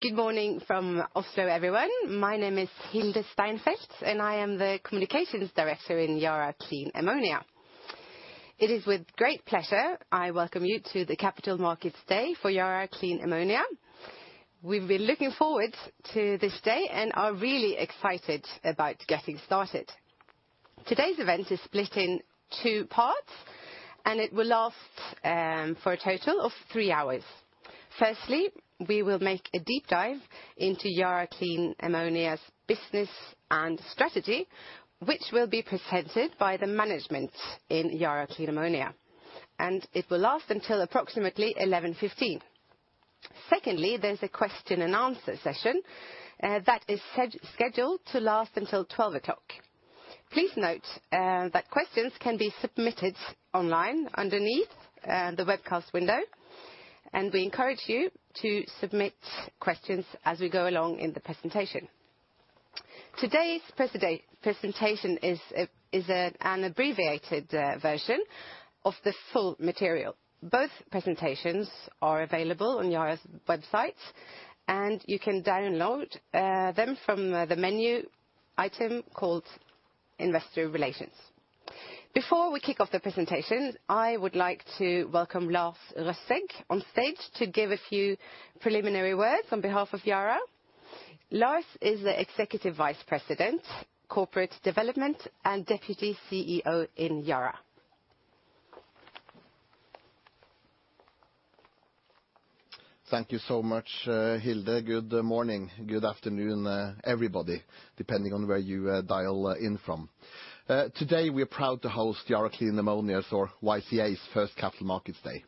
Good morning from Oslo, everyone. My name is Hilde Steinfeld, and I am the communications director in Yara Clean Ammonia. It is with great pleasure I welcome you to the Capital Markets Day for Yara Clean Ammonia. We've been looking forward to this day and are really excited about getting started. Today's event is split in two parts, and it will last for a total of three hours. Firstly, we will make a deep dive into Yara Clean Ammonia's business and strategy, which will be presented by the management in Yara Clean Ammonia. It will last until approximately 11:15 A.M. Secondly, there's a question-and-answer session that is scheduled to last until 12:00 P.M. Please note that questions can be submitted online underneath the webcast window, and we encourage you to submit questions as we go along in the presentation. Today's presentation is an abbreviated version of the full material. Both presentations are available on Yara's website, and you can download them from the menu item called Investor Relations. Before we kick off the presentation, I would like to welcome Lars Røsæg on stage to give a few preliminary words on behalf of Yara. Lars is the Executive Vice President, Corporate Development and Deputy CEO in Yara. Thank you so much, Hilde. Good morning. Good afternoon, everybody, depending on where you dial in from. Today, we are proud to host Yara Clean Ammonia's, or YCA's, first Capital Markets Day.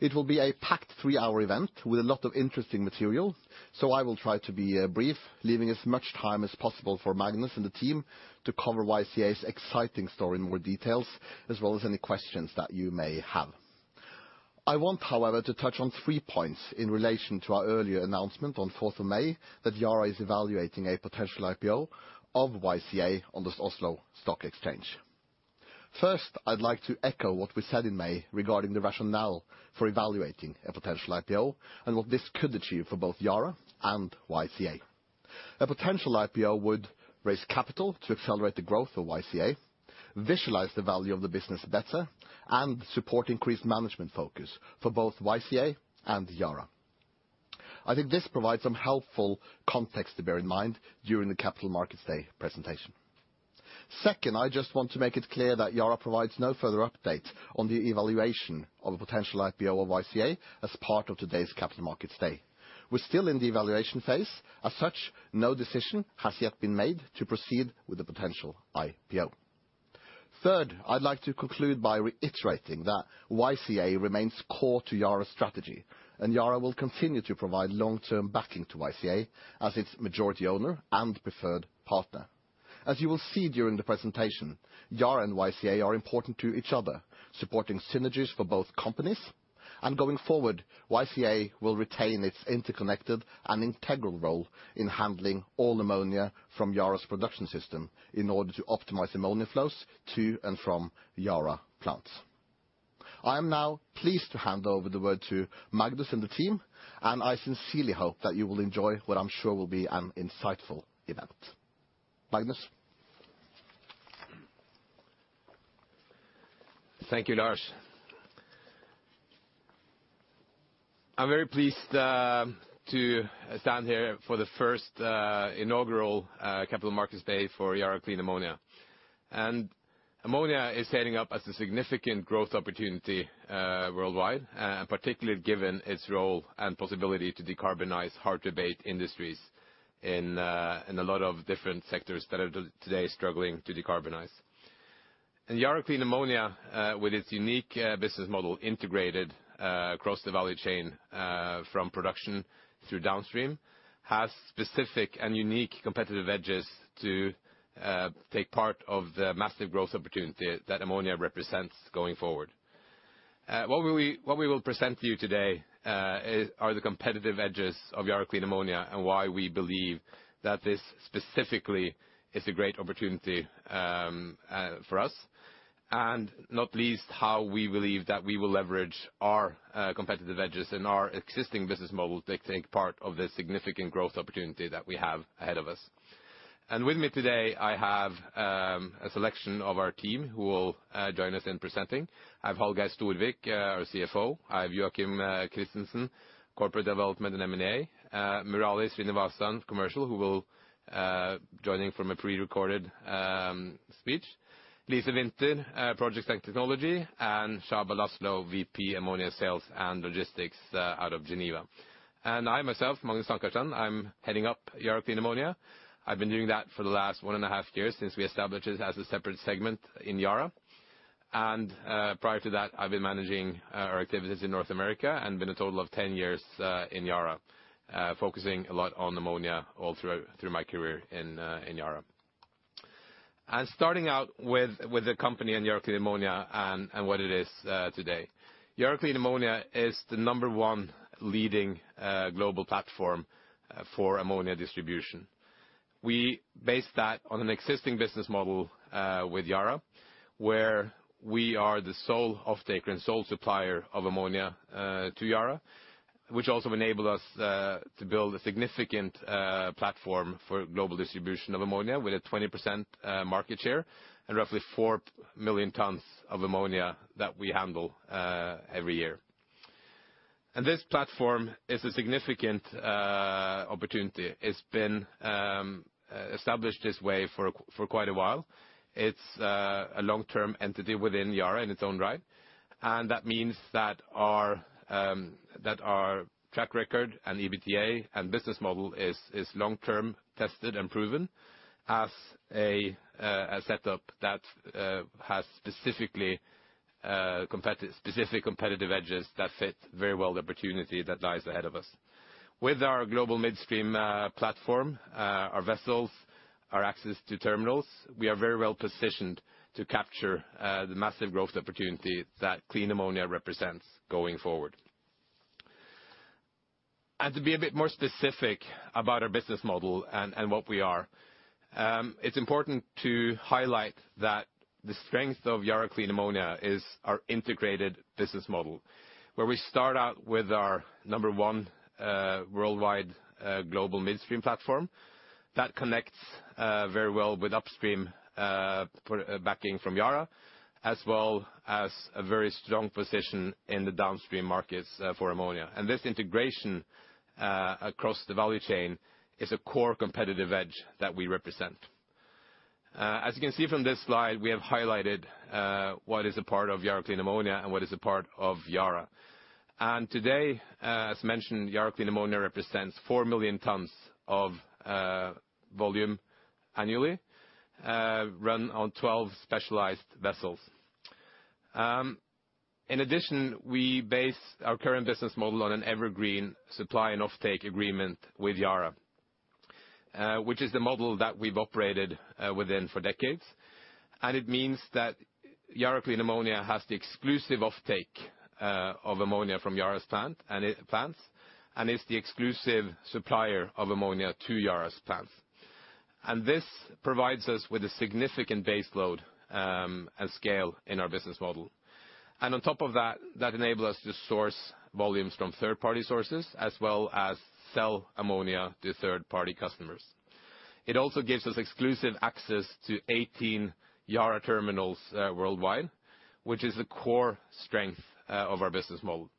It will be a packed three-hour event with a lot of interesting material, so I will try to be brief, leaving as much time as possible for Magnus and the team to cover YCA's exciting story in more details, as well as any questions that you may have. I want, however, to touch on three points in relation to our earlier announcement on 4th of May that Yara is evaluating a potential IPO of YCA on the Oslo Stock Exchange. First, I'd like to echo what we said in May regarding the rationale for evaluating a potential IPO and what this could achieve for both Yara and YCA. A potential IPO would raise capital to accelerate the growth of YCA, visualize the value of the business better, and support increased management focus for both YCA and Yara. I think this provides some helpful context to bear in mind during the Capital Markets Day presentation. Second, I just want to make it clear that Yara provides no further update on the evaluation of a potential IPO of YCA as part of today's Capital Markets Day. We're still in the evaluation phase. As such, no decision has yet been made to proceed with the potential IPO. Third, I'd like to conclude by reiterating that YCA remains core to Yara's strategy, and Yara will continue to provide long-term backing to YCA as its majority owner and preferred partner. As you will see during the presentation, Yara and YCA are important to each other, supporting synergies for both companies. Going forward, YCA will retain its interconnected and integral role in handling all ammonia from Yara's production system in order to optimize ammonia flows to and from Yara plants. I am now pleased to hand over the word to Magnus and the team, and I sincerely hope that you will enjoy what I'm sure will be an insightful event. Magnus? Thank you, Lars. I'm very pleased to stand here for the first inaugural Capital Markets Day for Yara Clean Ammonia. Ammonia is setting up as a significant growth opportunity worldwide, particularly given its role and possibility to decarbonize hard-to-abate industries in a lot of different sectors that are today struggling to decarbonize. Yara Clean Ammonia with its unique business model integrated across the value chain from production through downstream has specific and unique competitive edges to take part of the massive growth opportunity that ammonia represents going forward. What we will present to you today are the competitive edges of Yara Clean Ammonia and why we believe that this specifically is a great opportunity for us, and not least, how we believe that we will leverage our competitive edges and our existing business model to take part of the significant growth opportunity that we have ahead of us. With me today, I have a selection of our team who will join us in presenting. I have Hallgeir Storvik, our CFO. I have Joacim Christiansen, Corporate Development and M&A. Murali Srinivasan, Commercial, who will joining from a prerecorded speech. Lise Winther, Projects and Technology, and Csaba Laszlo, VP Ammonia Sales and Logistics, out of Geneva. I myself, Magnus Krogh Ankarstrand, I'm heading up Yara Clean Ammonia. I've been doing that for the last one and a half years since we established it as a separate segment in Yara. Prior to that, I've been managing our activities in North America and been a total of 10 years in Yara, focusing a lot on ammonia all throughout, through my career in Yara. Starting out with the company and Yara Clean Ammonia and what it is today. Yara Clean Ammonia is the number one leading global platform for ammonia distribution. We base that on an existing business model with Yara, where we are the sole offtaker and sole supplier of ammonia to Yara, which also enabled us to build a significant platform for global distribution of ammonia with a 20% market share and roughly 4 million tons of ammonia that we handle every year. This platform is a significant opportunity. It's been established this way for quite a while. It's a long-term entity within Yara in its own right. That means that our track record and EBITDA and business model is long-term tested and proven as a setup that has specific competitive edges that fit very well the opportunity that lies ahead of us. With our global midstream platform, our vessels, our access to terminals, we are very well positioned to capture the massive growth opportunity that clean ammonia represents going forward. To be a bit more specific about our business model and what we are, it's important to highlight that the strength of Yara Clean Ammonia is our integrated business model, where we start out with our number one worldwide global midstream platform. That connects very well with upstream backing from Yara, as well as a very strong position in the downstream markets for ammonia. This integration across the value chain is a core competitive edge that we represent. As you can see from this slide, we have highlighted what is a part of Yara Clean Ammonia and what is a part of Yara. Today, as mentioned, Yara Clean Ammonia represents 4 million tons of volume annually, run on 12 specialized vessels. In addition, we base our current business model on an evergreen supply and offtake agreement with Yara, which is the model that we've operated within for decades. It means that Yara Clean Ammonia has the exclusive offtake of ammonia from Yara's plants, and is the exclusive supplier of ammonia to Yara's plants. This provides us with a significant baseload and scale in our business model. On top of that enable us to source volumes from third-party sources as well as sell ammonia to third-party customers. It also gives us exclusive access to 18 Yara terminals worldwide, which is the core strength of our business model.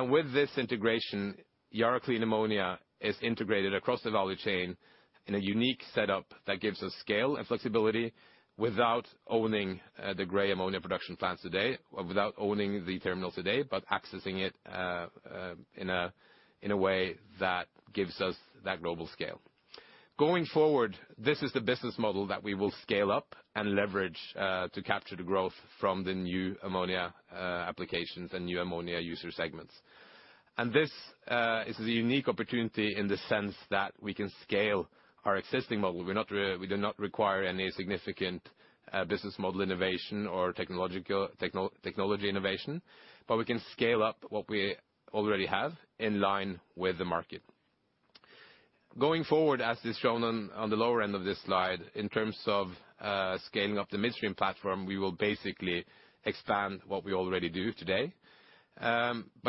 With this integration, Yara Clean Ammonia is integrated across the value chain in a unique setup that gives us scale and flexibility without owning the gray ammonia production plants today, or without owning the terminals today, but accessing it in a way that gives us that global scale. Going forward, this is the business model that we will scale up and leverage to capture the growth from the new ammonia applications and new ammonia user segments. This is a unique opportunity in the sense that we can scale our existing model. We do not require any significant business model innovation or technology innovation, but we can scale up what we already have in line with the market. Going forward, as is shown on the lower end of this slide, in terms of scaling up the midstream platform, we will basically expand what we already do today.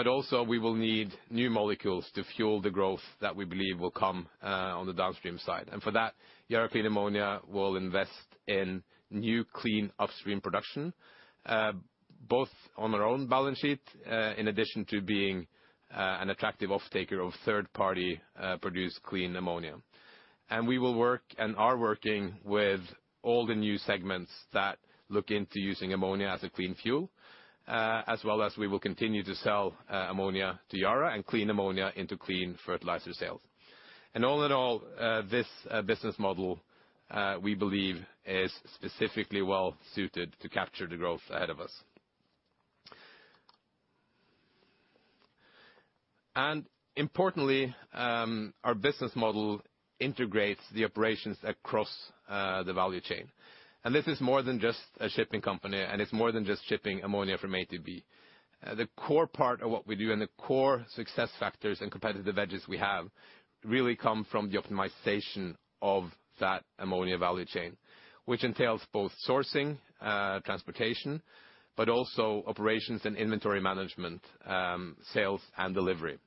Also we will need new molecules to fuel the growth that we believe will come on the downstream side. For that, Yara Clean Ammonia will invest in new clean upstream production, both on our own balance sheet, in addition to being an attractive offtaker of third-party produced clean ammonia. We will work and are working with all the new segments that look into using ammonia as a clean fuel, as well as we will continue to sell ammonia to Yara and clean ammonia into clean fertilizer sales. All in all, this business model we believe is specifically well suited to capture the growth ahead of us. Importantly, our business model integrates the operations across the value chain. This is more than just a shipping company, and it's more than just shipping ammonia from A to B. The core part of what we do and the core success factors and competitive edges we have really come from the optimization of that ammonia value chain, which entails both sourcing, transportation, but also operations and inventory management, sales and delivery.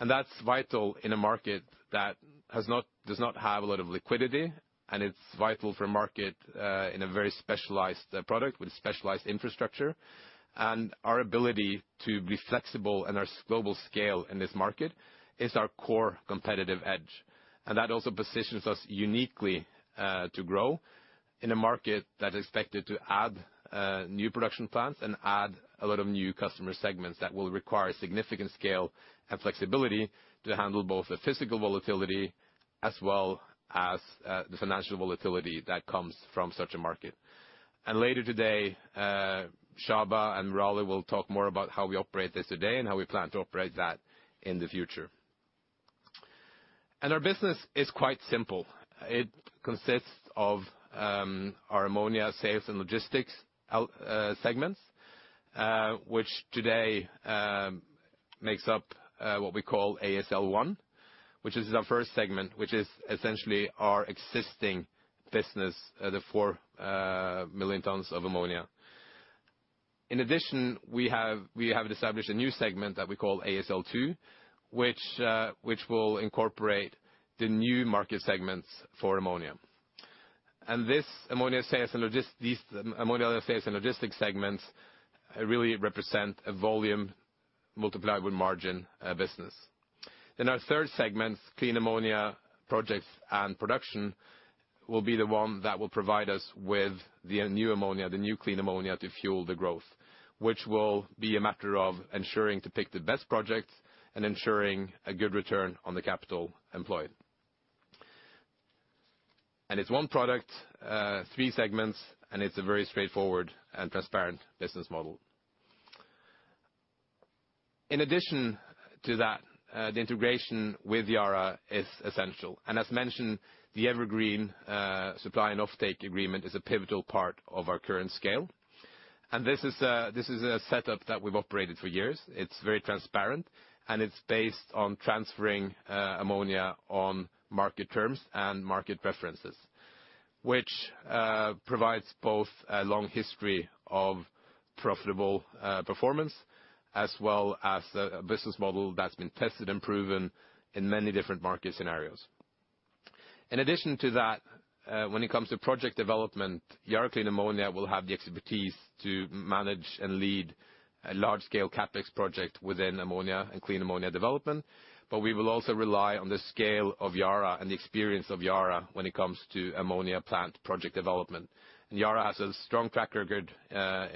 That's vital in a market that has not, does not have a lot of liquidity, and it's vital for a market in a very specialized product with specialized infrastructure. Our ability to be flexible and our global scale in this market is our core competitive edge. That also positions us uniquely to grow in a market that is expected to add new production plants and add a lot of new customer segments that will require significant scale and flexibility to handle both the physical volatility as well as the financial volatility that comes from such a market. Later today, Csaba and Murali will talk more about how we operate this today and how we plan to operate that in the future. Our business is quite simple. It consists of our Ammonia Sales and Logistics segments, which today makes up what we call ASL One, which is our first segment, which is essentially our existing business, the 4 million tons of ammonia. In addition, we have established a new segment that we call ASL Two which will incorporate the new market segments for ammonia. This ammonia sales and logistics segments really represent a volume multiplied with margin business. Our third segment, clean ammonia projects and production, will be the one that will provide us with the new ammonia, the new clean ammonia to fuel the growth, which will be a matter of ensuring to pick the best projects and ensuring a good return on the capital employed. It's one product, three segments, and it's a very straightforward and transparent business model. In addition to that, the integration with Yara is essential. As mentioned, the Evergreen supply and offtake agreement is a pivotal part of our current scale. This is a setup that we've operated for years. It's very transparent, and it's based on transferring ammonia on market terms and market preferences, which provides both a long history of profitable performance as well as a business model that's been tested and proven in many different market scenarios. In addition to that, when it comes to project development, Yara Clean Ammonia will have the expertise to manage and lead a large-scale CapEx project within ammonia and clean ammonia development, but we will also rely on the scale of Yara and the experience of Yara when it comes to ammonia plant project development. Yara has a strong track record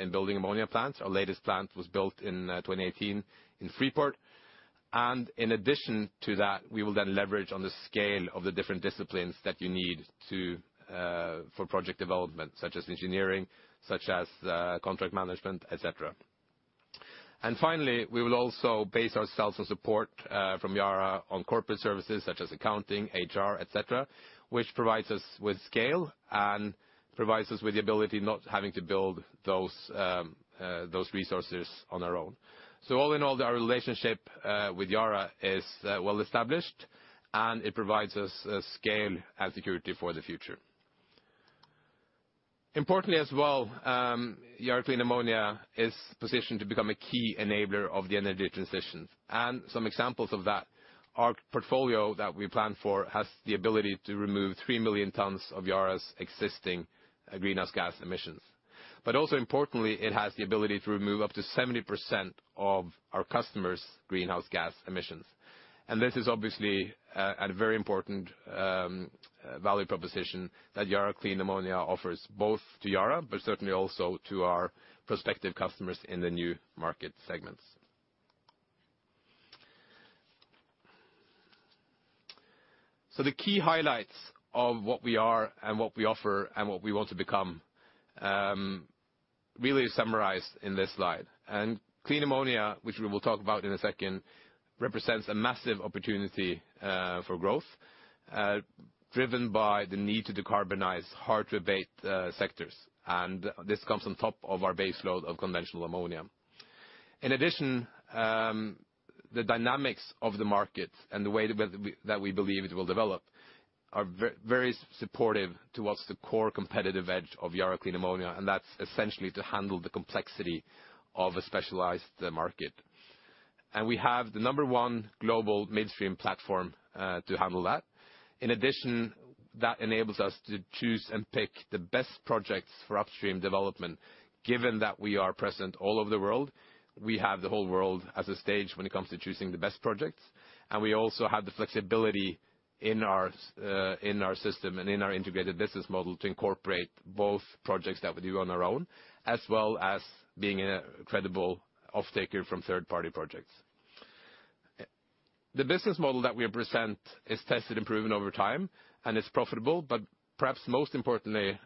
in building ammonia plants. Our latest plant was built in 2018 in Freeport. In addition to that, we will then leverage on the scale of the different disciplines that you need to for project development, such as engineering, such as contract management, et cetera. Finally, we will also base ourselves on support from Yara on corporate services such as accounting, HR, et cetera, which provides us with scale and provides us with the ability not having to build those resources on our own. All in all, our relationship with Yara is well-established, and it provides us a scale and security for the future. Importantly as well, Yara Clean Ammonia is positioned to become a key enabler of the energy transition. Some examples of that, our portfolio that we plan for has the ability to remove 3 million tons of Yara's existing greenhouse gas emissions. Also importantly, it has the ability to remove up to 70% of our customers' greenhouse gas emissions. This is obviously a very important value proposition that Yara Clean Ammonia offers both to Yara, but certainly also to our prospective customers in the new market segments. The key highlights of what we are and what we offer and what we want to become really is summarized in this slide. Clean ammonia, which we will talk about in a second, represents a massive opportunity for growth driven by the need to decarbonize hard-to-abate sectors. This comes on top of our baseload of conventional ammonia. In addition, the dynamics of the market and the way that we that we believe it will develop are very supportive towards the core competitive edge of Yara Clean Ammonia, and that's essentially to handle the complexity of a specialized market. We have the number one global midstream platform to handle that. In addition, that enables us to choose and pick the best projects for upstream development. Given that we are present all over the world, we have the whole world as a stage when it comes to choosing the best projects, and we also have the flexibility in our system and in our integrated business model to incorporate both projects that we do on our own, as well as being a credible offtaker from third-party projects. The business model that we present is tested and proven over time, and it's profitable, but perhaps most importantly,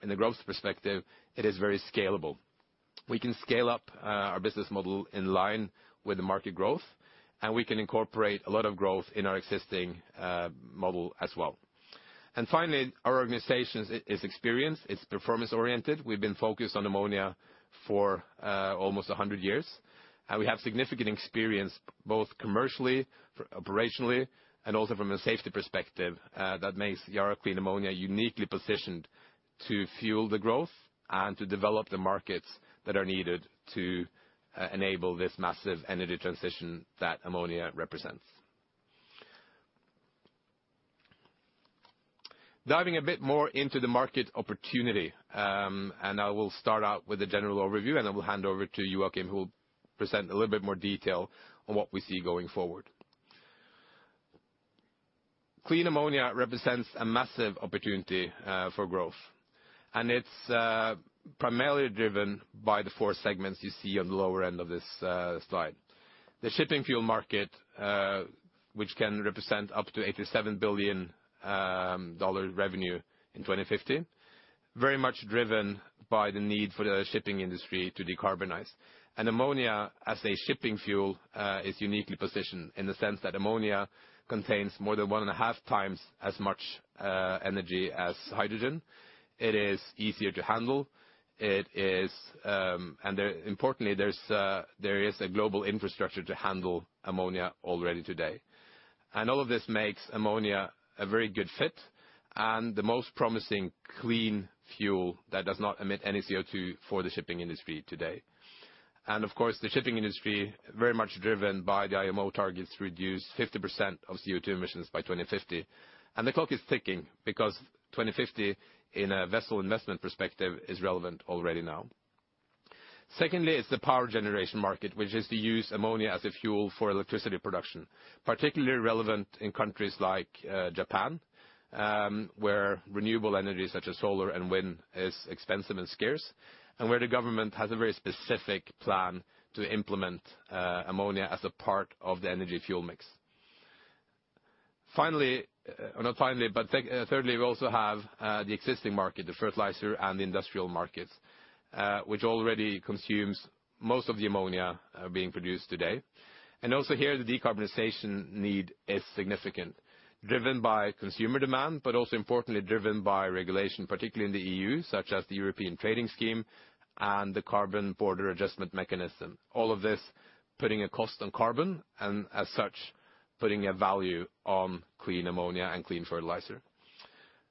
in the growth perspective, it is very scalable. We can scale up our business model in line with the market growth, and we can incorporate a lot of growth in our existing model as well. Finally, our organization is experienced, it's performance-oriented. We've been focused on ammonia for almost 100 years, and we have significant experience both commercially, operationally, and also from a safety perspective that makes Yara Clean Ammonia uniquely positioned to fuel the growth and to develop the markets that are needed to enable this massive energy transition that ammonia represents. Diving a bit more into the market opportunity, and I will start out with a general overview, and then we'll hand over to Joacim, who will present a little bit more detail on what we see going forward. Clean ammonia represents a massive opportunity for growth, and it's primarily driven by the 4 segments you see on the lower end of this slide. The shipping fuel market, which can represent up to $87 billion revenue in 2050, very much driven by the need for the shipping industry to decarbonize. Ammonia as a shipping fuel is uniquely positioned in the sense that ammonia contains more than 1.5 times as much energy as hydrogen. It is easier to handle. Importantly, there is a global infrastructure to handle ammonia already today. All of this makes ammonia a very good fit, and the most promising clean fuel that does not emit any CO2 for the shipping industry today. The shipping industry, very much driven by the IMO targets, reduce 50% of CO2 emissions by 2050. The clock is ticking because 2050, in a vessel investment perspective, is relevant already now. Secondly is the power generation market, which is to use ammonia as a fuel for electricity production. Particularly relevant in countries like Japan, where renewable energy such as solar and wind is expensive and scarce, and where the government has a very specific plan to implement ammonia as a part of the energy fuel mix. Finally, not finally, but thirdly, we also have the existing market, the fertilizer and the industrial markets, which already consumes most of the ammonia being produced today. Also here, the decarbonization need is significant, driven by consumer demand, but also importantly driven by regulation, particularly in the EU, such as the EU Emissions Trading System and the Carbon Border Adjustment Mechanism. All of this putting a cost on carbon and as such, putting a value on clean ammonia and clean fertilizer.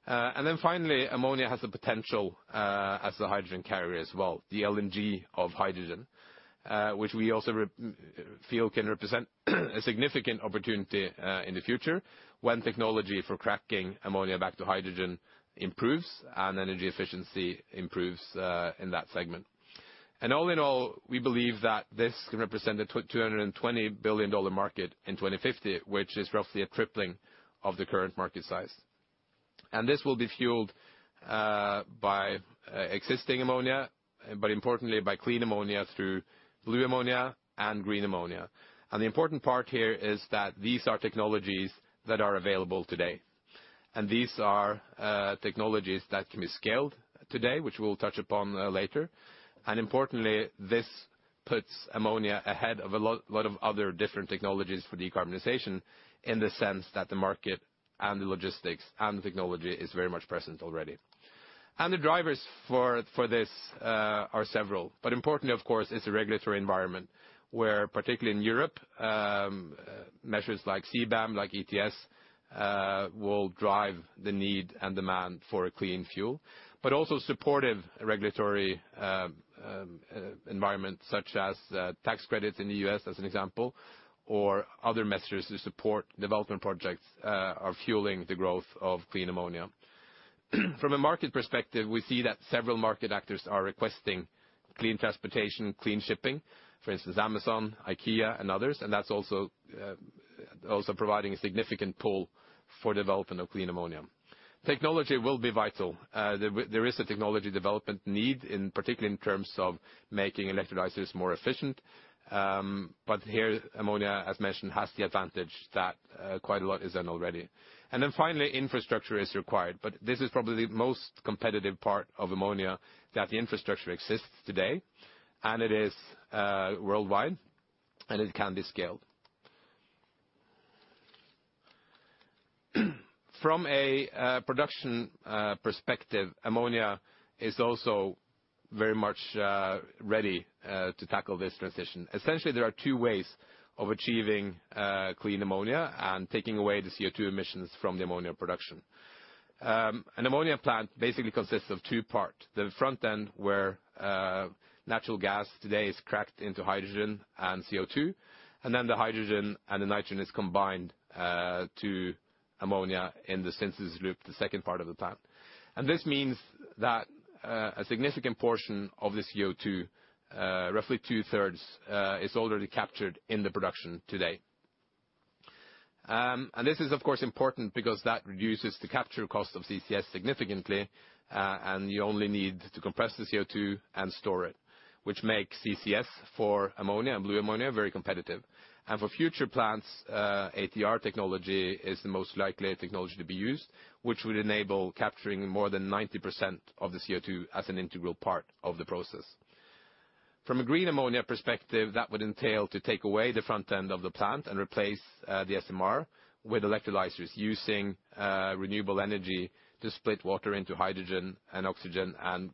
Finally, ammonia has the potential as the hydrogen carrier as well, the LNG of hydrogen, which we also believe can represent a significant opportunity in the future when technology for cracking ammonia back to hydrogen improves and energy efficiency improves in that segment. All in all, we believe that this can represent a $220 billion market in 2050, which is roughly a tripling of the current market size. This will be fueled by existing ammonia, but importantly by clean ammonia through blue ammonia and green ammonia. The important part here is that these are technologies that are available today. These are technologies that can be scaled today, which we'll touch upon later. Importantly, this puts ammonia ahead of a lot of other different technologies for decarbonization in the sense that the market and the logistics and the technology is very much present already. The drivers for this are several, but importantly, of course, it's a regulatory environment where particularly in Europe, measures like CBAM, like ETS, will drive the need and demand for a clean fuel. Also supportive regulatory environment such as tax credits in the U.S., as an example, or other measures to support development projects are fueling the growth of clean ammonia. From a market perspective, we see that several market actors are requesting clean transportation, clean shipping, for instance, Amazon, IKEA, and others, and that's also providing a significant pull for development of clean ammonia. Technology will be vital. There is a technology development need in particular in terms of making electrolyzers more efficient. But here ammonia, as mentioned, has the advantage that, quite a lot is done already. Then finally, infrastructure is required, but this is probably the most competitive part of ammonia, that the infrastructure exists today and it is, worldwide and it can be scaled. From a production perspective, ammonia is also very much ready to tackle this transition. Essentially, there are two ways of achieving clean ammonia and taking away the CO2 emissions from the ammonia production. An ammonia plant basically consists of two part, the front end, where natural gas today is cracked into hydrogen and CO2, and then the hydrogen and the nitrogen is combined to ammonia in the synthesis loop, the second part of the plant. This means that a significant portion of the CO2, roughly two-thirds, is already captured in the production today. This is of course important because that reduces the capture cost of CCS significantly, and you only need to compress the CO2 and store it, which makes CCS for ammonia and blue ammonia very competitive. For future plants, ATR technology is the most likely technology to be used, which would enable capturing more than 90% of the CO2 as an integral part of the process. From a green ammonia perspective, that would entail to take away the front end of the plant and replace the SMR with electrolyzers using renewable energy to split water into hydrogen and oxygen and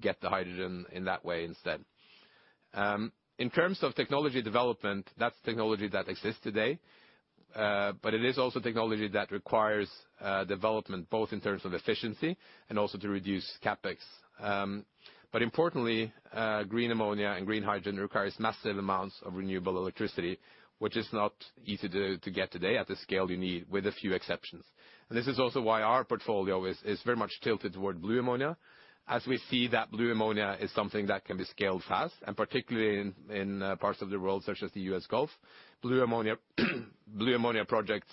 get the hydrogen in that way instead. In terms of technology development, that's technology that exists today, but it is also technology that requires development both in terms of efficiency and also to reduce CapEx. Importantly, green ammonia and green hydrogen requires massive amounts of renewable electricity, which is not easy to get today at the scale you need with a few exceptions. This is also why our portfolio is very much tilted toward blue ammonia. As we see that blue ammonia is something that can be scaled fast, and particularly in parts of the world such as the U.S. Gulf, blue ammonia projects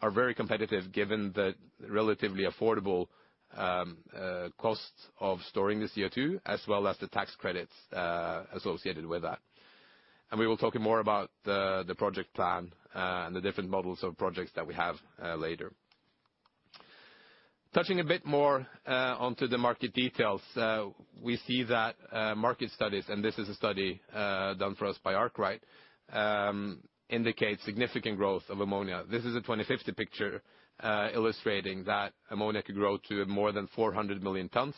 are very competitive given the relatively affordable cost of storing the CO2, as well as the tax credits associated with that. We will talk more about the project plan and the different models of projects that we have later. Touching a bit more onto the market details. We see that market studies, and this is a study done for us by Arkwright, indicates significant growth of ammonia. This is a 2050 picture illustrating that ammonia could grow to more than 400 million tons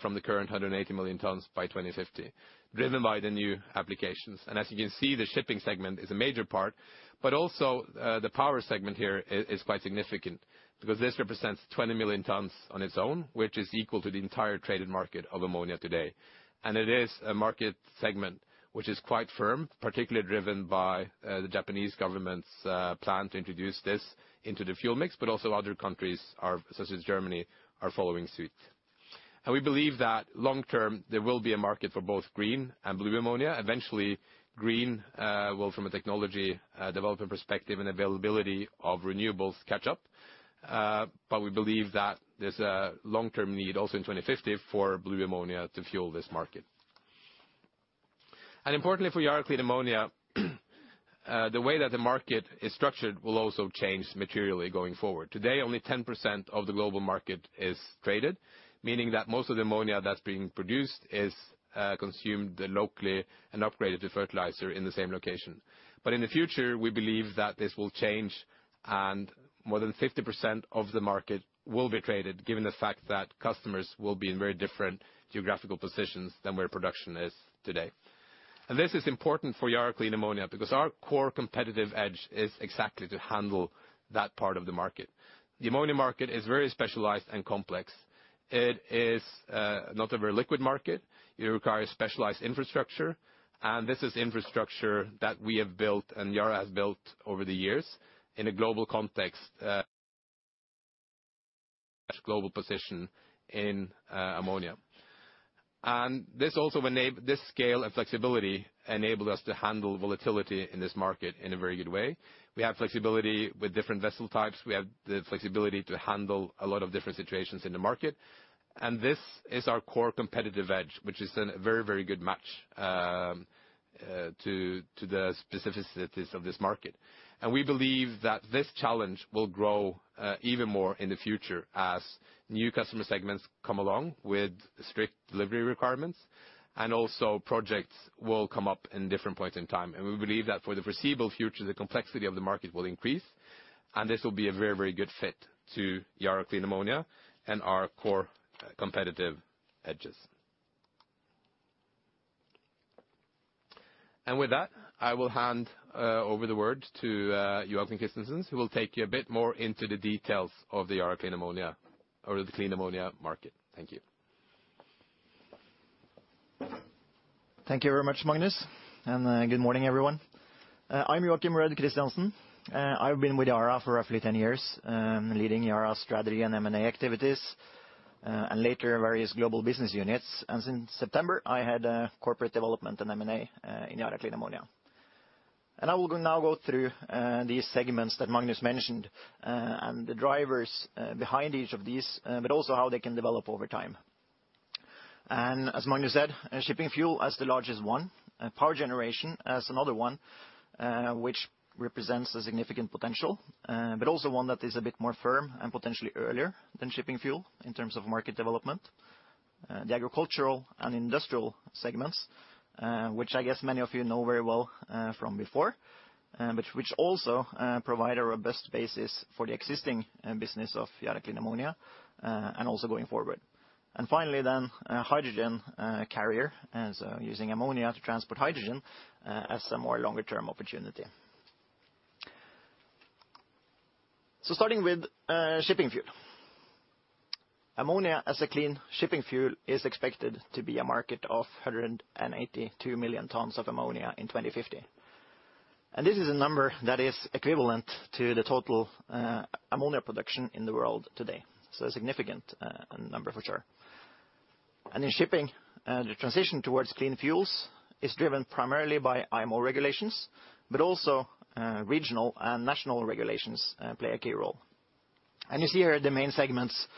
from the current 180 million tons by 2050, driven by the new applications. As you can see, the shipping segment is a major part, but also the power segment here is quite significant because this represents 20 million tons on its own, which is equal to the entire traded market of ammonia today. It is a market segment which is quite firm, particularly driven by the Japanese government's plan to introduce this into the fuel mix. Also other countries, such as Germany, are following suit. We believe that long term, there will be a market for both green and blue ammonia. Eventually green will from a technology development perspective and availability of renewables catch up. We believe that there's a long-term need also in 2050 for blue ammonia to fuel this market. Importantly for Yara Clean Ammonia, the way that the market is structured will also change materially going forward. Today, only 10% of the global market is traded, meaning that most of the ammonia that's being produced is consumed locally and upgraded to fertilizer in the same location. In the future, we believe that this will change and more than 50% of the market will be traded given the fact that customers will be in very different geographical positions than where production is today. This is important for Yara Clean Ammonia because our core competitive edge is exactly to handle that part of the market. The ammonia market is very specialized and complex. It is not a very liquid market. It requires specialized infrastructure. This is infrastructure that we have built and Yara has built over the years in a global context, global position in ammonia. This scale and flexibility enabled us to handle volatility in this market in a very good way. We have flexibility with different vessel types. We have the flexibility to handle a lot of different situations in the market. This is our core competitive edge, which is a very, very good match to the specificities of this market. We believe that this challenge will grow even more in the future as new customer segments come along with strict delivery requirements. Also projects will come up in different points in time. We believe that for the foreseeable future, the complexity of the market will increase, and this will be a very, very good fit to Yara Clean Ammonia and our core competitive edges. With that, I will hand over the word to Joacim Christiansen, who will take you a bit more into the details of the Yara Clean Ammonia or the clean ammonia market. Thank you. Thank you very much, Magnus. Good morning, everyone. I'm Joacim Rød Christiansen. I've been with Yara for roughly 10 years, leading Yara's strategy and M&A activities, and later various global business units. Since September, I head corporate development and M&A in Yara Clean Ammonia. I will now go through these segments that Magnus mentioned, and the drivers behind each of these, but also how they can develop over time. As Magnus said, shipping fuel as the largest one, power generation as another one, which represents a significant potential, but also one that is a bit more firm and potentially earlier than shipping fuel in terms of market development. The agricultural and industrial segments, which I guess many of you know very well, from before, but which also provide our best basis for the existing business of Yara Clean Ammonia, and also going forward. Finally then, hydrogen carrier as using ammonia to transport hydrogen, as a more longer term opportunity. Starting with shipping fuel. Ammonia as a clean shipping fuel is expected to be a market of 182 million tons of ammonia in 2050. This is a number that is equivalent to the total ammonia production in the world today. A significant number for sure. In shipping, the transition towards clean fuels is driven primarily by IMO regulations, but also regional and national regulations play a key role. You see here the main segments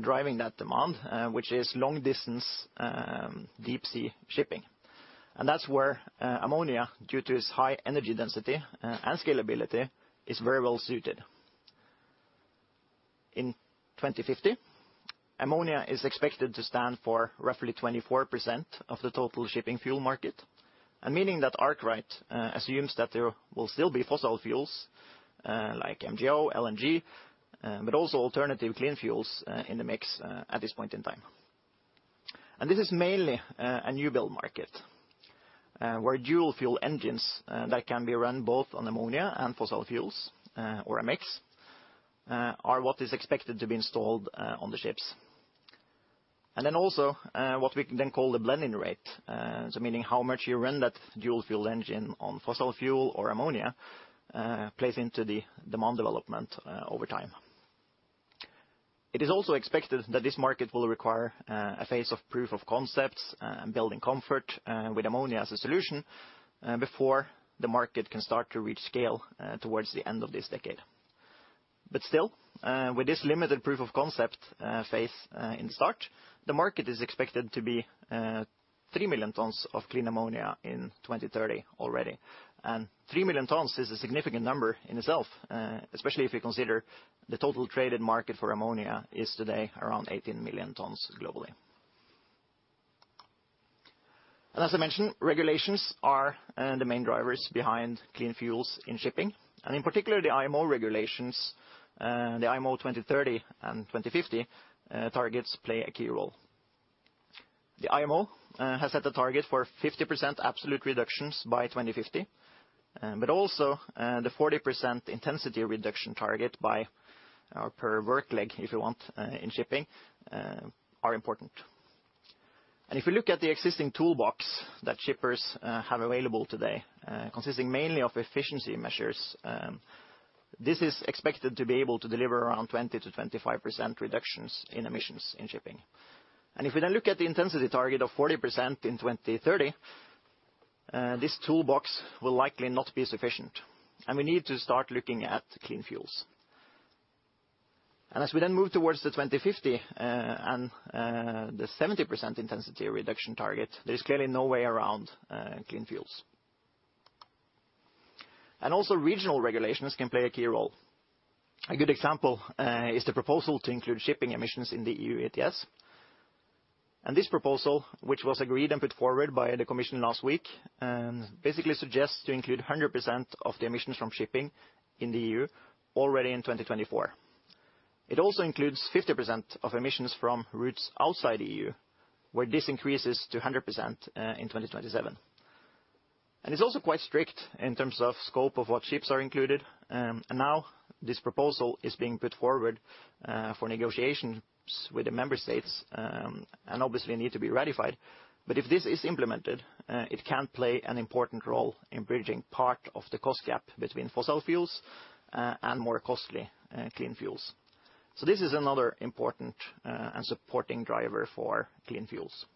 driving that demand, which is long distance deep sea shipping. That's where ammonia, due to its high energy density and scalability, is very well suited. In 2050, ammonia is expected to stand for roughly 24% of the total shipping fuel market. Meaning that Arkwright assumes that there will still be fossil fuels like MGO, LNG, but also alternative clean fuels in the mix at this point in time. This is mainly a new build market where dual fuel engines that can be run both on ammonia and fossil fuels or a mix are what is expected to be installed on the ships. Also, what we can then call the blending rate, so meaning how much you run that dual fuel engine on fossil fuel or ammonia, plays into the demand development over time. It is also expected that this market will require a phase of proof of concepts and building comfort with ammonia as a solution before the market can start to reach scale towards the end of this decade. Still, with this limited proof of concept phase in the start, the market is expected to be 3 million tons of clean ammonia in 2030 already. 3 million tons is a significant number in itself, especially if you consider the total traded market for ammonia is today around 18 million tons globally. As I mentioned, regulations are the main drivers behind clean fuels in shipping, and in particular, the IMO regulations. The IMO 2030 and 2050 targets play a key role. The IMO has set a target for 50% absolute reductions by 2050. But also, the 40% intensity reduction target by 2030, if you want, in shipping, is important. If you look at the existing toolbox that shippers have available today, consisting mainly of efficiency measures, this is expected to be able to deliver around 20%-25% reductions in emissions in shipping. If we then look at the intensity target of 40% in 2030, this toolbox will likely not be sufficient, and we need to start looking at clean fuels. As we then move towards the 2050 and the 70% intensity reduction target, there's clearly no way around clean fuels. Also regional regulations can play a key role. A good example is the proposal to include shipping emissions in the EU ETS. This proposal, which was agreed and put forward by the Commission last week, basically suggests to include 100% of the emissions from shipping in the EU already in 2024. It also includes 50% of emissions from routes outside the EU, where this increases to 100% in 2027. It's also quite strict in terms of scope of what ships are included. Now this proposal is being put forward for negotiations with the member states and obviously need to be ratified. If this is implemented, it can play an important role in bridging part of the cost gap between fossil fuels and more costly clean fuels. This is another important and supporting driver for clean fuels.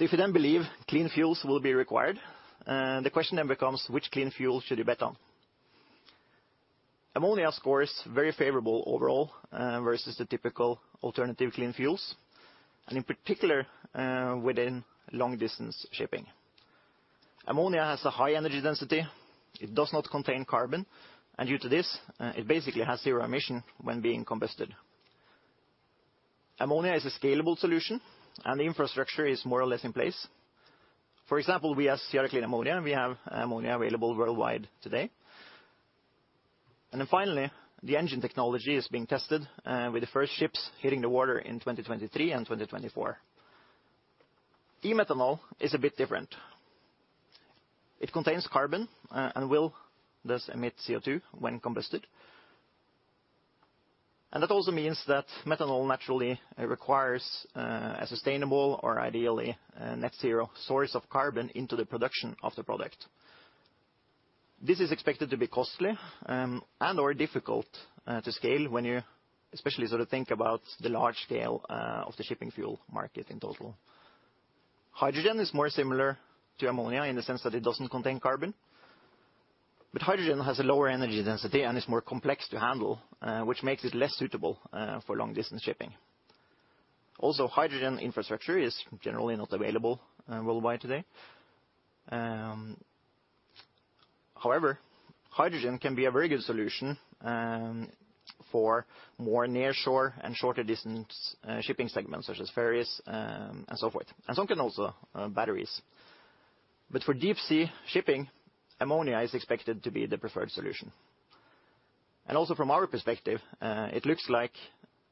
If you then believe clean fuels will be required, the question then becomes which clean fuel should you bet on? Ammonia scores very favorable overall versus the typical alternative clean fuels, and in particular within long-distance shipping. Ammonia has a high energy density. It does not contain carbon, and due to this, it basically has zero emission when being combusted. Ammonia is a scalable solution, and the infrastructure is more or less in place. For example, we as Yara Clean Ammonia, we have ammonia available worldwide today. Then finally, the engine technology is being tested, with the first ships hitting the water in 2023 and 2024. E-methanol is a bit different. It contains carbon, and will thus emit CO2 when combusted. That also means that methanol naturally requires, a sustainable or ideally a net zero source of carbon into the production of the product. This is expected to be costly and/or difficult, to scale when you especially sort of think about the large scale, of the shipping fuel market in total. Hydrogen is more similar to ammonia in the sense that it doesn't contain carbon. Hydrogen has a lower energy density and is more complex to handle, which makes it less suitable, for long-distance shipping. Hydrogen infrastructure is generally not available worldwide today. However, hydrogen can be a very good solution for more near-shore and shorter distance shipping segments such as ferries and so forth, and some can also batteries. For deep-sea shipping, ammonia is expected to be the preferred solution. From our perspective, it looks like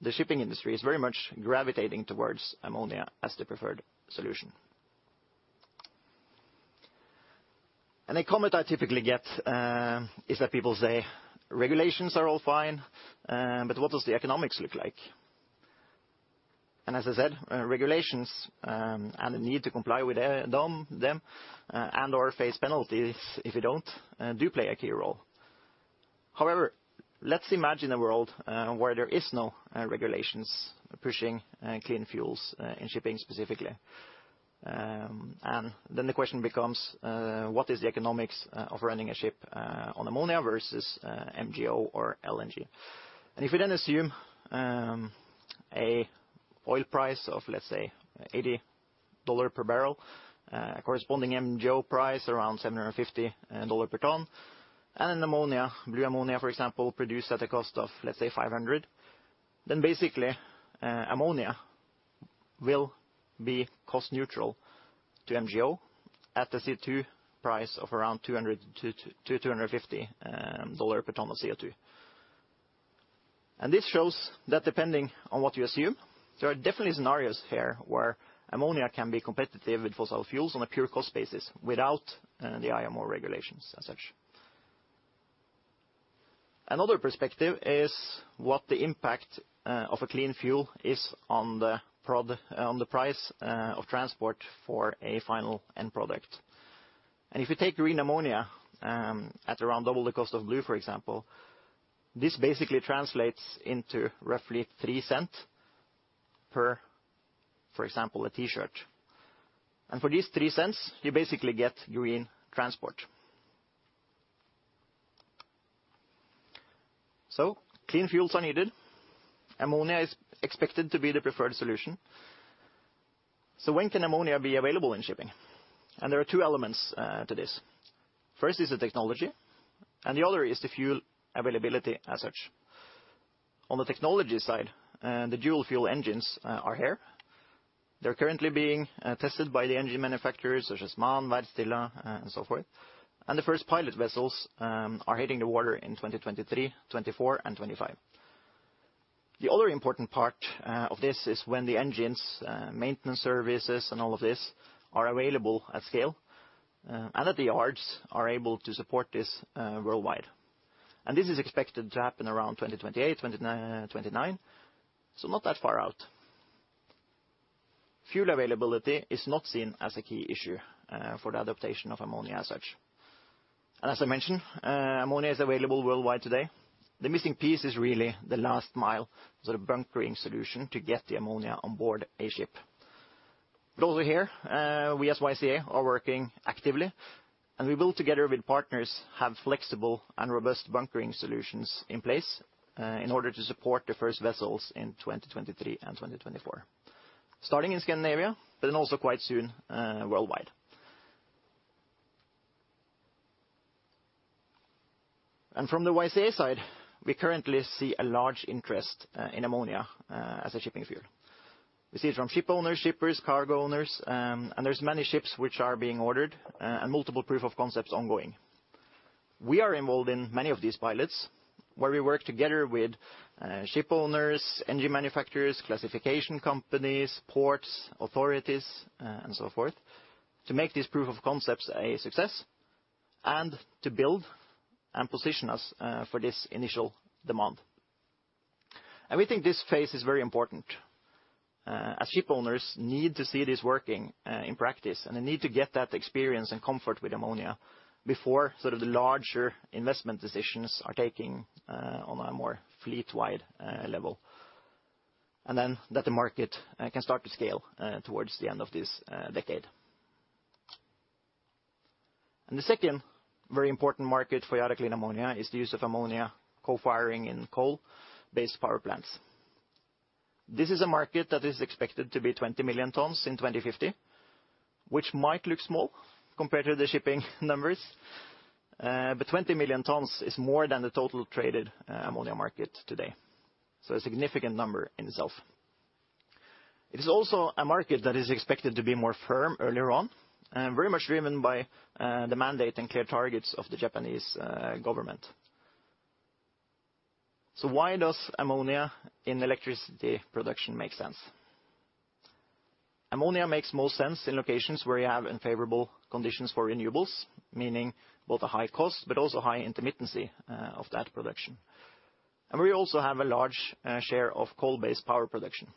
the shipping industry is very much gravitating towards ammonia as the preferred solution. A comment I typically get is that people say regulations are all fine, but what does the economics look like? As I said, regulations and the need to comply with them and/or face penalties if you don't do play a key role. However, let's imagine a world where there is no regulations pushing clean fuels in shipping specifically. The question becomes what is the economics of running a ship on ammonia versus MGO or LNG? If we then assume an oil price of, let's say, $80 per barrel, corresponding MGO price around $750 per ton, and ammonia, blue ammonia, for example, produced at a cost of, let's say, $500, then basically ammonia will be cost neutral to MGO at the CO2 price of around $200-$250 per ton of CO2. This shows that depending on what you assume, there are definitely scenarios here where ammonia can be competitive with fossil fuels on a pure cost basis without the IMO regulations as such. Another perspective is what the impact of a clean fuel is on the price of transport for a final end product. If you take green ammonia at around double the cost of blue, for example, this basically translates into roughly $0.03 per, for example, a T-shirt. For these $0.03, you basically get green transport. Clean fuels are needed. Ammonia is expected to be the preferred solution. When can ammonia be available in shipping? There are two elements to this. First is the technology, and the other is the fuel availability as such. On the technology side, the dual fuel engines are here. They're currently being tested by the engine manufacturers such as MAN, Wärtsilä, and so forth. The first pilot vessels are hitting the water in 2023, 2024, and 2025. The other important part of this is when the engines, maintenance services and all of this are available at scale, and that the yards are able to support this worldwide. This is expected to happen around 2028, 2029, so not that far out. Fuel availability is not seen as a key issue for the adaptation of ammonia as such. As I mentioned, ammonia is available worldwide today. The missing piece is really the last mile, sort of bunkering solution to get the ammonia on board a ship. Over here, we as YCA are working actively, and we will together with partners have flexible and robust bunkering solutions in place, in order to support the first vessels in 2023 and 2024. Starting in Scandinavia, but then also quite soon, worldwide. From the YCA side, we currently see a large interest in ammonia as a shipping fuel. We see it from ship owners, shippers, cargo owners, and there's many ships which are being ordered, and multiple proof of concepts ongoing. We are involved in many of these pilots, where we work together with ship owners, engine manufacturers, classification companies, ports, authorities, and so forth, to make these proof of concepts a success and to build and position us for this initial demand. We think this phase is very important, as ship owners need to see this working in practice, and they need to get that experience and comfort with ammonia before sort of the larger investment decisions are taking on a more fleet-wide level. Then that the market can start to scale towards the end of this decade. The second very important market for Yara Clean Ammonia is the use of ammonia co-firing in coal-based power plants. This is a market that is expected to be 20 million tons in 2050, which might look small compared to the shipping numbers. But 20 million tons is more than the total traded ammonia market today. A significant number in itself. It is also a market that is expected to be more firm earlier on, and very much driven by the mandate and clear targets of the Japanese government. Why does ammonia in electricity production make sense? Ammonia makes most sense in locations where you have unfavorable conditions for renewables, meaning both a high cost but also high intermittency of that production. We also have a large share of coal-based power production.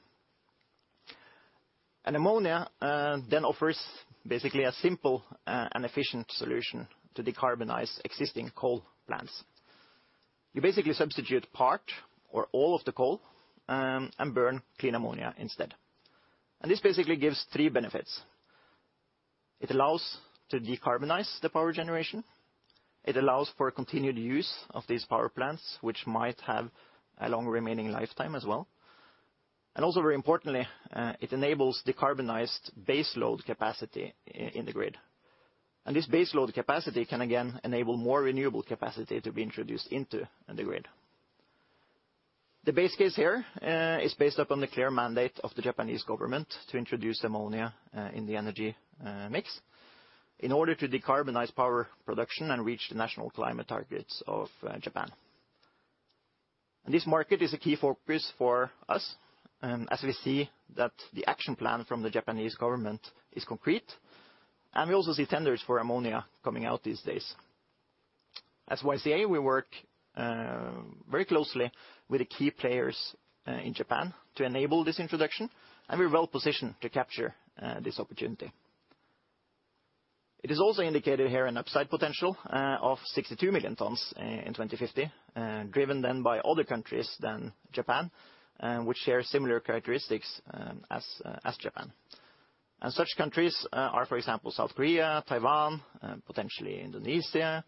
Ammonia then offers basically a simple and efficient solution to decarbonize existing coal plants. You basically substitute part or all of the coal and burn clean ammonia instead. This basically gives three benefits. It allows to decarbonize the power generation, it allows for continued use of these power plants which might have a long remaining lifetime as well. Also very importantly, it enables decarbonized baseload capacity in the grid. This baseload capacity can again enable more renewable capacity to be introduced into the grid. The base case here is based upon the clear mandate of the Japanese government to introduce ammonia in the energy mix in order to decarbonize power production and reach the national climate targets of Japan. This market is a key focus for us, as we see that the action plan from the Japanese government is concrete, and we also see tenders for ammonia coming out these days. At YCA, we work very closely with the key players in Japan to enable this introduction, and we're well-positioned to capture this opportunity. It is also indicated here an upside potential of 62 million tons in 2050, driven then by other countries than Japan, which share similar characteristics as Japan. Such countries are, for example, South Korea, Taiwan, potentially Indonesia,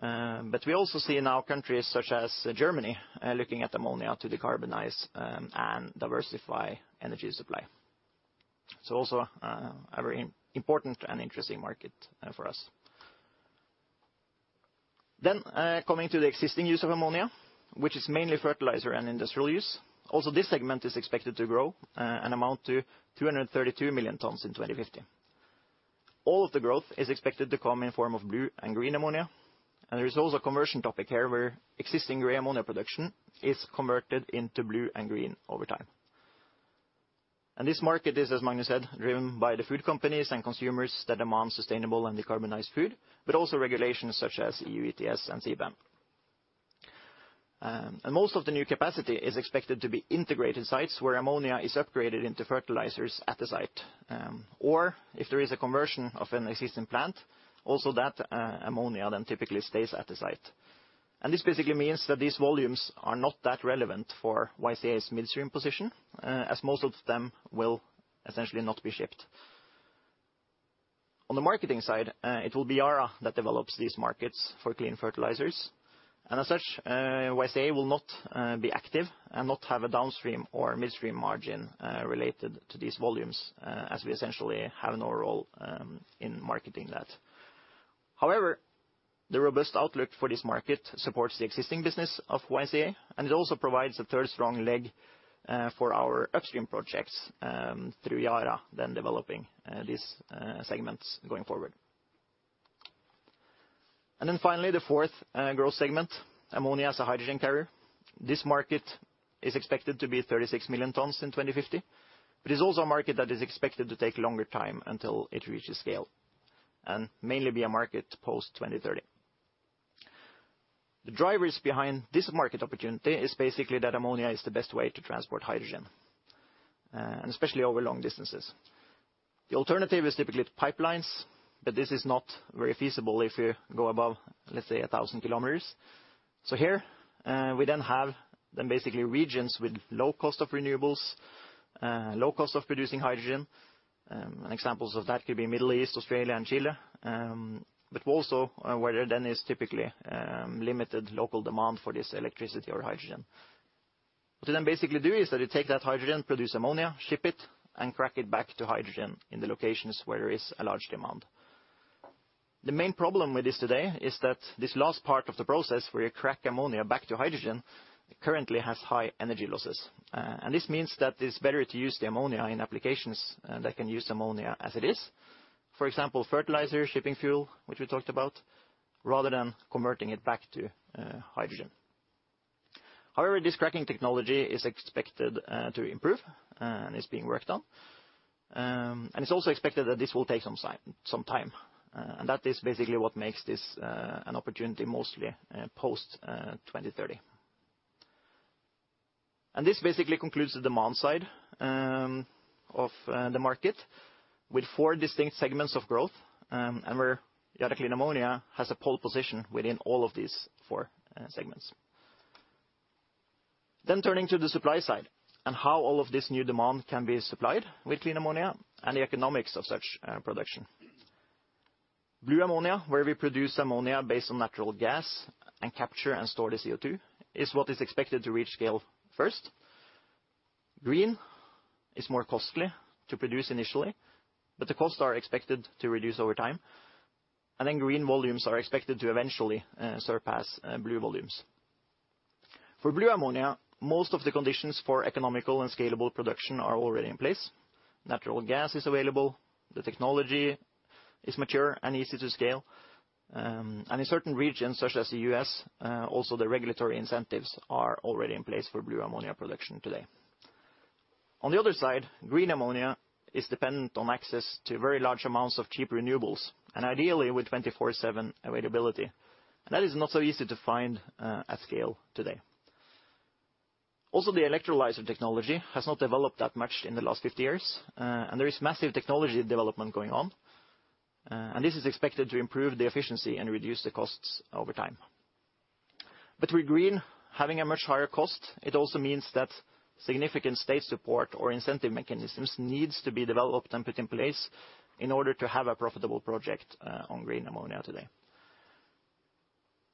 but we also see now countries such as Germany looking at ammonia to decarbonize and diversify energy supply. Also, a very important and interesting market for us. Coming to the existing use of ammonia, which is mainly fertilizer and industrial use. Also this segment is expected to grow amounting to 232 million tons in 2050. All of the growth is expected to come in form of blue and green ammonia, and there is also a conversion topic here where existing gray ammonia production is converted into blue and green over time. This market is, as Magnus said, driven by the food companies and consumers that demand sustainable and decarbonized food, but also regulations such as EU ETS and CBAM. Most of the new capacity is expected to be integrated sites where ammonia is upgraded into fertilizers at the site, or if there is a conversion of an existing plant, also that, ammonia then typically stays at the site. This basically means that these volumes are not that relevant for YCA's midstream position, as most of them will essentially not be shipped. On the marketing side, it will be Yara that develops these markets for clean fertilizers. As such, YCA will not be active and not have a downstream or midstream margin related to these volumes, as we essentially have no role in marketing that. However, the robust outlook for this market supports the existing business of YCA, and it also provides a third strong leg for our upstream projects through Yara, then developing these segments going forward. Then finally, the fourth growth segment, ammonia as a hydrogen carrier. This market is expected to be 36 million tons in 2050, but it's also a market that is expected to take longer time until it reaches scale and mainly be a market post 2030. The drivers behind this market opportunity is basically that ammonia is the best way to transport hydrogen, and especially over long distances. The alternative is typically pipelines, but this is not very feasible if you go above, let's say, 1,000 km. Here, we then have the basically regions with low cost of renewables, low cost of producing hydrogen. Examples of that could be Middle East, Australia, and Chile, also where there then is typically limited local demand for this electricity or hydrogen. What you then basically do is that you take that hydrogen, produce ammonia, ship it, and crack it back to hydrogen in the locations where there is a large demand. The main problem with this today is that this last part of the process, where you crack ammonia back to hydrogen, currently has high energy losses. This means that it's better to use the ammonia in applications that can use ammonia as it is. For example, fertilizer, shipping fuel, which we talked about, rather than converting it back to hydrogen. However, this cracking technology is expected to improve and is being worked on. It's also expected that this will take some time, and that is basically what makes this an opportunity mostly post 2030. This basically concludes the demand side of the market with four distinct segments of growth, and where Yara Clean Ammonia has a pole position within all of these four segments. Turning to the supply side and how all of this new demand can be supplied with clean ammonia and the economics of such production. Blue ammonia, where we produce ammonia based on natural gas and capture and store the CO2, is what is expected to reach scale first. Green is more costly to produce initially, but the costs are expected to reduce over time. Green volumes are expected to eventually surpass blue volumes. For blue ammonia, most of the conditions for economical and scalable production are already in place. Natural gas is available, the technology is mature and easy to scale, and in certain regions, such as the U.S., also the regulatory incentives are already in place for blue ammonia production today. On the other side, green ammonia is dependent on access to very large amounts of cheap renewables and ideally with 24/7 availability. That is not so easy to find at scale today. Also, the electrolyzer technology has not developed that much in the last 50 years, and there is massive technology development going on. This is expected to improve the efficiency and reduce the costs over time. With green having a much higher cost, it also means that significant state support or incentive mechanisms needs to be developed and put in place in order to have a profitable project on green ammonia today.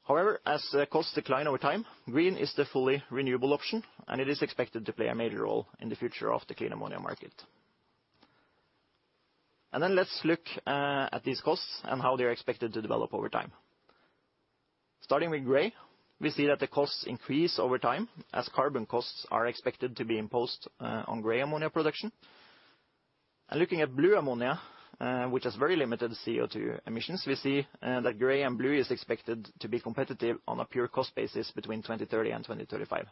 However, as costs decline over time, green is the fully renewable option, and it is expected to play a major role in the future of the clean ammonia market. Let's look at these costs and how they are expected to develop over time. Starting with gray, we see that the costs increase over time as carbon costs are expected to be imposed on gray ammonia production. Looking at blue ammonia, which has very limited CO2 emissions, we see that gray and blue is expected to be competitive on a pure cost basis between 2030 and 2035.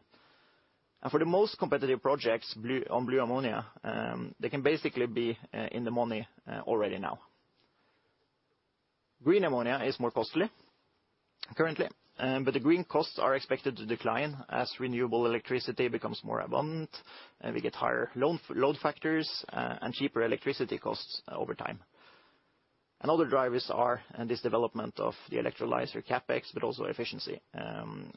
For the most competitive projects, on blue ammonia, they can basically be in the money already now. Green ammonia is more costly currently, but the green costs are expected to decline as renewable electricity becomes more abundant and we get higher load factors, and cheaper electricity costs over time. Other drivers are in this development of the electrolyzer CapEx, but also efficiency,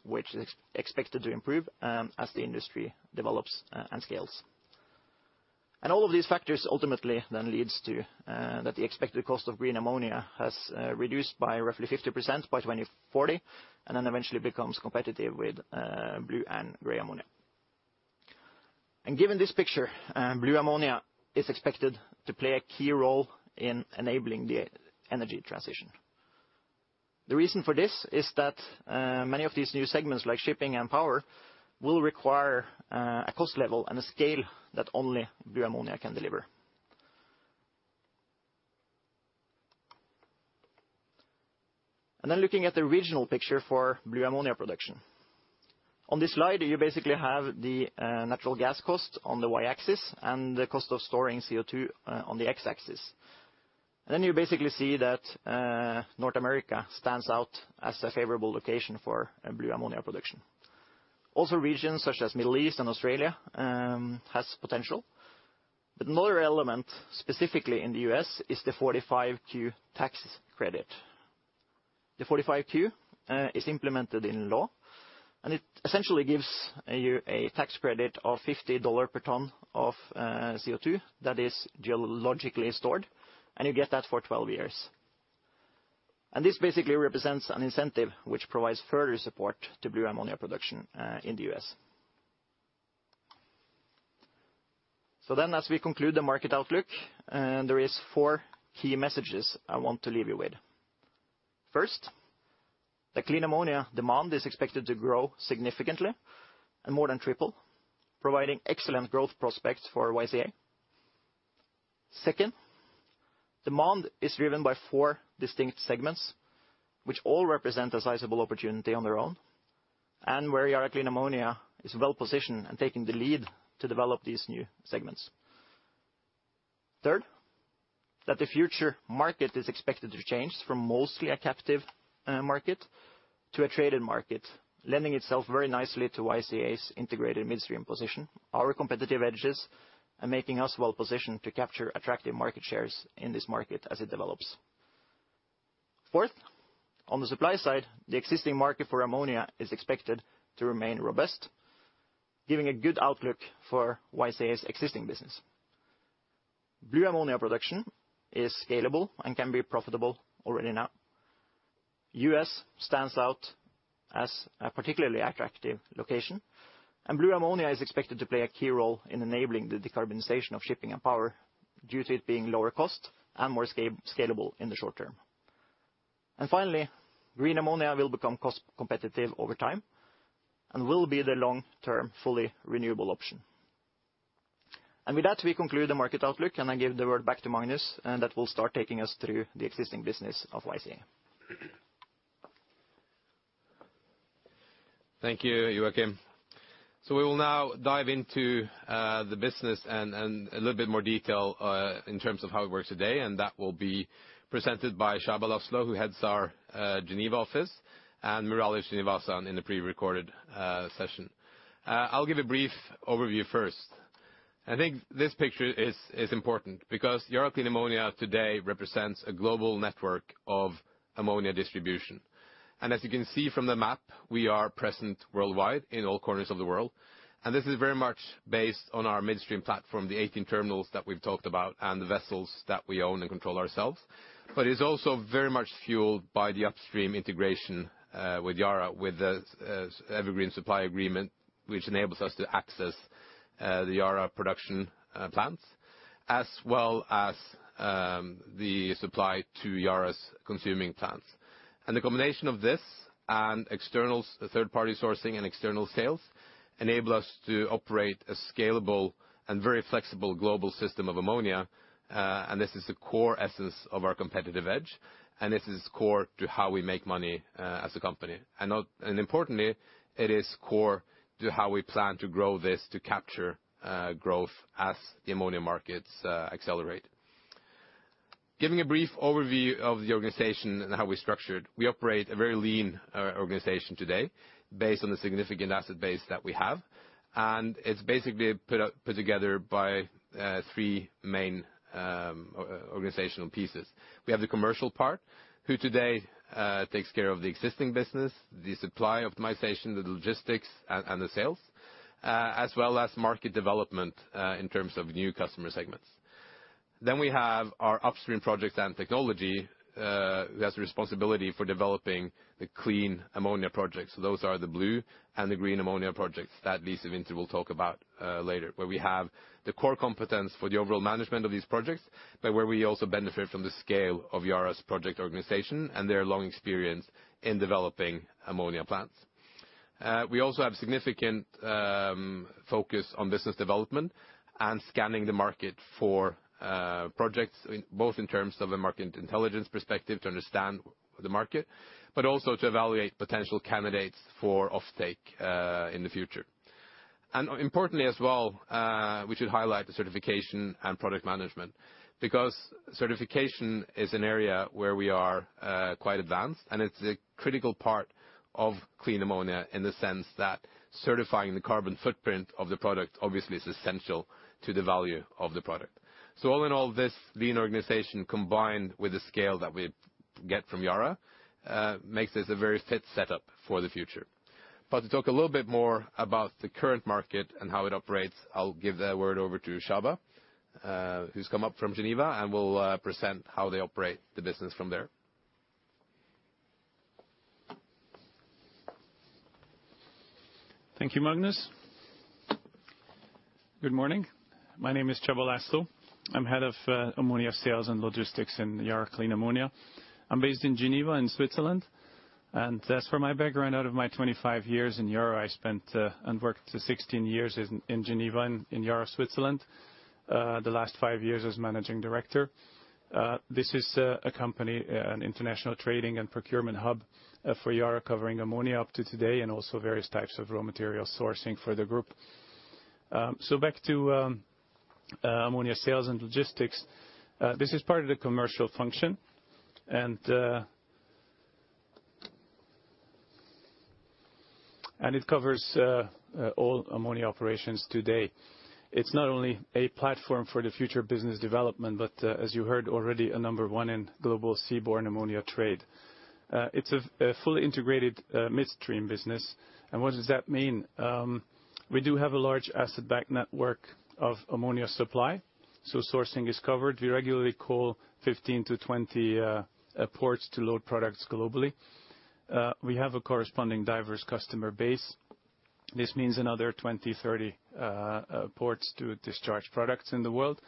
which is expected to improve as the industry develops and scales. All of these factors ultimately then leads to that the expected cost of green ammonia has reduced by roughly 50% by 2040 and then eventually becomes competitive with blue and gray ammonia. Given this picture, blue ammonia is expected to play a key role in enabling the energy transition. The reason for this is that many of these new segments, like shipping and power, will require a cost level and a scale that only blue ammonia can deliver. Looking at the regional picture for blue ammonia production. On this slide, you basically have the natural gas cost on the Y-axis and the cost of storing CO2 on the X-axis. You basically see that North America stands out as a favorable location for blue ammonia production. Also, regions such as Middle East and Australia has potential. Another element, specifically in the U.S., is the 45Q tax credit. The 45Q is implemented in law, and it essentially gives you a tax credit of $50 per ton of CO2 that is geologically stored, and you get that for 12 years. This basically represents an incentive which provides further support to blue ammonia production in the U.S. As we conclude the market outlook, there is four key messages I want to leave you with. First, the clean ammonia demand is expected to grow significantly and more than triple, providing excellent growth prospects for YCA. Second, demand is driven by four distinct segments, which all represent a sizable opportunity on their own, and where Yara Clean Ammonia is well-positioned and taking the lead to develop these new segments. Third, that the future market is expected to change from mostly a captive, market to a traded market, lending itself very nicely to YCA's integrated midstream position, our competitive edges, and making us well positioned to capture attractive market shares in this market as it develops. Fourth, on the supply side, the existing market for ammonia is expected to remain robust, giving a good outlook for YCA's existing business. Blue ammonia production is scalable and can be profitable already now. U.S. stands out as a particularly attractive location, and blue ammonia is expected to play a key role in enabling the decarbonization of shipping and power due to it being lower cost and more scalable in the short term. Finally, green ammonia will become cost competitive over time and will be the long-term, fully renewable option. With that, we conclude the market outlook, and I give the word back to Magnus, and that will start taking us through the existing business of YCA. Thank you, Joacim. We will now dive into the business and a little bit more detail in terms of how it works today, and that will be presented by Csaba László, who heads our Geneva office, and Murali Srinivasan in the pre-recorded session. I'll give a brief overview first. I think this picture is important because Yara Clean Ammonia today represents a global network of ammonia distribution. As you can see from the map, we are present worldwide in all corners of the world. This is very much based on our midstream platform, the 18 terminals that we've talked about and the vessels that we own and control ourselves. It's also very much fueled by the upstream integration with Yara, with the evergreen supply agreement, which enables us to access the Yara production plants, as well as the supply to Yara's consuming plants. The combination of this and external third-party sourcing and external sales enable us to operate a scalable and very flexible global system of ammonia, and this is the core essence of our competitive edge, and this is core to how we make money as a company. Importantly, it is core to how we plan to grow this to capture growth as the ammonia markets accelerate. Giving a brief overview of the organization and how we're structured, we operate a very lean organization today based on the significant asset base that we have, and it's basically put together by three main organizational pieces. We have the commercial part, who today takes care of the existing business, the supply optimization, the logistics and the sales, as well as market development in terms of new customer segments. We have our upstream projects and technology, who has the responsibility for developing the clean ammonia projects. Those are the blue and the green ammonia projects that Lise Winther will talk about later, where we have the core competence for the overall management of these projects, but where we also benefit from the scale of Yara's project organization and their long experience in developing ammonia plants. We also have significant focus on business development and scanning the market for projects, both in terms of a market intelligence perspective to understand the market, but also to evaluate potential candidates for offtake in the future. Importantly as well, we should highlight the certification and product management, because certification is an area where we are quite advanced, and it's a critical part of clean ammonia in the sense that certifying the carbon footprint of the product obviously is essential to the value of the product. All in all this, the organization combined with the scale that we get from Yara makes this a very fit setup for the future. To talk a little bit more about the current market and how it operates, I'll give the word over to Csaba, who's come up from Geneva and will present how they operate the business from there. Thank you, Magnus. Good morning. My name is Csaba László. I'm head of ammonia sales and logistics in Yara Clean Ammonia. I'm based in Geneva in Switzerland. As for my background, out of my 25 years in Yara, I spent and worked 16 years in Geneva in Yara Switzerland, the last five years as managing director. This is a company, an international trading and procurement hub for Yara covering ammonia up to today and also various types of raw material sourcing for the group. Back to ammonia sales and logistics. This is part of the commercial function, and it covers all ammonia operations today. It's not only a platform for the future business development, but as you heard already, a number one in global seaborne ammonia trade. It's a fully integrated midstream business, and what does that mean? We do have a large asset-backed network of ammonia supply, so sourcing is covered. We regularly call 15-20 ports to load products globally. We have a corresponding diverse customer base. This means another 20-30 ports to discharge products in the world.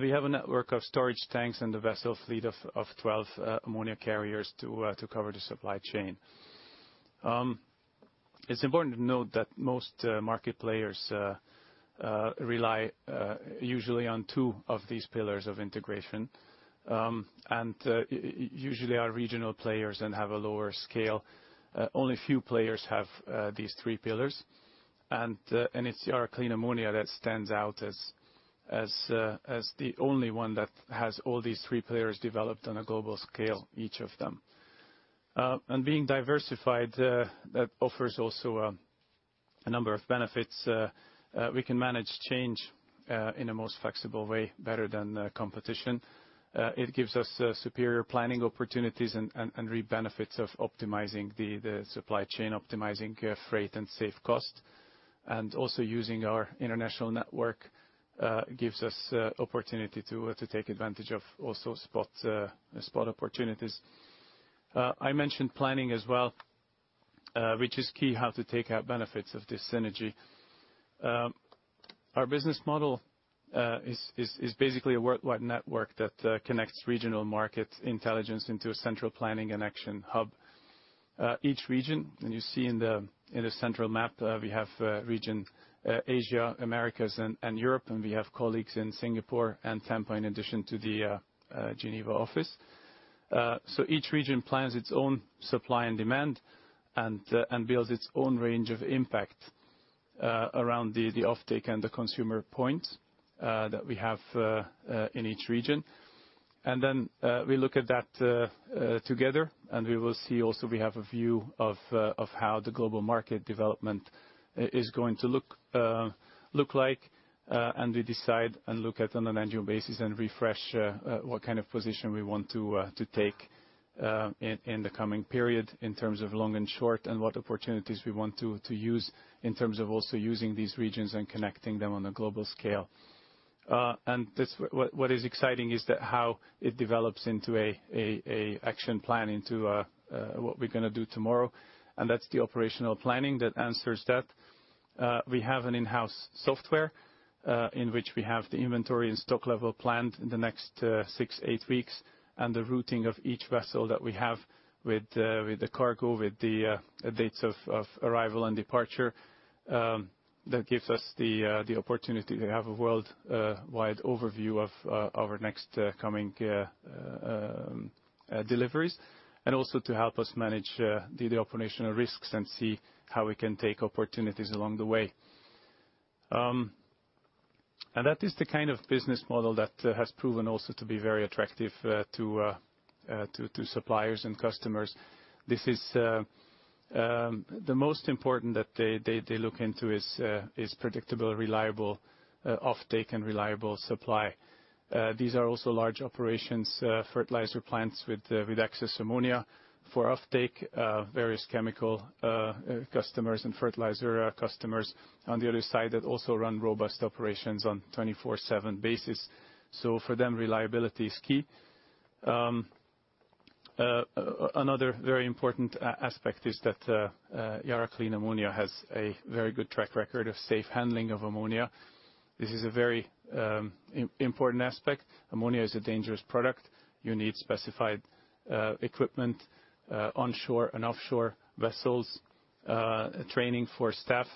We have a network of storage tanks and a vessel fleet of 12 ammonia carriers to cover the supply chain. It's important to note that most market players usually rely on two of these pillars of integration and usually are regional players and have a lower scale. Only a few players have these three pillars, and it's Yara Clean Ammonia that stands out as the only one that has all these three pillars developed on a global scale, each of them. Being diversified, that offers also a number of benefits. We can manage change in a most flexible way better than the competition. It gives us superior planning opportunities and real benefits of optimizing the supply chain, optimizing freight and save cost. Also using our international network gives us opportunity to take advantage of also spot opportunities. I mentioned planning as well, which is key how to take out benefits of this synergy. Our business model is basically a worldwide network that connects regional market intelligence into a central planning and action hub. Each region, and you see in the central map, we have Asia, Americas, and Europe, and we have colleagues in Singapore and Tampa in addition to the Geneva office. Each region plans its own supply and demand and builds its own range of impact around the offtake and the consumer points that we have in each region. We look at that together, and we will see also we have a view of how the global market development is going to look like, and we decide and look at on an annual basis and refresh what kind of position we want to take in the coming period in terms of long and short, and what opportunities we want to use in terms of also using these regions and connecting them on a global scale. That's what is exciting is that how it develops into a action plan into what we're gonna do tomorrow, and that's the operational planning that answers that. We have an in-house software in which we have the inventory and stock level planned in the next 6-8 weeks, and the routing of each vessel that we have with the cargo, with the dates of arrival and departure. That gives us the opportunity to have a worldwide overview of our next coming deliveries, and also to help us manage the operational risks and see how we can take opportunities along the way. That is the kind of business model that has proven also to be very attractive to suppliers and customers. This is the most important that they look into is predictable, reliable offtake and reliable supply. These are also large operations, fertilizer plants with excess ammonia for offtake, various chemical customers and fertilizer customers on the other side that also run robust operations on 24/7 basis. For them, reliability is key. Another very important aspect is that Yara Clean Ammonia has a very good track record of safe handling of ammonia. This is a very important aspect. Ammonia is a dangerous product. You need specified equipment, onshore and offshore vessels, training for staff,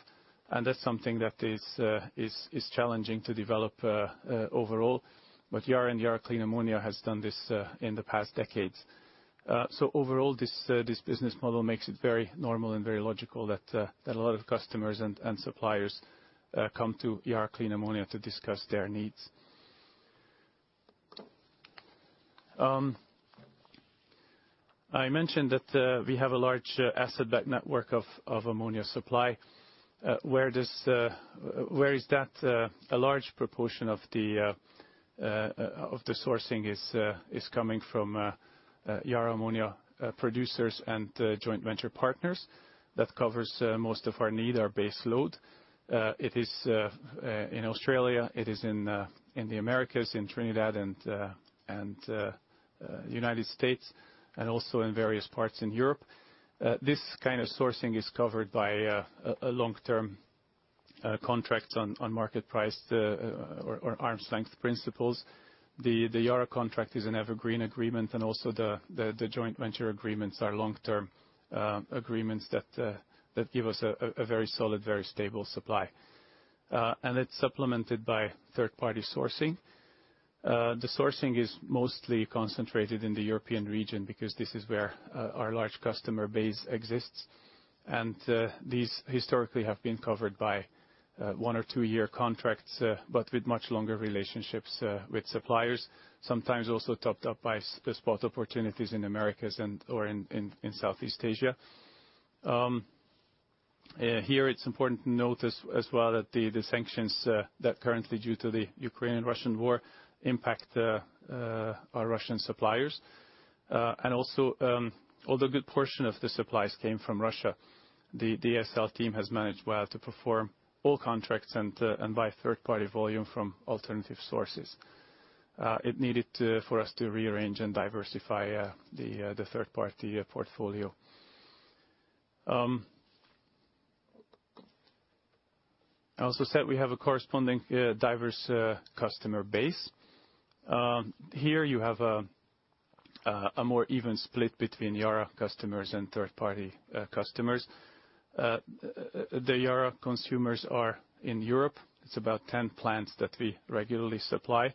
and that's something that is challenging to develop overall. Yara and Yara Clean Ammonia has done this in the past decades. Overall, this business model makes it very normal and very logical that a lot of customers and suppliers come to Yara Clean Ammonia to discuss their needs. I mentioned that we have a large asset-backed network of ammonia supply. Where is that? A large proportion of the sourcing is coming from Yara ammonia producers and joint venture partners. That covers most of our need, our base load. It is in Australia, in the Americas, in Trinidad and United States, and also in various parts in Europe. This kind of sourcing is covered by a long-term contracts on market price or arm's-length principles. The Yara contract is an evergreen agreement, and also the joint venture agreements are long-term agreements that give us a very solid, very stable supply. It's supplemented by third-party sourcing. The sourcing is mostly concentrated in the European region because this is where our large customer base exists. These historically have been covered by one or two-year contracts but with much longer relationships with suppliers, sometimes also topped up by spot opportunities in Americas or in Southeast Asia. Here it's important to note as well that the sanctions that currently due to the Ukrainian-Russian war impact our Russian suppliers. Although a good portion of the supplies came from Russia, the ASL team has managed well to perform all contracts and buy third-party volume from alternative sources. For us to rearrange and diversify the third-party portfolio. I also said we have a corresponding diverse customer base. Here you have a more even split between Yara customers and third-party customers. The Yara consumers are in Europe. It's about 10 plants that we regularly supply.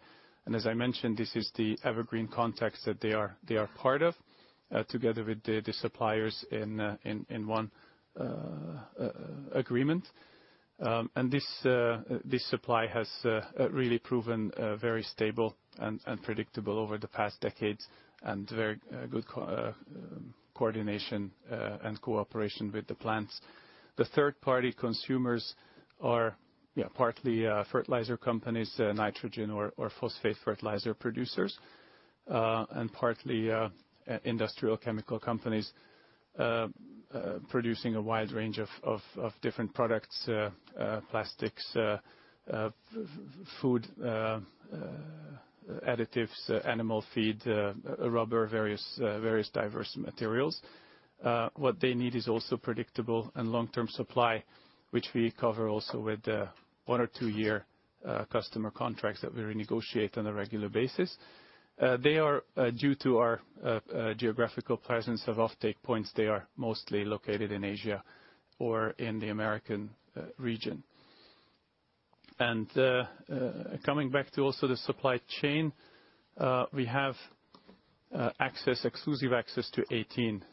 As I mentioned, this is the evergreen contract that they are part of together with the suppliers in one agreement. This supply has really proven very stable and predictable over the past decades and very good coordination and cooperation with the plants. The third-party consumers are partly fertilizer companies, nitrogen or phosphate fertilizer producers, and partly industrial chemical companies producing a wide range of different products, plastics, food additives, animal feed, rubber, various diverse materials. What they need is also predictable and long-term supply, which we cover also with one- or two-year customer contracts that we renegotiate on a regular basis. They are, due to our geographical presence of offtake points, mostly located in Asia or in the American region. Coming back to also the supply chain, we have access, exclusive access to 18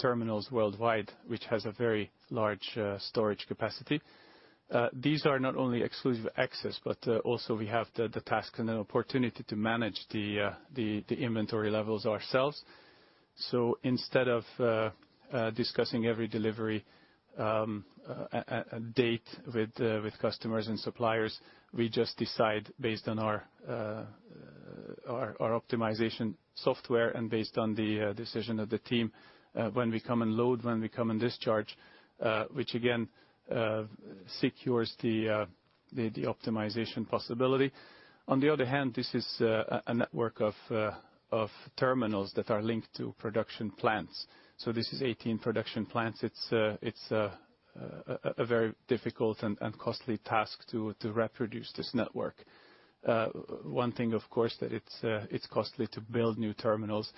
terminals worldwide, which has a very large storage capacity. These are not only exclusive access, but also we have the task and the opportunity to manage the inventory levels ourselves. Instead of discussing every delivery date with customers and suppliers, we just decide based on our optimization software and based on the decision of the team, when we come and load, when we come and discharge, which again secures the optimization possibility. On the other hand, this is a network of terminals that are linked to production plants. This is 18 production plants. It's a very difficult and costly task to reproduce this network. One thing, of course, that it's costly to build new terminals,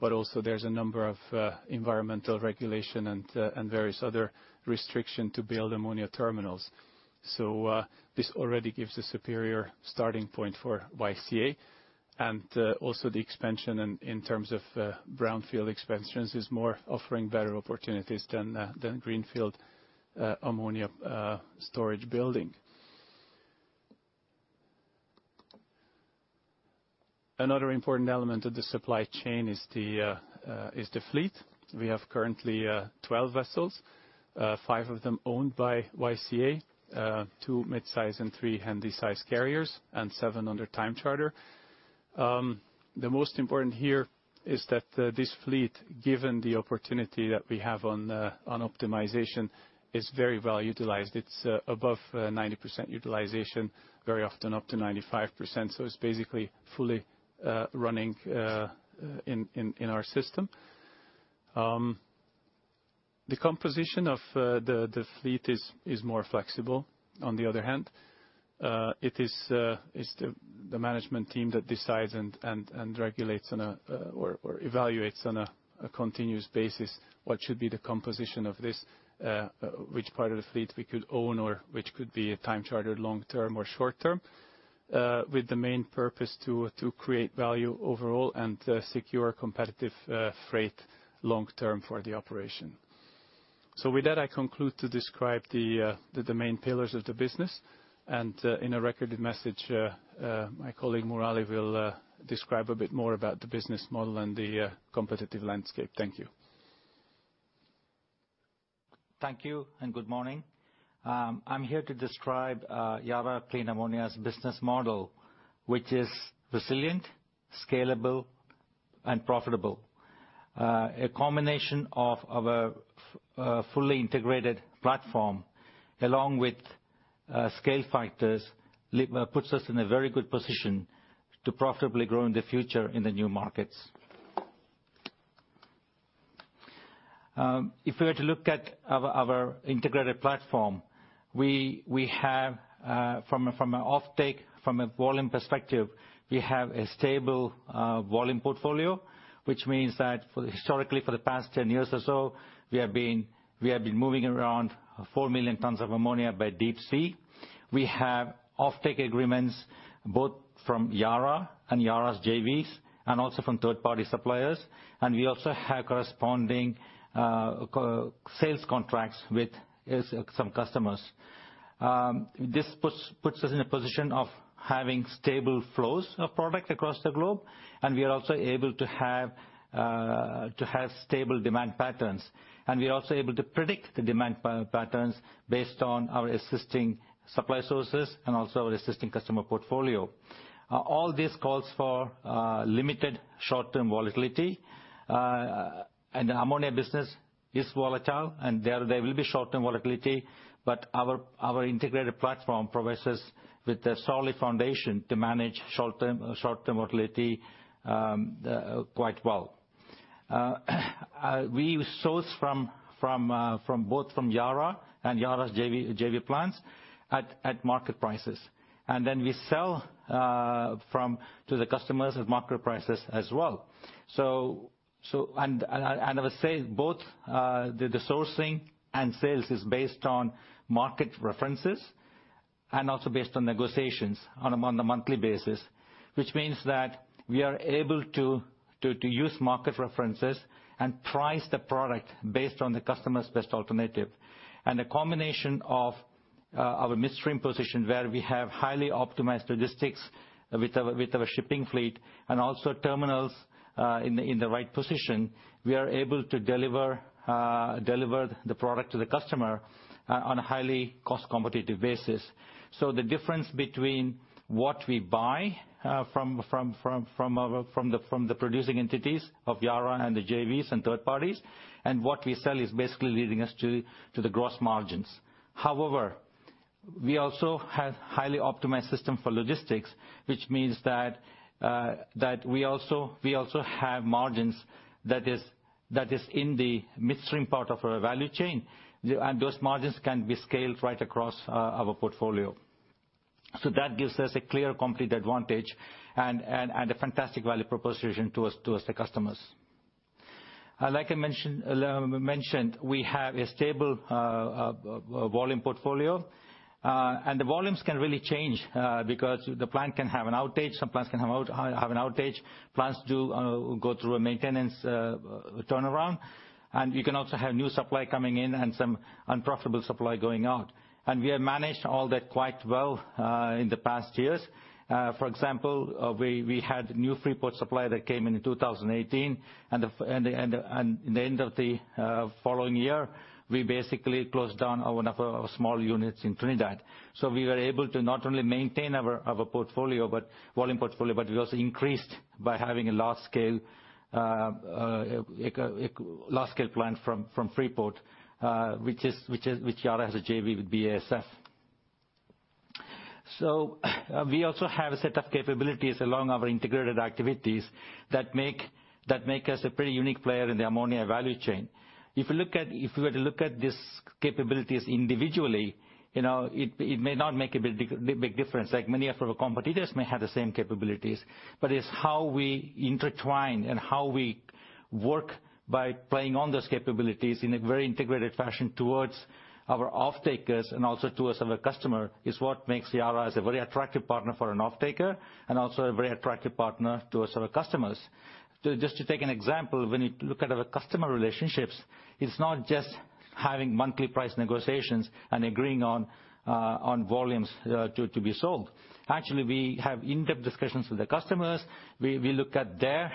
but also there's a number of environmental regulations and various other restrictions to build ammonia terminals. This already gives a superior starting point for YCA. Also the expansion in terms of brownfield expansions is more offering better opportunities than greenfield ammonia storage building. Another important element of the supply chain is the fleet. We have currently 12 vessels, five of them owned by YCA, two mid-size and three Handysize carriers, and seven under time charter. The most important here is that this fleet, given the opportunity that we have on optimization, is very well utilized. It's above 90% utilization, very often up to 95%. It's basically fully running in our system. The composition of the fleet is more flexible. On the other hand, it's the management team that decides and regulates or evaluates on a continuous basis what should be the composition of this which part of the fleet we could own or which could be a time charter long-term or short-term with the main purpose to create value overall and secure competitive freight long-term for the operation. With that, I conclude to describe the main pillars of the business. In a recorded message, my colleague Murali will describe a bit more about the business model and the competitive landscape. Thank you. Thank you and good morning. I'm here to describe Yara Clean Ammonia's business model, which is resilient, scalable, and profitable. A combination of our fully integrated platform, along with scale factors puts us in a very good position to profitably grow in the future in the new markets. If we were to look at our integrated platform, we have from a offtake, from a volume perspective, we have a stable volume portfolio, which means that historically for the past 10 years or so, we have been moving around 4 million tons of ammonia by deep sea. We have offtake agreements both from Yara and Yara's JVs, and also from third-party suppliers. We also have corresponding co-sales contracts with some customers. This puts us in a position of having stable flows of product across the globe, and we are also able to have stable demand patterns. We are also able to predict the demand patterns based on our existing supply sources and also our existing customer portfolio. All this calls for limited short-term volatility. The ammonia business is volatile, and there will be short-term volatility, but our integrated platform provides us with a solid foundation to manage short-term volatility quite well. We source from both Yara and Yara's JV plants at market prices. Then we sell to the customers at market prices as well. I would say both the sourcing and sales is based on market references and also based on negotiations on a monthly basis, which means that we are able to use market references and price the product based on the customer's best alternative. The combination of our midstream position, where we have highly optimized logistics with our shipping fleet and also terminals in the right position, we are able to deliver the product to the customer on a highly cost competitive basis. The difference between what we buy from the producing entities of Yara and the JVs and third parties, and what we sell is basically leading us to the gross margins. However, we also have highly optimized system for logistics, which means that we also have margins that is in the midstream part of our value chain. Those margins can be scaled right across our portfolio. That gives us a clear complete advantage and a fantastic value proposition to us the customers. Like I mentioned, we have a stable volume portfolio. The volumes can really change because the plant can have an outage. Some plants can have an outage. Plants do go through a maintenance turnaround. You can also have new supply coming in and some unprofitable supply going out. We have managed all that quite well in the past years. For example, we had new Freeport supply that came in 2018. The end of the following year, we basically closed down one of our small units in Trinidad. We were able to not only maintain our portfolio, but volume portfolio, but we also increased by having a large-scale plant from Freeport, which Yara has a JV with BASF. We also have a set of capabilities along our integrated activities that make us a pretty unique player in the ammonia value chain. If you look at these capabilities individually, you know, it may not make a big difference, like many of our competitors may have the same capabilities. It's how we intertwine and how we work by playing on those capabilities in a very integrated fashion towards our off-takers and also to our customer, is what makes Yara a very attractive partner for an off-taker and also a very attractive partner to our customers. Just to take an example, when you look at our customer relationships, it's not just having monthly price negotiations and agreeing on volumes to be sold. Actually, we have in-depth discussions with the customers. We look at their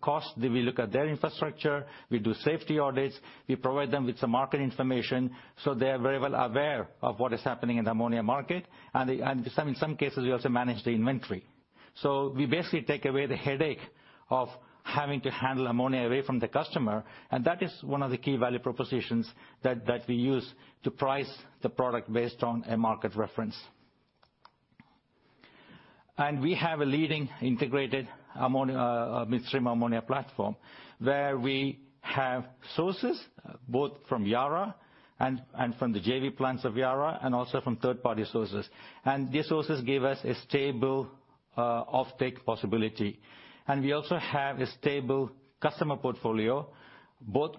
costs, we look at their infrastructure, we do safety audits, we provide them with some market information, so they are very well aware of what is happening in the ammonia market. In some cases, we also manage the inventory. We basically take away the headache of having to handle ammonia away from the customer, and that is one of the key value propositions that we use to price the product based on a market reference. We have a leading integrated ammonia midstream ammonia platform, where we have sources both from Yara and from the JV plants of Yara and also from third-party sources. These sources give us a stable off-take possibility. We also have a stable customer portfolio, both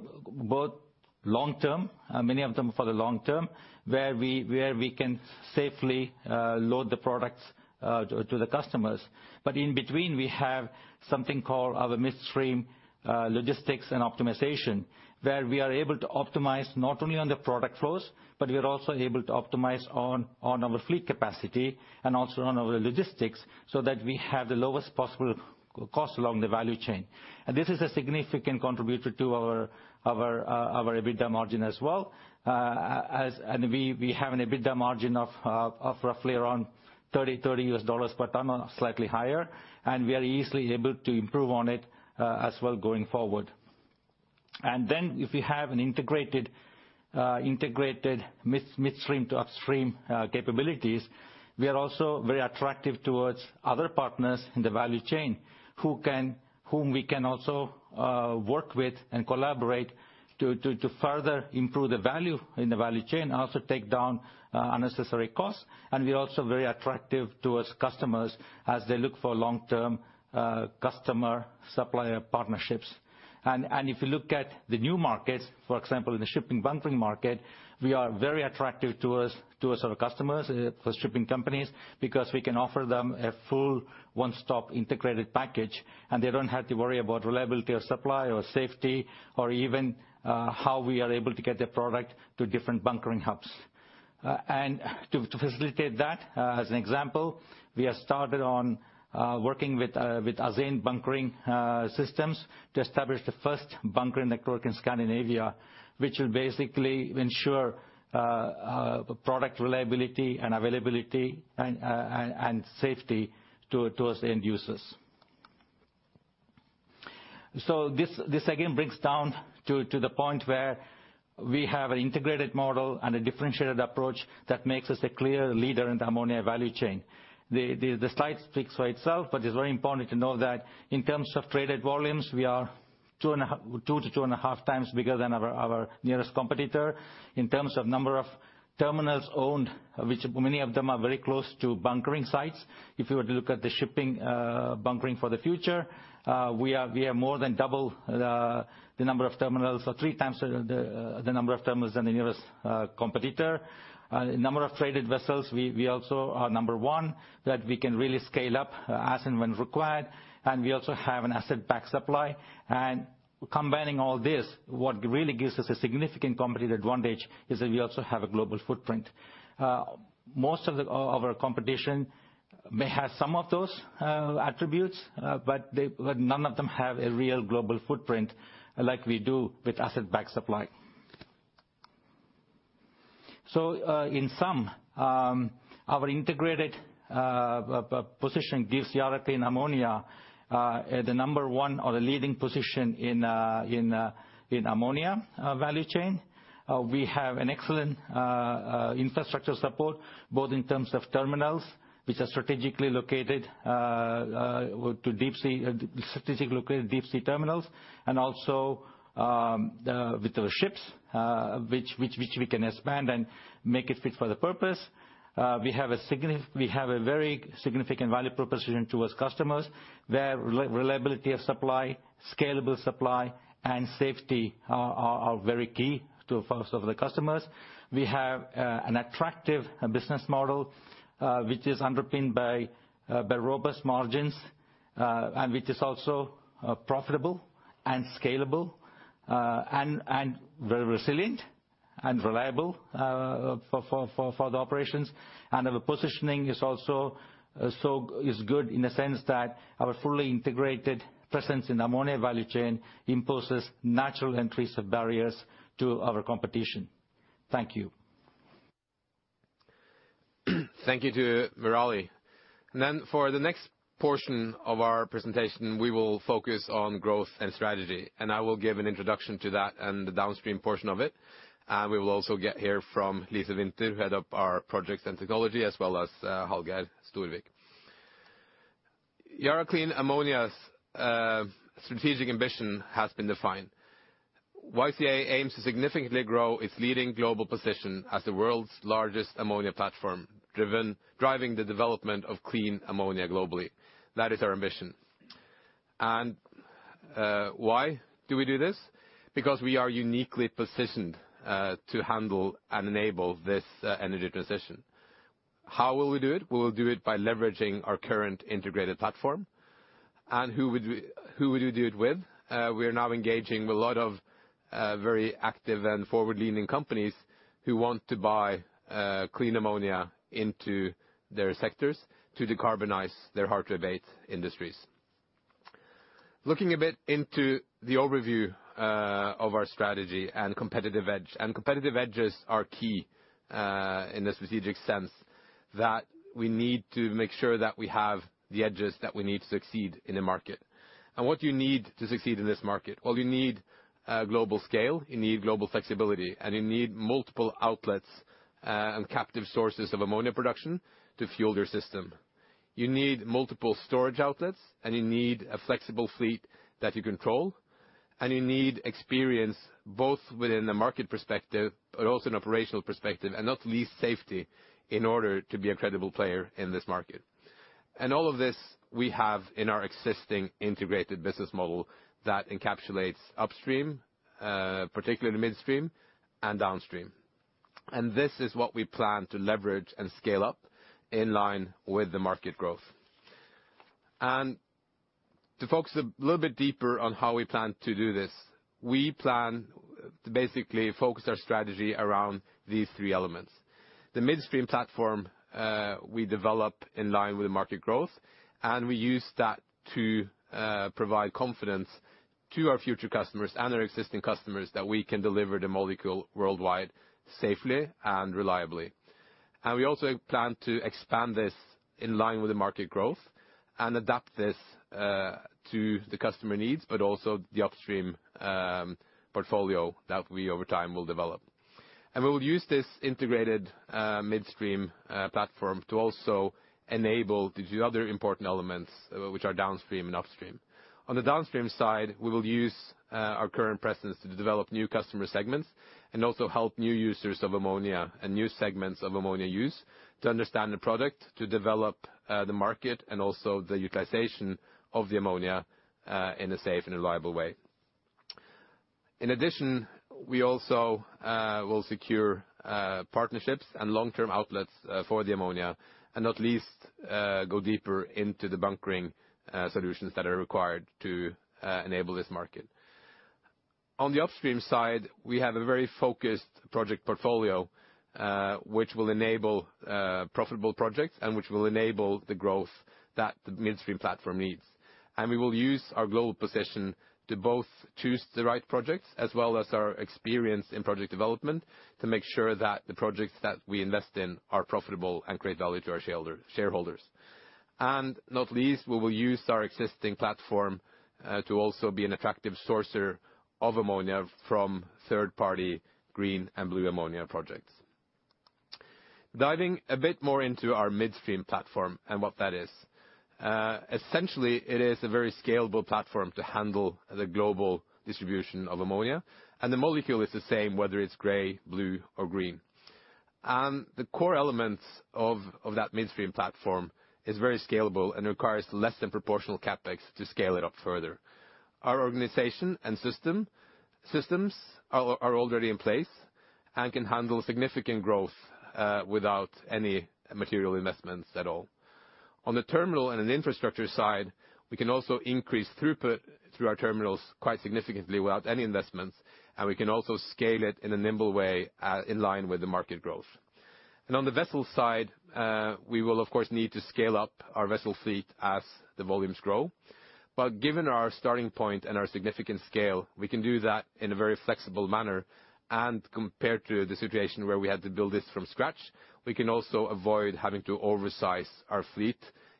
long-term, many of them for the long-term, where we can safely load the products to the customers. In between, we have something called our midstream, logistics and optimization, where we are able to optimize not only on the product flows, but we are also able to optimize on our fleet capacity and also on our logistics, so that we have the lowest possible cost along the value chain. This is a significant contributor to our EBITDA margin as well. We have an EBITDA margin of roughly around $30 per ton or slightly higher, and we are easily able to improve on it as well going forward. If we have an integrated midstream to upstream capabilities, we are also very attractive towards other partners in the value chain whom we can also work with and collaborate to further improve the value in the value chain and also take down unnecessary costs. We're also very attractive towards customers as they look for long-term customer supplier partnerships. If you look at the new markets, for example, in the shipping bunkering market, we are very attractive to our customers for shipping companies, because we can offer them a full one-stop integrated package, and they don't have to worry about reliability of supply or safety or even how we are able to get their product to different bunkering hubs. To facilitate that, as an example, we have started working with Azane Fuel Solutions to establish the first bunkering network in Scandinavia, which will basically ensure product reliability and availability and safety to the end users. This again boils down to the point where we have an integrated model and a differentiated approach that makes us a clear leader in the ammonia value chain. The slide speaks for itself, but it's very important to know that in terms of traded volumes, we are 2x-2.5x bigger than our nearest competitor in terms of number of terminals owned, which many of them are very close to bunkering sites. If you were to look at the shipping, bunkering for the future, we are more than double the number of terminals or 3x the number of terminals than the nearest competitor. Number of traded vessels, we also are number one, that we can really scale up, as and when required, and we also have an asset-backed supply. Combining all this, what really gives us a significant competitive advantage is that we also have a global footprint. Most of our competition may have some of those attributes, but none of them have a real global footprint like we do with asset-backed supply. In sum, our integrated position gives Yara Clean Ammonia the number one or the leading position in ammonia value chain. We have an excellent infrastructure support, both in terms of terminals, which are strategically located deep sea terminals, and also with the ships, which we can expand and make it fit for the purpose. We have a very significant value proposition to our customers. Their reliability of supply, scalable supply, and safety are very key to focus of the customers. We have an attractive business model, which is underpinned by robust margins, and which is also profitable and scalable, and very resilient and reliable for the operations. Our positioning is also so is good in the sense that our fully integrated presence in ammonia value chain imposes natural increase of barriers to our competition. Thank you. Thank you to Murali. For the next portion of our presentation, we will focus on growth and strategy, and I will give an introduction to that and the downstream portion of it. We will also get to hear from Lise Winther, head of our projects and technology, as well as Hallgeir Storvik. Yara Clean Ammonia's strategic ambition has been defined. YCA aims to significantly grow its leading global position as the world's largest ammonia platform, driving the development of clean ammonia globally. That is our ambition. Why do we do this because we are uniquely positioned to handle and enable this energy transition. How will we do it? We will do it by leveraging our current integrated platform. Who would we do it with? We are now engaging with a lot of very active and forward-leaning companies who want to buy clean ammonia into their sectors to decarbonize their hard-to-abate industries. Looking a bit into the overview of our strategy and competitive edges are key in the strategic sense that we need to make sure that we have the edges that we need to succeed in the market. What do you need to succeed in this market? Well, you need a global scale, you need global flexibility, and you need multiple outlets and captive sources of ammonia production to fuel your system. You need multiple storage outlets, and you need a flexible fleet that you control, and you need experience both within the market perspective but also an operational perspective, and not least safety in order to be a credible player in this market. All of this we have in our existing integrated business model that encapsulates upstream, particularly midstream and downstream. This is what we plan to leverage and scale up in line with the market growth. To focus a little bit deeper on how we plan to do this, we plan to basically focus our strategy around these three elements. The midstream platform, we develop in line with the market growth, and we use that to provide confidence to our future customers and our existing customers that we can deliver the molecule worldwide safely and reliably. We also plan to expand this in line with the market growth and adapt this to the customer needs, but also the upstream portfolio that we over time will develop. We will use this integrated midstream platform to also enable the two other important elements, which are downstream and upstream. On the downstream side, we will use our current presence to develop new customer segments and also help new users of ammonia and new segments of ammonia use to understand the product, to develop the market and also the utilization of the ammonia in a safe and reliable way. In addition, we also will secure partnerships and long-term outlets for the ammonia, and not least, go deeper into the bunkering solutions that are required to enable this market. On the upstream side, we have a very focused project portfolio, which will enable profitable projects and which will enable the growth that the midstream platform needs. We will use our global position to both choose the right projects as well as our experience in project development to make sure that the projects that we invest in are profitable and create value to our shareholders. Not least, we will use our existing platform to also be an effective sourcer of ammonia from third-party green and blue ammonia projects. Diving a bit more into our midstream platform and what that is. Essentially, it is a very scalable platform to handle the global distribution of ammonia, and the molecule is the same, whether it's gray, blue or green. The core elements of that midstream platform is very scalable and requires less than proportional CapEx to scale it up further. Our organization and systems are already in place and can handle significant growth without any material investments at all. On the terminal and an infrastructure side, we can also increase throughput through our terminals quite significantly without any investments, and we can also scale it in a nimble way, in line with the market growth. On the vessel side, we will of course need to scale up our vessel fleet as the volumes grow. Given our starting point and our significant scale, we can do that in a very flexible manner, and compared to the situation where we had to build this from scratch, we can also avoid having to oversize our fleet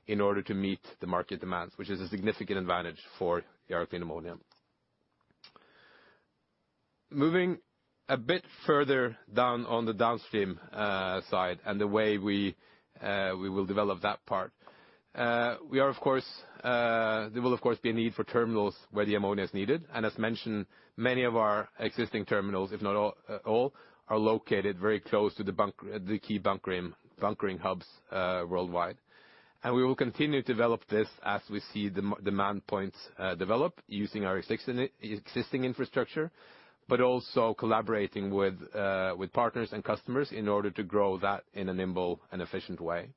in order to meet the market demands, which is a significant advantage for Yara Clean Ammonia. Moving a bit further down on the downstream side and the way we will develop that part. The.e will of course be a need for terminals where the ammonia is needed. As mentioned, many of our existing terminals, if not all, are located very close to the key bunkering hubs worldwide. We will continue to develop this as we see the demand points develop using our existing infrastructure, but also collaborating with partners and customers in order to grow that in a nimble and efficient way.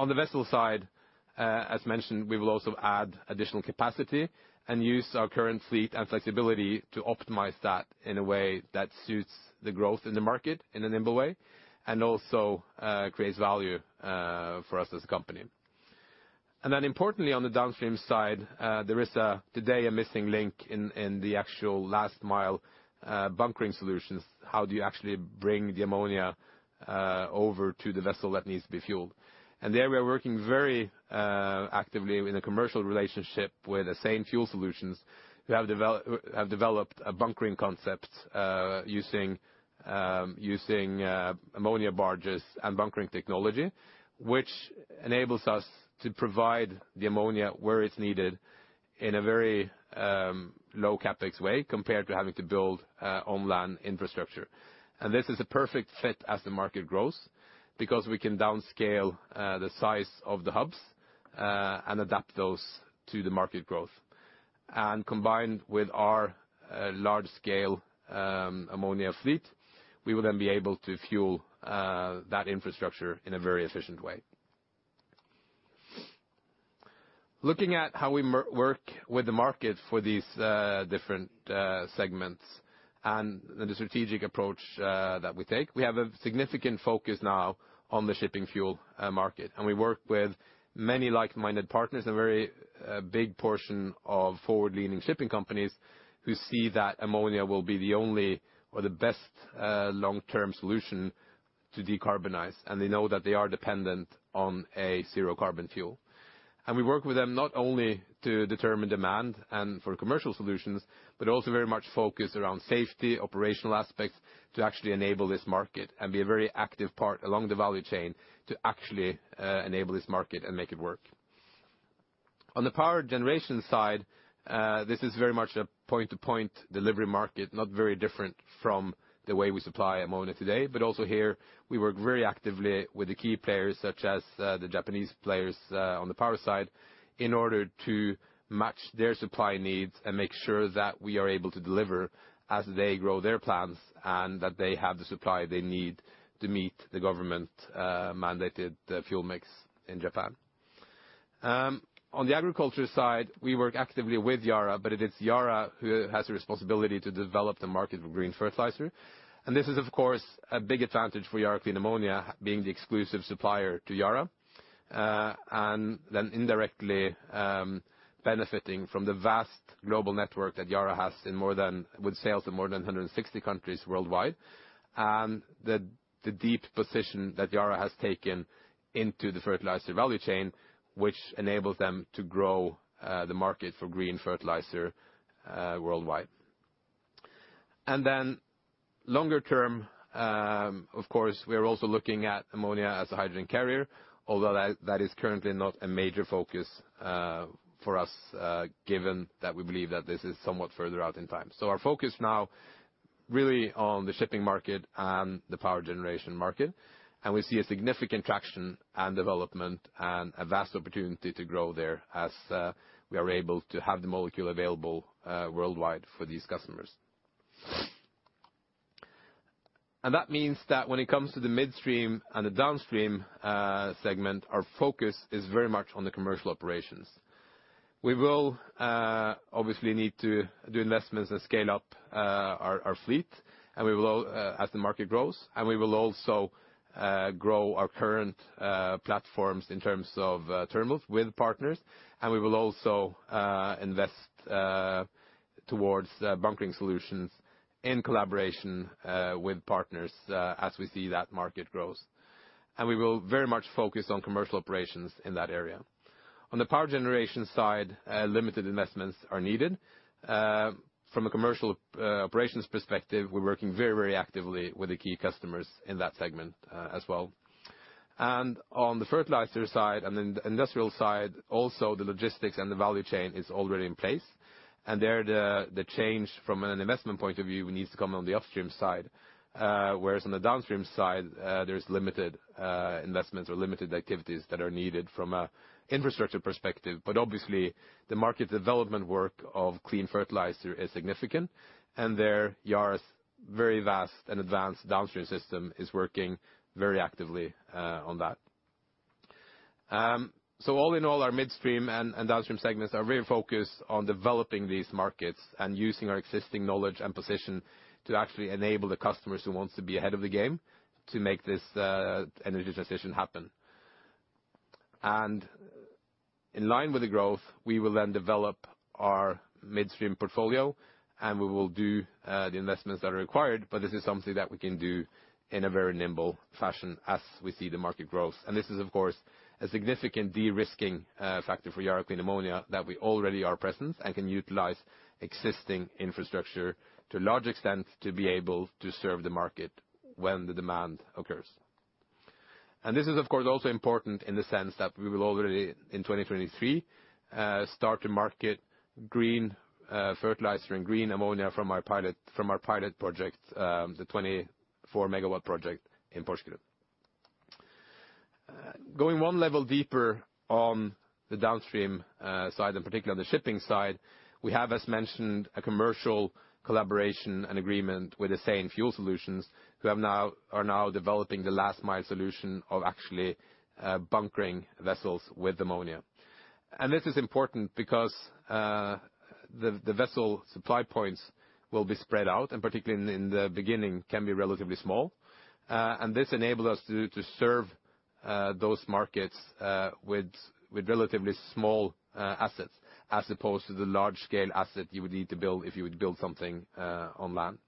On the vessel side, as mentioned, we will also add additional capacity and use our current fleet and flexibility to optimize that in a way that suits the growth in the market in a nimble way, and also creates value for us as a company. Importantly, on the downstream side, there is today a missing link in the actual last mile, bunkering solutions. How do you actually bring the ammonia over to the vessel that needs to be fueled? There we are working very actively with a commercial relationship with Azane Fuel Solutions. We have developed a bunkering concept, using ammonia barges and bunkering technology, which enables us to provide the ammonia where it's needed in a very low CapEx way compared to having to build online infrastructure. This is a perfect fit as the market grows because we can downscale the size of the hubs and adapt those to the market growth. Combined with our large scale ammonia fleet, we will then be able to fuel that infrastructure in a very efficient way. Looking at how we work with the market for these different segments and the strategic approach that we take. We have a significant focus now on the shipping fuel market, and we work with many like-minded partners, a very big portion of forward-leaning shipping companies who see that ammonia will be the only or the best long-term solution to decarbonize, and they know that they are dependent on a zero carbon fuel. We work with them not only to determine demand and for commercial solutions, but also very much focused around safety, operational aspects to actually enable this market and be a very active part along the value chain to actually enable this market and make it work. On the power generation side, this is very much a point-to-point delivery market, not very different from the way we supply ammonia today. Also here we work very actively with the key players, such as the Japanese players on the power side in order to match their supply needs and make sure that we are able to deliver as they grow their plants and that they have the supply they need to meet the government mandated fuel mix in Japan. On the agriculture side, we work actively with Yara, but it is Yara who has the responsibility to develop the market for green fertilizer. This is of course a big advantage for Yara Clean Ammonia being the exclusive supplier to Yara, and then indirectly, benefiting from the vast global network that Yara has in more than 160 countries worldwide. The deep position that Yara has taken into the fertilizer value chain, which enables them to grow the market for green fertilizer worldwide. Longer term, of course, we are also looking at ammonia as a hydrogen carrier, although that is currently not a major focus for us, given that we believe that this is somewhat further out in time. Our focus now really on the shipping market and the power generation market, and we see a significant traction and development and a vast opportunity to grow there as we are able to have the molecule available worldwide for these customers. That means that when it comes to the midstream and the downstream segment, our focus is very much on the commercial operations. We will obviously need to do investments and scale up our fleet, and we will as the market grows, and we will also grow our current platforms in terms of terminals with partners, and we will also invest towards bunkering solutions in collaboration with partners as we see that market grows. We will very much focus on commercial operations in that area. On the power generation side, limited investments are needed. From a commercial operations perspective, we're working very, very actively with the key customers in that segment, as well. On the fertilizer side and in the industrial side also the logistics and the value chain is already in place. There the change from an investment point of view needs to come on the upstream side, whereas on the downstream side, there's limited investments or limited activities that are needed from an infrastructure perspective, but obviously the market development work of clean fertilizer is significant and Yara's very vast and advanced downstream system is working very actively on that. All in all our midstream and downstream segments are very focused on developing these markets and using our existing knowledge and position to actually enable the customers who wants to be ahead of the game to make this energy transition happen. In line with the growth, we will then develop our midstream portfolio, and we will do the investments that are required, but this is something that we can do in a very nimble fashion as we see the market grows. This is, of course, a significant de-risking factor for Yara Clean Ammonia that we already are present and can utilize existing infrastructure to a large extent to be able to serve the market when the demand occurs. This is of course also important in the sense that we will already in 2023 start to market green fertilizer and green ammonia from our pilot project, the 24 MW project in Porsgrunn. Going one level deeper on the downstream side, and particularly on the shipping side, we have as mentioned a commercial collaboration and agreement with Azane Fuel Solutions who are now developing the last mile solution of actually bunkering vessels with ammonia. This is important because the vessel supply points will be spread out and particularly in the beginning can be relatively small. This enabled us to serve those markets with relatively small assets as opposed to the large-scale asset you would need to build if you would build something on land.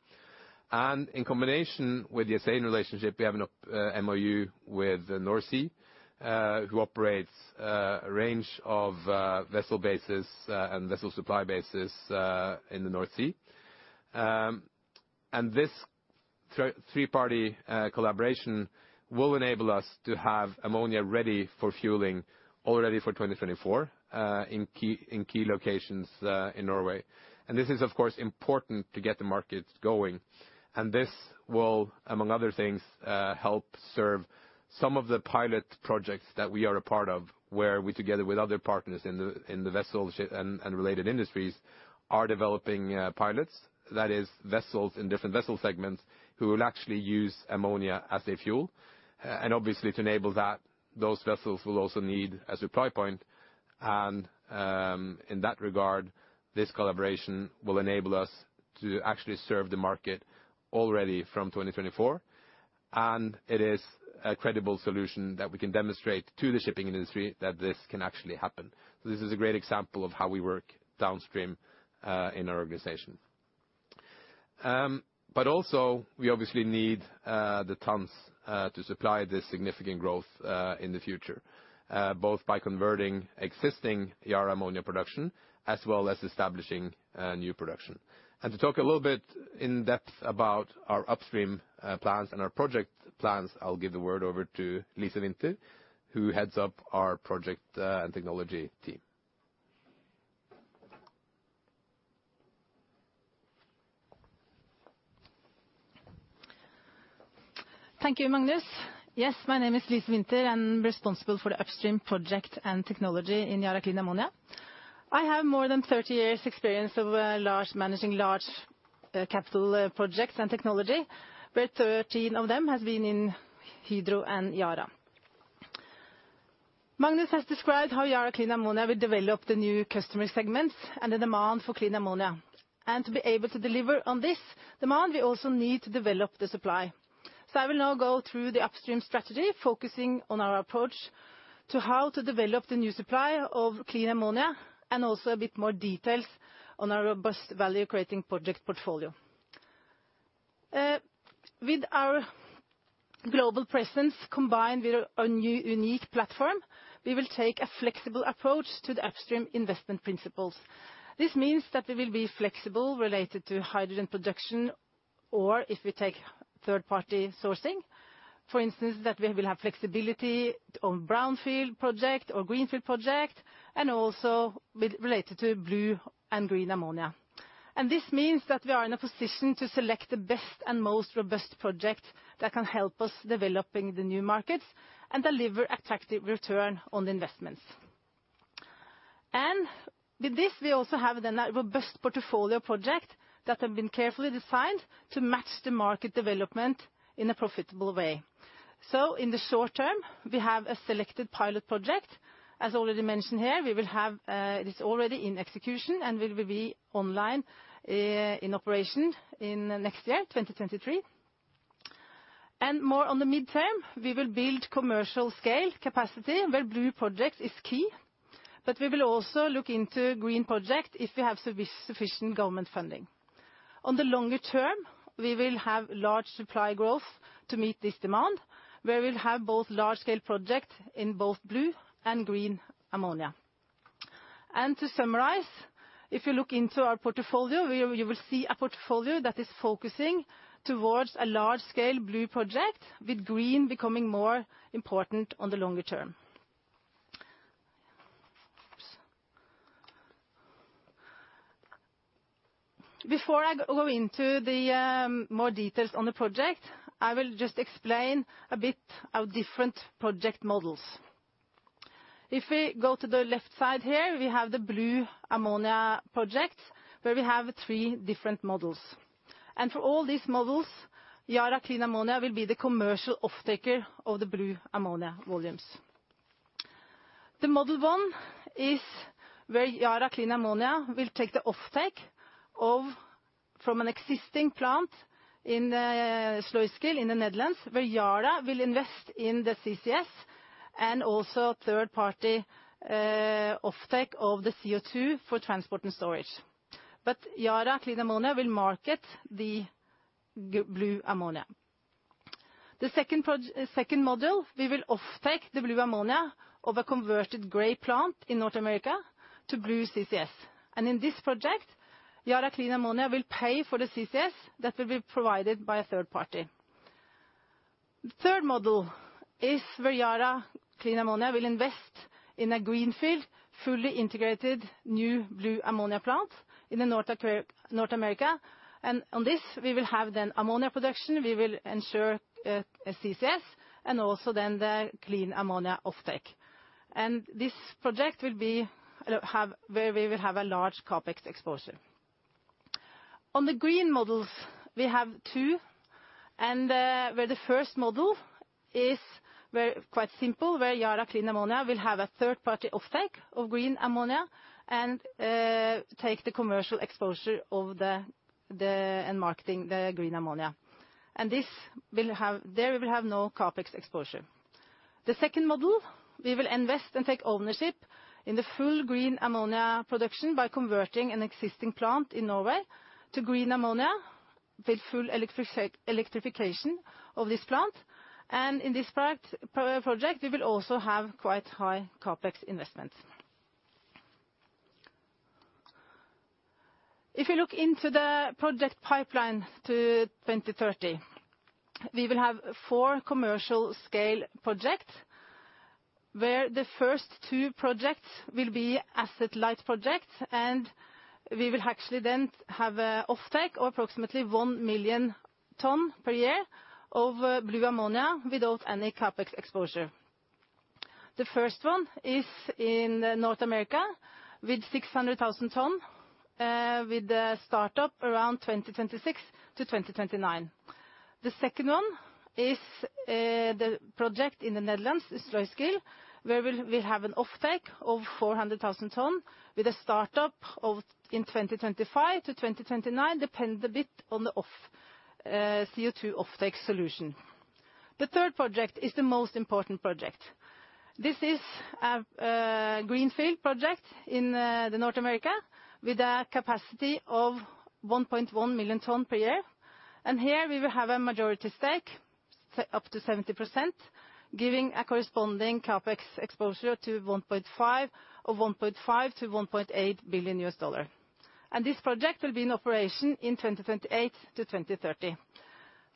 In combination with existing relationship, we have an MOU with the NorSea Group, who operates a range of vessel bases and vessel supply bases in the NorSea Group. This three-party collaboration will enable us to have ammonia ready for fueling already for 2024 in key locations in Norway. This is of course important to get the market going, and this will among other things help serve some of the pilot projects that we are a part of where we together with other partners in the vessel shipping and related industries are developing pilots. That is vessels in different vessel segments who will actually use ammonia as a fuel. Obviously to enable that, those vessels will also need a supply point and in that regard, this collaboration will enable us to actually serve the market already from 2024. It is a credible solution that we can demonstrate to the shipping industry that this can actually happen. This is a great example of how we work downstream in our organization. Also we obviously need the tons to supply this significant growth in the future, both by converting existing Yara ammonia production as well as establishing new production. To talk a little bit in depth about our upstream plans and our project plans, I'll give the word over to Lise Winther, who heads up our project and technology team. Thank you, Magnus. Yes, my name is Lise Winther. I'm responsible for the upstream project and technology in Yara Clean Ammonia. I have more than 30 years experience of managing large capital projects and technology, where 13 of them have been in Hydro and Yara. Magnus has described how Yara Clean Ammonia will develop the new customer segments and the demand for clean ammonia. To be able to deliver on this demand, we also need to develop the supply. I will now go through the upstream strategy, focusing on our approach to how to develop the new supply of clean ammonia, and also a bit more details on our robust value creating project portfolio. With our global presence combined with a new unique platform, we will take a flexible approach to the upstream investment principles. This means that we will be flexible related to hydrogen production or if we take third party sourcing, for instance, that we will have flexibility on brownfield project or greenfield project, and also with related to blue and green ammonia. This means that we are in a position to select the best and most robust project that can help us developing the new markets and deliver attractive return on the investments. With this, we also have then a robust portfolio project that have been carefully designed to match the market development in a profitable way. In the short term, we have a selected pilot project. As already mentioned here, we will have it is already in execution and will be online in operation in next year, 2023. More on the midterm, we will build commercial scale capacity where blue project is key. We will also look into green project if we have sufficient government funding. On the longer term, we will have large supply growth to meet this demand, where we'll have both large scale project in both blue and green ammonia. To summarize, if you look into our portfolio, you will see a portfolio that is focusing towards a large scale blue project with green becoming more important on the longer term. Before I go into the more details on the project, I will just explain a bit our different project models. If we go to the left side here, we have the blue ammonia projects, where we have three different models. For all these models, Yara Clean Ammonia will be the commercial offtaker of the blue ammonia volumes. The model one is where Yara Clean Ammonia will take the offtake from an existing plant in Sluiskil in the Netherlands, where Yara will invest in the CCS and also third-party offtake of the CO2 for transport and storage. Yara Clean Ammonia will market the blue ammonia. The second model, we will offtake the blue ammonia of a converted gray plant in North America to blue CCS. In this project, Yara Clean Ammonia will pay for the CCS that will be provided by a third party. The third model is where Yara Clean Ammonia will invest in a greenfield, fully integrated new blue ammonia plant in North America. On this, we will have then ammonia production. We will ensure CCS and also then the clean ammonia offtake. This project will have a large CapEx exposure. On the green models, we have two, where the first model is very quite simple, where Yara Clean Ammonia will have a third party offtake of green ammonia and take the commercial exposure of the and marketing the green ammonia. There we will have no CapEx exposure. The second model, we will invest and take ownership in the full green ammonia production by converting an existing plant in Norway to green ammonia with full electrification of this plant. In this project, we will also have quite high CapEx investments. If you look into the project pipeline to 2030, we will have four commercial scale projects, where the first two projects will be asset light projects, and we will actually then have an offtake of approximately 1 million tons per year of blue ammonia without any CapEx exposure. The first one is in North America with 600,000 tons, with the startup around 2026-2029. The second one is the project in the Netherlands, Sluiskil, where we have an offtake of 400,000 tons with a startup in 2025-2029, depend a bit on the off CO2 offtake solution. The third project is the most important project. This is a greenfield project in the North America with a capacity of 1.1 million tons per year. Here we will have a majority stake, up to 70%, giving a corresponding CapEx exposure to $1.5, or $1.5-$1.8 billion. This project will be in operation in 2028-2030.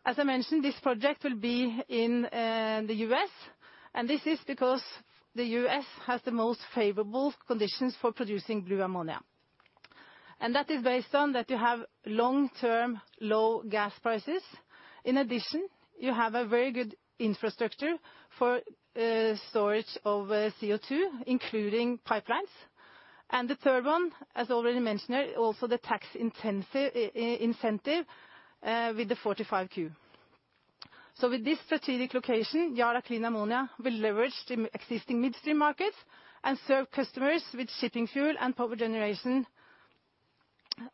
As I mentioned, this project will be in the U.S., and this is because the U.S. has the most favorable conditions for producing blue ammonia. That is based on that you have long-term low gas prices. In addition, you have a very good infrastructure for storage of CO2, including pipelines. The third one, as already mentioned, also the tax incentive with the 45Q. With this strategic location, Yara Clean Ammonia will leverage the existing midstream markets and serve customers with shipping fuel and power generation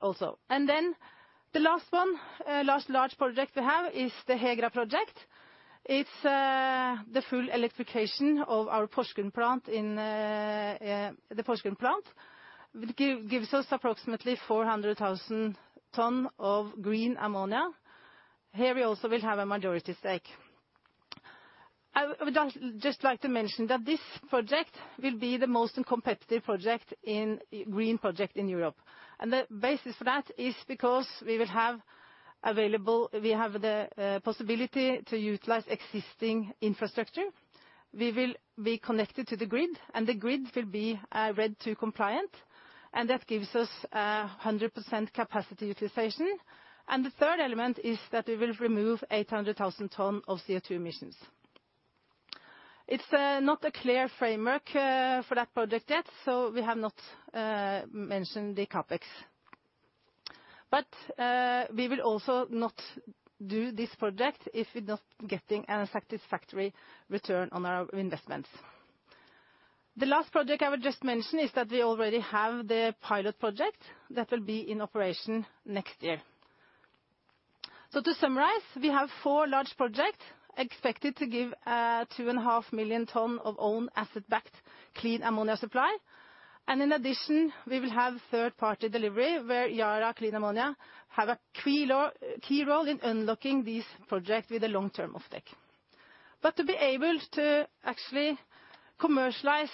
also. The last large project we have is the Hegra project. It's the full electrification of our Porsgrunn plant. Gives us approximately 400,000 tons of green ammonia. Here we also will have a majority stake. I would like just like to mention that this project will be the most competitive green project in Europe. The basis for that is because we will have available, we have the possibility to utilize existing infrastructure. We will be connected to the grid, and the grid will be RED II compliant, and that gives us 100% capacity utilization. The third element is that we will remove 800,000 tons of CO2 emissions. It's not a clear framework for that project yet, so we have not mentioned the CapEx. We will also not do this project if we're not getting a satisfactory return on our investments. The last project I would just mention is that we already have the pilot project that will be in operation next year. To summarize, we have four large projects expected to give 2.5 million tons of own asset-backed clean ammonia supply. In addition, we will have third-party delivery where Yara Clean Ammonia has a key role in unlocking these projects with a long-term offtake. To be able to actually commercialize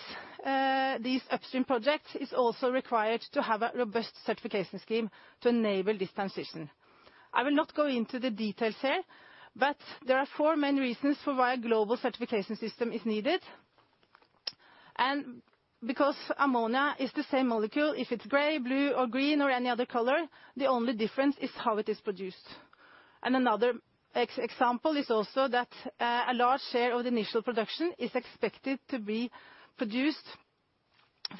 these upstream projects is also required to have a robust certification scheme to enable this transition. I will not go into the details here, but there are four main reasons for why a global certification system is needed, because ammonia is the same molecule, if it's gray, blue or green or any other color, the only difference is how it is produced. Another example is also that, a large share of the initial production is expected to be produced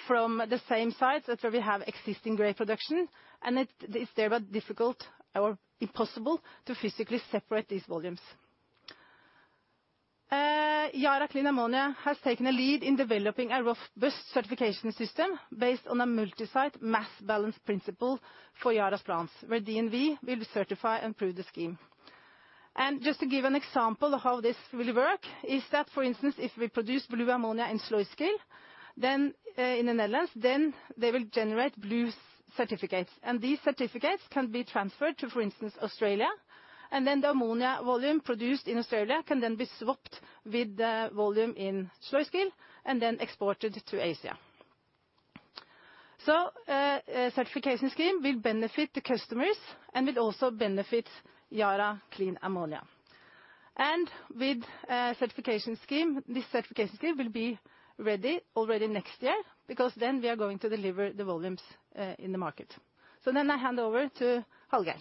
from the same sites as where we have existing gray production, and it is thereby difficult or impossible to physically separate these volumes. Yara Clean Ammonia has taken a lead in developing a robust certification system based on a multi-site mass balance principle for Yara's plants, where DNV will certify and prove the scheme. Just to give an example of how this will work is that, for instance, if we produce blue ammonia in Sluiskil in the Netherlands, then they will generate blue certificates. These certificates can be transferred to, for instance, Australia, and then the ammonia volume produced in Australia can then be swapped with the volume in Sluiskil and then exported to Asia. A certification scheme will benefit the customers and will also benefit Yara Clean Ammonia. With a certification scheme, this certification scheme will be ready already next year because then we are going to deliver the volumes in the market. I hand over to Hallgeir.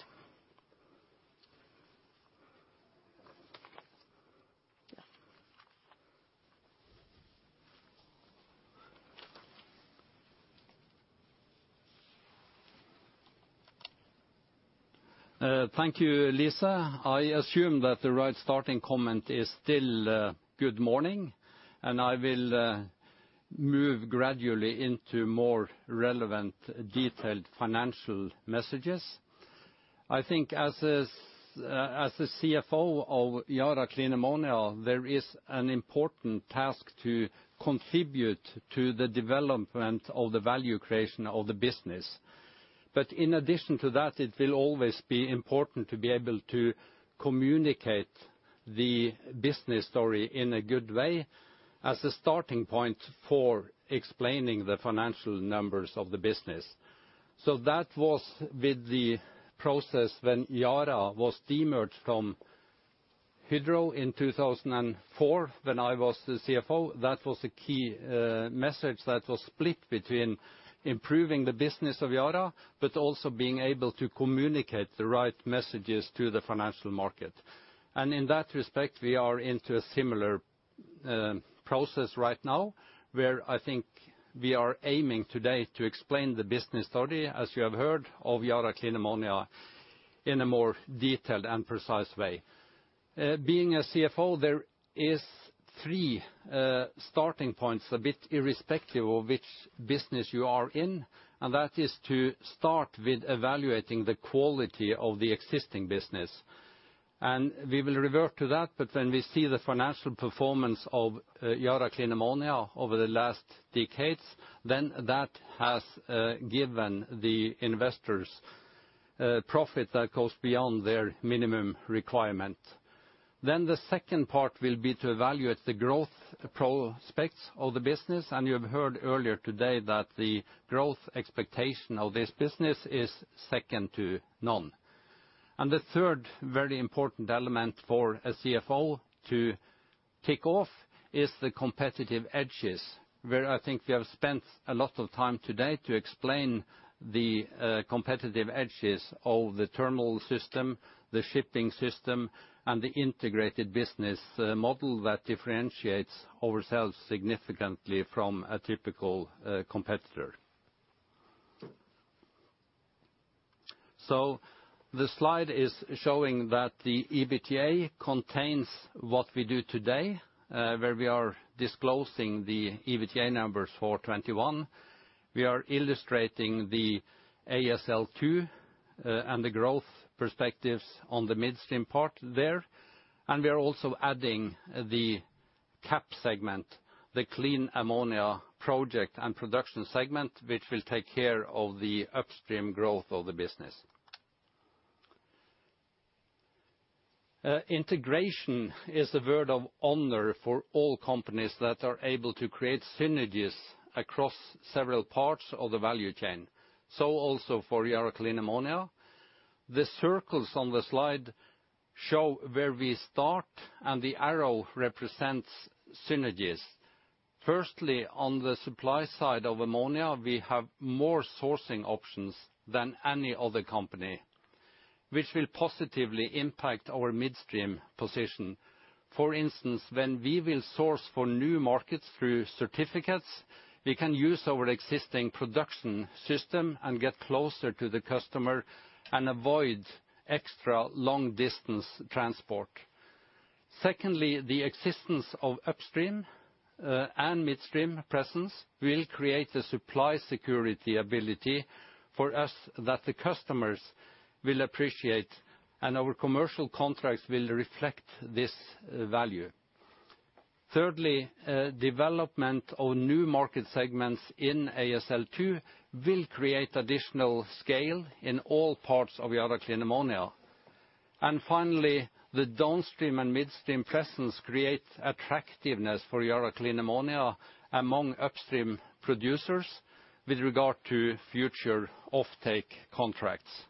Thank you, Lise. I assume that the right starting comment is still good morning, and I will move gradually into more relevant, detailed financial messages. I think as the CFO of Yara Clean Ammonia, there is an important task to contribute to the development of the value creation of the business. In addition to that, it will always be important to be able to communicate the business story in a good way as a starting point for explaining the financial numbers of the business. That was with the process when Yara was demerged from Norsk Hydro in 2004 when I was the CFO. That was a key message that was split between improving the business of Yara, but also being able to communicate the right messages to the financial market. In that respect, we are into a similar process right now, where I think we are aiming today to explain the business story, as you have heard, of Yara Clean Ammonia in a more detailed and precise way. Being a CFO, there are three starting points, a bit irrespective of which business you are in, and that is to start with evaluating the quality of the existing business. We will revert to that, but when we see the financial performance of Yara Clean Ammonia over the last decades, then that has given the investors profit that goes beyond their minimum requirement. The second part will be to evaluate the growth prospects of the business, and you have heard earlier today that the growth expectation of this business is second to none. The third very important element for a CFO to tick off is the competitive edges, where I think we have spent a lot of time today to explain the competitive edges of the terminal system, the shipping system, and the integrated business model that differentiates ourselves significantly from a typical competitor. The slide is showing that the EBITDA contains what we do today, where we are disclosing the EBITDA numbers for 2021. We are illustrating the ASL Two, and the growth perspectives on the midstream part there. We are also adding the CAP segment, the Clean Ammonia Project and Production segment, which will take care of the upstream growth of the business. Integration is a word of honor for all companies that are able to create synergies across several parts of the value chain, so also for Yara Clean Ammonia. The circles on the slide show where we start, and the arrow represents synergies. Firstly, on the supply side of ammonia, we have more sourcing options than any other company, which will positively impact our midstream position. For instance, when we will source for new markets through certificates, we can use our existing production system and get closer to the customer and avoid extra long-distance transport. Secondly, the existence of upstream and midstream presence will create a supply security ability for us that the customers will appreciate, and our commercial contracts will reflect this value. Thirdly, development of new market segments in ASL Two will create additional scale in all parts of Yara Clean Ammonia. Finally, the downstream and midstream presence create attractiveness for Yara Clean Ammonia among upstream producers with regard to future offtake contracts.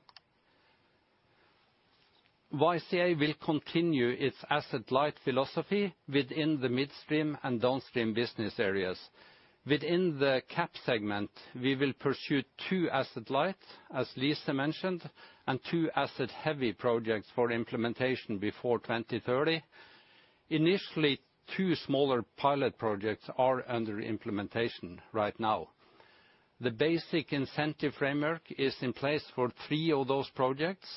YCA will continue its asset-light philosophy within the midstream and downstream business areas. Within the CAP segment, we will pursue two asset-light, as Lise mentioned, and two asset-heavy projects for implementation before 2030. Initially, two smaller pilot projects are under implementation right now. The basic incentive framework is in place for three of those projects,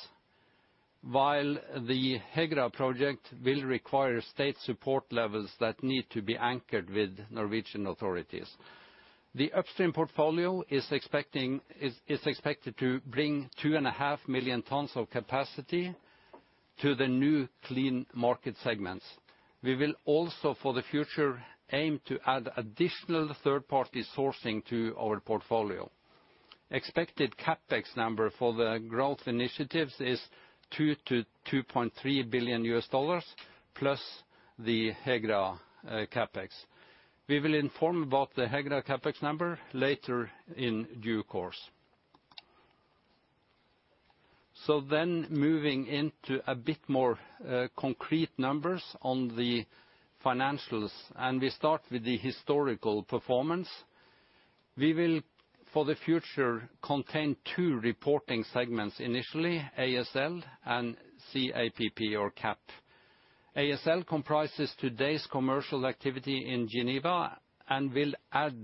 while the Herøya project will require state support levels that need to be anchored with Norwegian authorities. The upstream portfolio is expected to bring 2.5 million tons of capacity to the new clean market segments. We will also, for the future, aim to add additional third-party sourcing to our portfolio. Expected CapEx number for the growth initiatives is $2-$2.3 billion plus the Herøya CapEx. We will inform about the Herøya CapEx number later in due course. Moving into a bit more concrete numbers on the financials, and we start with the historical performance. We will, for the future, contain two reporting segments, initially, ASL and CAPP. ASL comprises today's commercial activity in Geneva and will add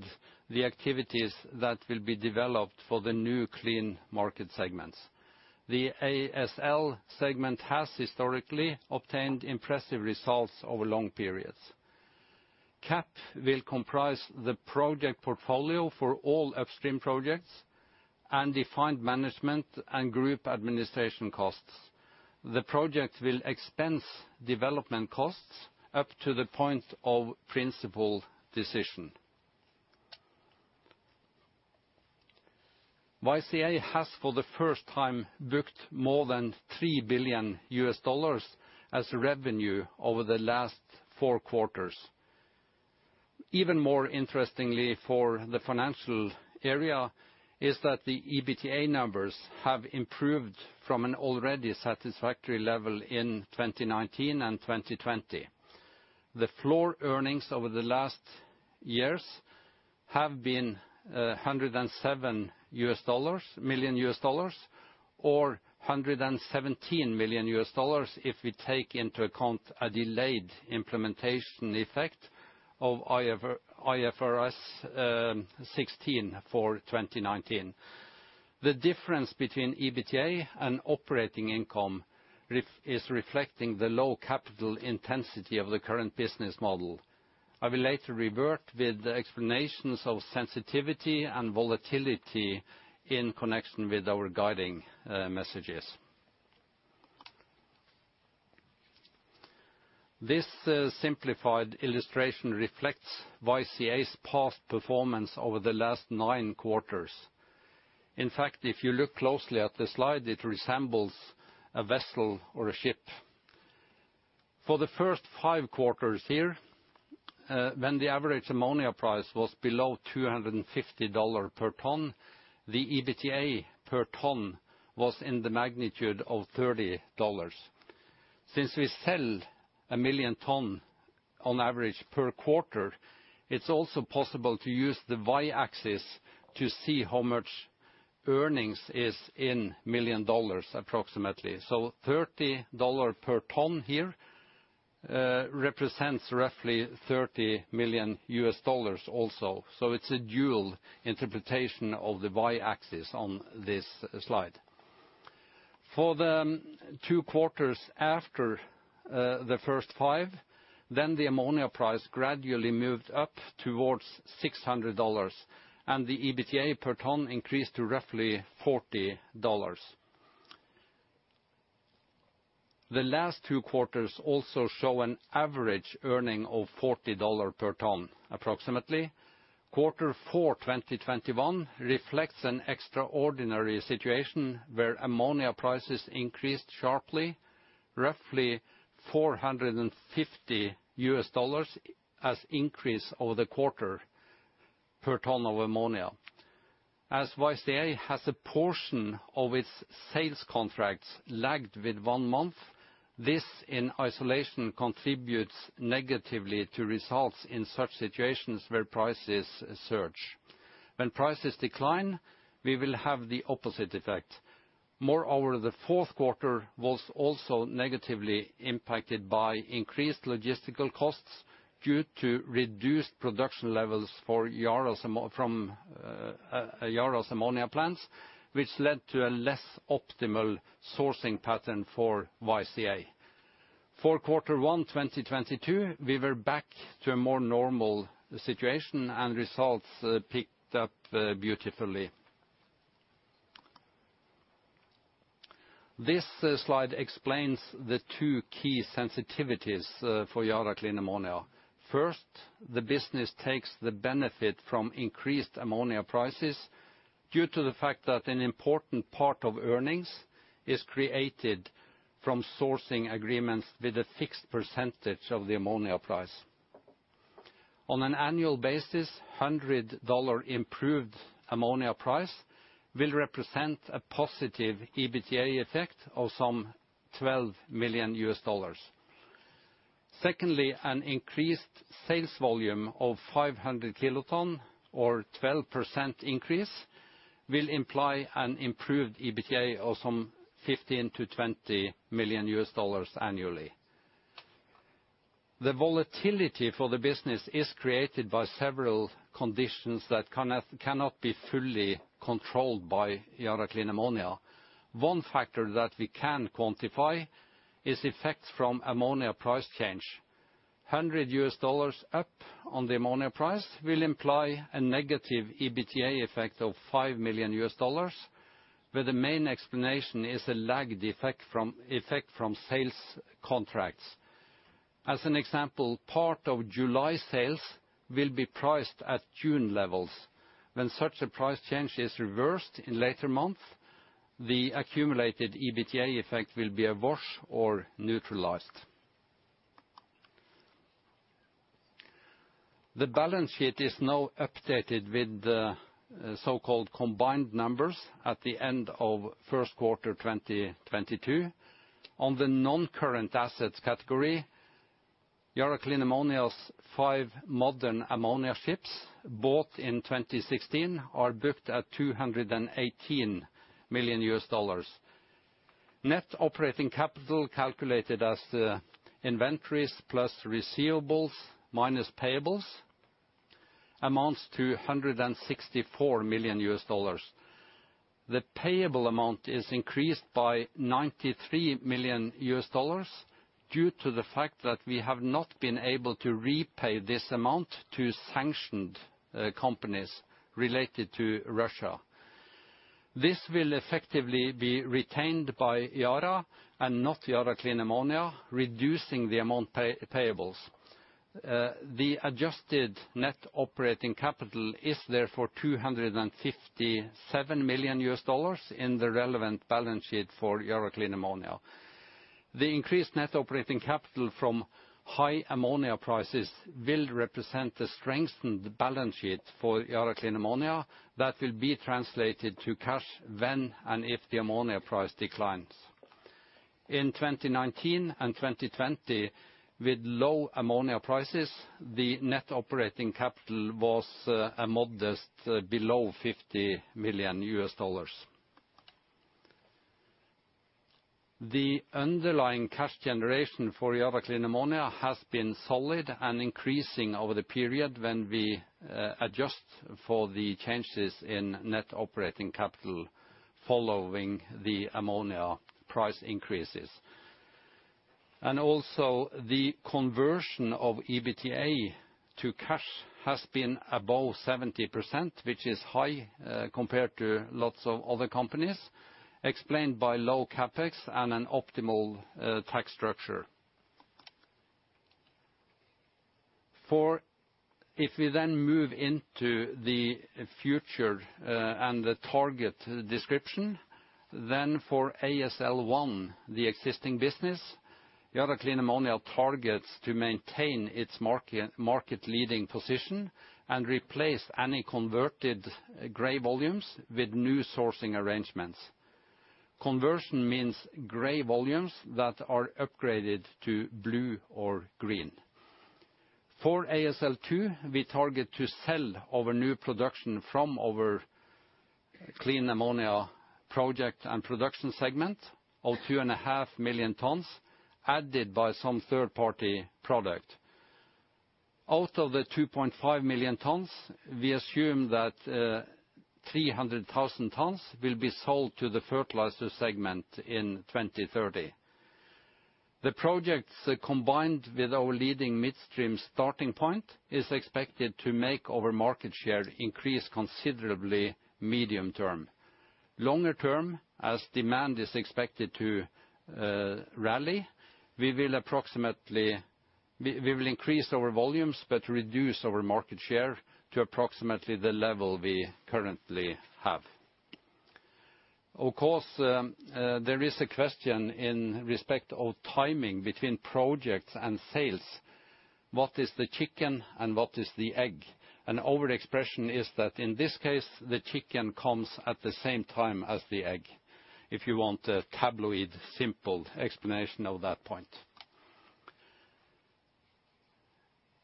the activities that will be developed for the new clean market segments. The ASL segment has historically obtained impressive results over long periods. CAPP will comprise the project portfolio for all upstream projects and defined management and group administration costs. The project will expense development costs up to the point of principal decision. YCA has, for the first time, booked more than $3 billion as revenue over the last four quarters. Even more interestingly for the financial area is that the EBITDA numbers have improved from an already satisfactory level in 2019 and 2020. The floor earnings over the last years have been $107 million, or $117 million if we take into account a delayed implementation effect of IFRS 16 for 2019. The difference between EBITDA and operating income is reflecting the low capital intensity of the current business model. I will later revert with the explanations of sensitivity and volatility in connection with our guiding messages. This simplified illustration reflects YCA's past performance over the last nine quarters. In fact, if you look closely at the slide, it resembles a vessel or a ship. For the first five quarters here, when the average ammonia price was below $250 per ton, the EBITDA per ton was in the magnitude of $30. Since we sell 1 million tons on average per quarter, it's also possible to use the Y-axis to see how much earnings is in million dollars approximately. $30 per ton here represents roughly $30 million also. It's a dual interpretation of the Y-axis on this slide. For the two quarters after the first five, then the ammonia price gradually moved up towards $600, and the EBITDA per ton increased to roughly $40. The last two quarters also show an average earnings of $40 per ton approximately. Q4 2021 reflects an extraordinary situation where ammonia prices increased sharply, roughly $450 an increase over the quarter per ton of ammonia. As YCA has a portion of its sales contracts lagged with one month, this in isolation contributes negatively to results in such situations where prices surge. When prices decline, we will have the opposite effect. Moreover, the fourth quarter was also negatively impacted by increased logistical costs due to reduced production levels for Yara's ammonia plants, which led to a less optimal sourcing pattern for YCA. For Q1 2022, we were back to a more normal situation, and results picked up beautifully. This slide explains the two key sensitivities for Yara Clean Ammonia. First, the business takes the benefit from increased ammonia prices due to the fact that an important part of earnings is created from sourcing agreements with a fixed percentage of the ammonia price. On an annual basis, $100 improved ammonia price will represent a positive EBITDA effect of some $12 million. Secondly, an increased sales volume of 500 kiloton or 12% increase will imply an improved EBITDA of some $15 million-$20 million annually. The volatility for the business is created by several conditions that cannot be fully controlled by Yara Clean Ammonia. One factor that we can quantify is effects from ammonia price change. $100 up on the ammonia price will imply a negative EBITDA effect of $5 million, where the main explanation is a lagged effect from sales contracts. As an example, part of July sales will be priced at June levels. When such a price change is reversed in later months, the accumulated EBITDA effect will be a wash or neutralized. The balance sheet is now updated with the so-called combined numbers at the end of first quarter 2022. On the non-current assets category, Yara Clean Ammonia's five modern ammonia ships, bought in 2016, are booked at $218 million. Net operating capital, calculated as the inventories plus receivables minus payables, amounts to $164 million. The payable amount is increased by $93 million due to the fact that we have not been able to repay this amount to sanctioned companies related to Russia. This will effectively be retained by Yara and not Yara Clean Ammonia, reducing the amount payables. The adjusted net operating capital is therefore $257 million in the relevant balance sheet for Yara Clean Ammonia. The increased net operating capital from high ammonia prices will represent the strengthened balance sheet for Yara Clean Ammonia that will be translated to cash when and if the ammonia price declines. In 2019 and 2020, with low ammonia prices, the net operating capital was modestly below $50 million. The underlying cash generation for Yara Clean Ammonia has been solid and increasing over the period when we adjust for the changes in net operating capital following the ammonia price increases. The conversion of EBITDA to cash has been above 70%, which is high compared to lots of other companies, explained by low CapEx and an optimal tax structure. If we move into the future and the target description, for ASL One, the existing business, Yara Clean Ammonia targets to maintain its market leading position and replace any converted gray volumes with new sourcing arrangements. Conversion means gray volumes that are upgraded to blue or green. For ASL Two, we target to sell our new production from our clean ammonia project and production segment of 2.5 million tons, added by some third-party product. Out of the 2.5 million tons, we assume that 300,000 tons will be sold to the fertilizer segment in 2030. The projects combined with our leading midstream starting point is expected to make our market share increase considerably medium term. Longer term, as demand is expected to rally, we will approximately. We will increase our volumes, but reduce our market share to approximately the level we currently have. Of course, there is a question in respect of timing between projects and sales. What is the chicken and what is the egg? Our expression is that in this case, the chicken comes at the same time as the egg. If you want a tabloid simple explanation of that point.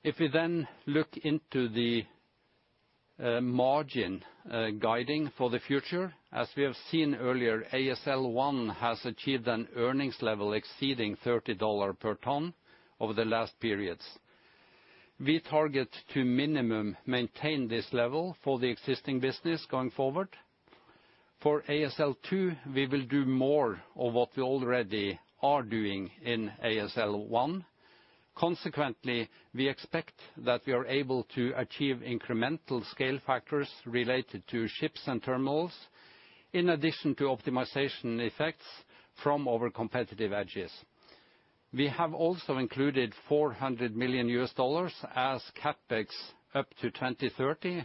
If we then look into the margin guidance for the future, as we have seen earlier, ASL One has achieved an earnings level exceeding $30 per ton over the last periods. We target to minimum maintain this level for the existing business going forward. For ASL Two, we will do more of what we already are doing in ASL One. Consequently, we expect that we are able to achieve incremental scale factors related to ships and terminals, in addition to optimization effects from our competitive edges. We have also included $400 million as CapEx up to 2030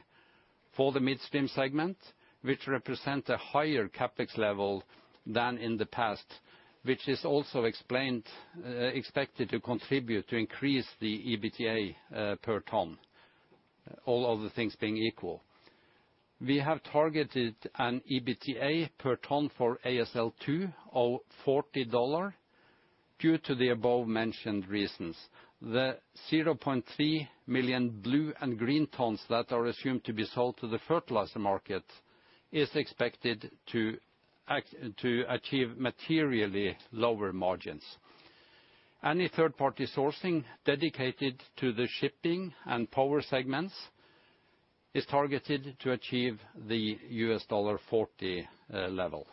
for the midstream segment, which represent a higher CapEx level than in the past, which is also explained, expected to contribute to increase the EBITDA per ton, all other things being equal. We have targeted an EBITDA per ton for ASL Two of $40 due to the above-mentioned reasons. The 0.3 million blue and green tons that are assumed to be sold to the fertilizer market is expected to achieve materially lower margins. Any third-party sourcing dedicated to the shipping and power segments is targeted to achieve the $40 level.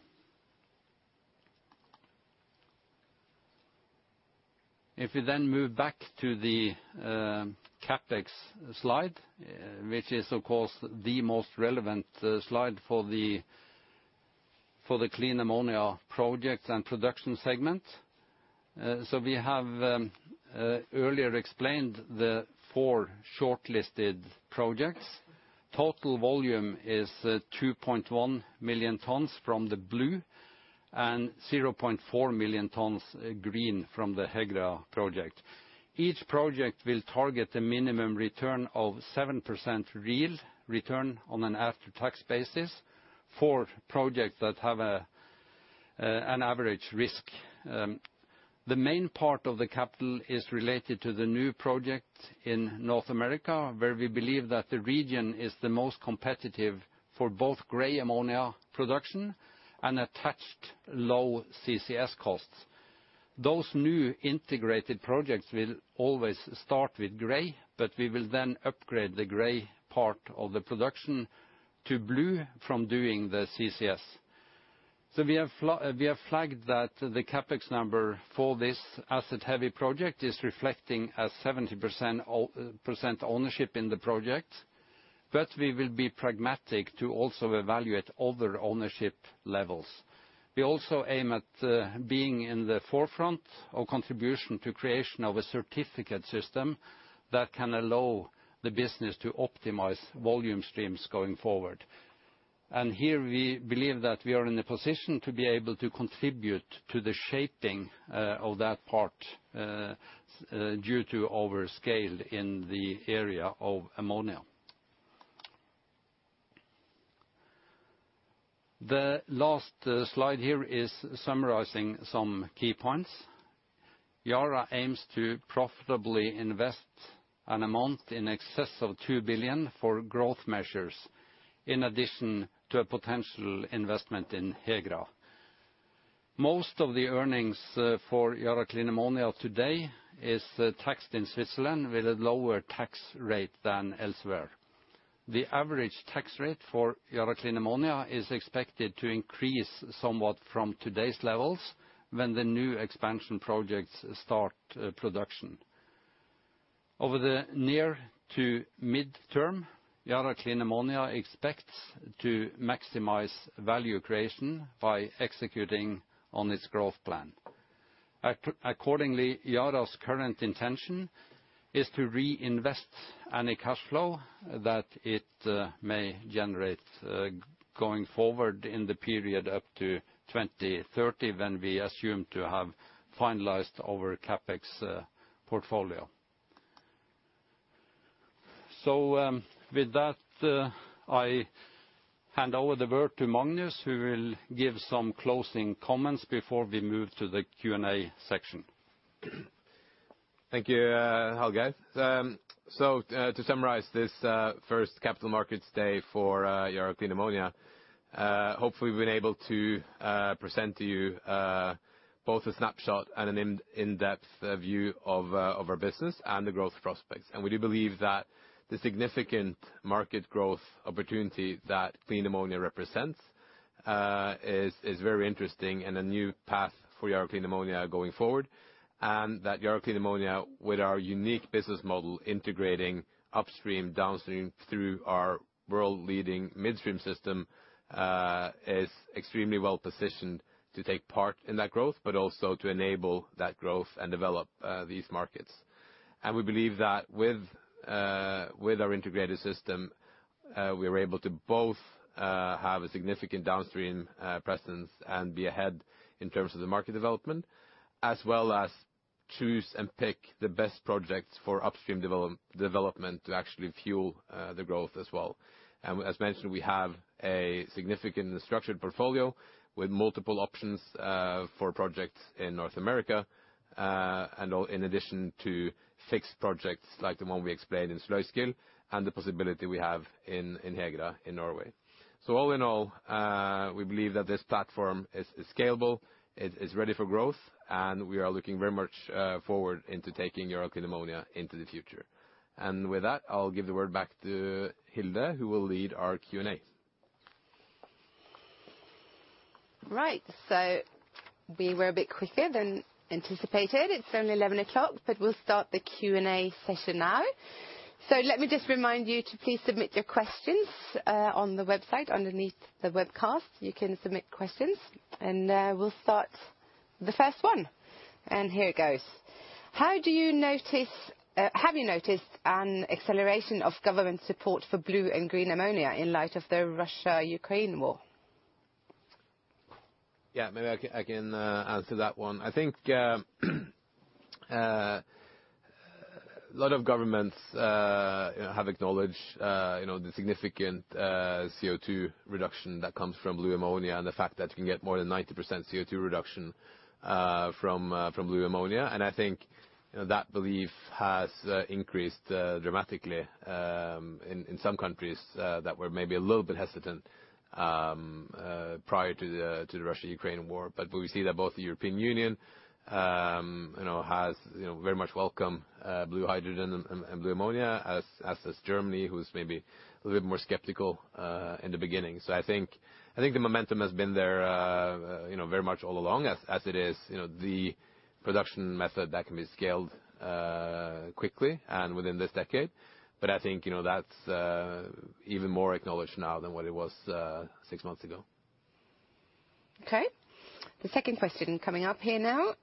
If we move back to the CapEx slide, which is of course the most relevant slide for the clean ammonia project and production segment. We have earlier explained the four shortlisted projects. Total volume is 2.1 million tons from the blue and 0.4 million tons green from the Herøya project. Each project will target a minimum return of 7% real return on an after-tax basis for projects that have an average risk. The main part of the capital is related to the new project in North America, where we believe that the region is the most competitive for both gray ammonia production and attached low CCS costs. Those new integrated projects will always start with gray, but we will then upgrade the gray part of the production to blue from doing the CCS. We have flagged that the CapEx number for this asset-heavy project is reflecting a 70% ownership in the project, but we will be pragmatic to also evaluate other ownership levels. We also aim at being in the forefront of contribution to creation of a certificate system that can allow the business to optimize volume streams going forward. Here we believe that we are in a position to be able to contribute to the shaping of that part due to our scale in the area of ammonia. The last slide here is summarizing some key points. Yara aims to profitably invest an amount in excess of $2 billion for growth measures in addition to a potential investment in Herøya. Most of the earnings for Yara Clean Ammonia today is taxed in Switzerland with a lower tax rate than elsewhere. The average tax rate for Yara Clean Ammonia is expected to increase somewhat from today's levels when the new expansion projects start production. Over the near to midterm, Yara Clean Ammonia expects to maximize value creation by executing on its growth plan. Accordingly, Yara's current intention is to reinvest any cash flow that it may generate going forward in the period up to 2030 when we assume to have finalized our CapEx portfolio. With that, I hand over the word to Magnus, who will give some closing comments before we move to the Q&A section. Thank you, Helge. So to summarize this first capital markets day for Yara Clean Ammonia, hopefully we've been able to present to you both a snapshot and an in-depth view of our business and the growth prospects. We do believe that the significant market growth opportunity that clean ammonia represents is very interesting and a new path for Yara Clean Ammonia going forward. That Yara Clean Ammonia, with our unique business model integrating upstream, downstream through our world-leading midstream system, is extremely well-positioned to take part in that growth, but also to enable that growth and develop these markets. We believe that with our integrated system, we are able to both have a significant downstream presence and be ahead in terms of the market development, as well as choose and pick the best projects for upstream development to actually fuel the growth as well. As mentioned, we have a significant structured portfolio with multiple options for projects in North America and in addition to fixed projects like the one we explained in Sluiskil and the possibility we have in Herøya in Norway. All in all, we believe that this platform is scalable, it is ready for growth, and we are looking very much forward into taking Yara Clean Ammonia into the future. With that, I'll give the word back to Hilde, who will lead our Q&A. Right. We were a bit quicker than anticipated. It's only 11 o'clock, but we'll start the Q&A session now. Let me just remind you to please submit your questions on the website. Underneath the webcast, you can submit questions. We'll start the first one. Here it goes. Have you noticed an acceleration of government support for blue and green ammonia in light of the Russia-Ukraine war? Yeah, maybe I can answer that one. I think a lot of governments have acknowledged you know the significant CO2 reduction that comes from blue ammonia and the fact that you can get more than 90% CO2 reduction from blue ammonia. I think you know that belief has increased dramatically in some countries that were maybe a little bit hesitant prior to the Russia-Ukraine war. We see that both the European Union you know has you know very much welcomed blue hydrogen and blue ammonia, as has Germany, who was maybe a little bit more skeptical in the beginning. I think the momentum has been there, you know, very much all along, as it is, you know, the production method that can be scaled quickly and within this decade. I think, you know, that's even more acknowledged now than what it was six months ago. Okay. The second question coming up here now.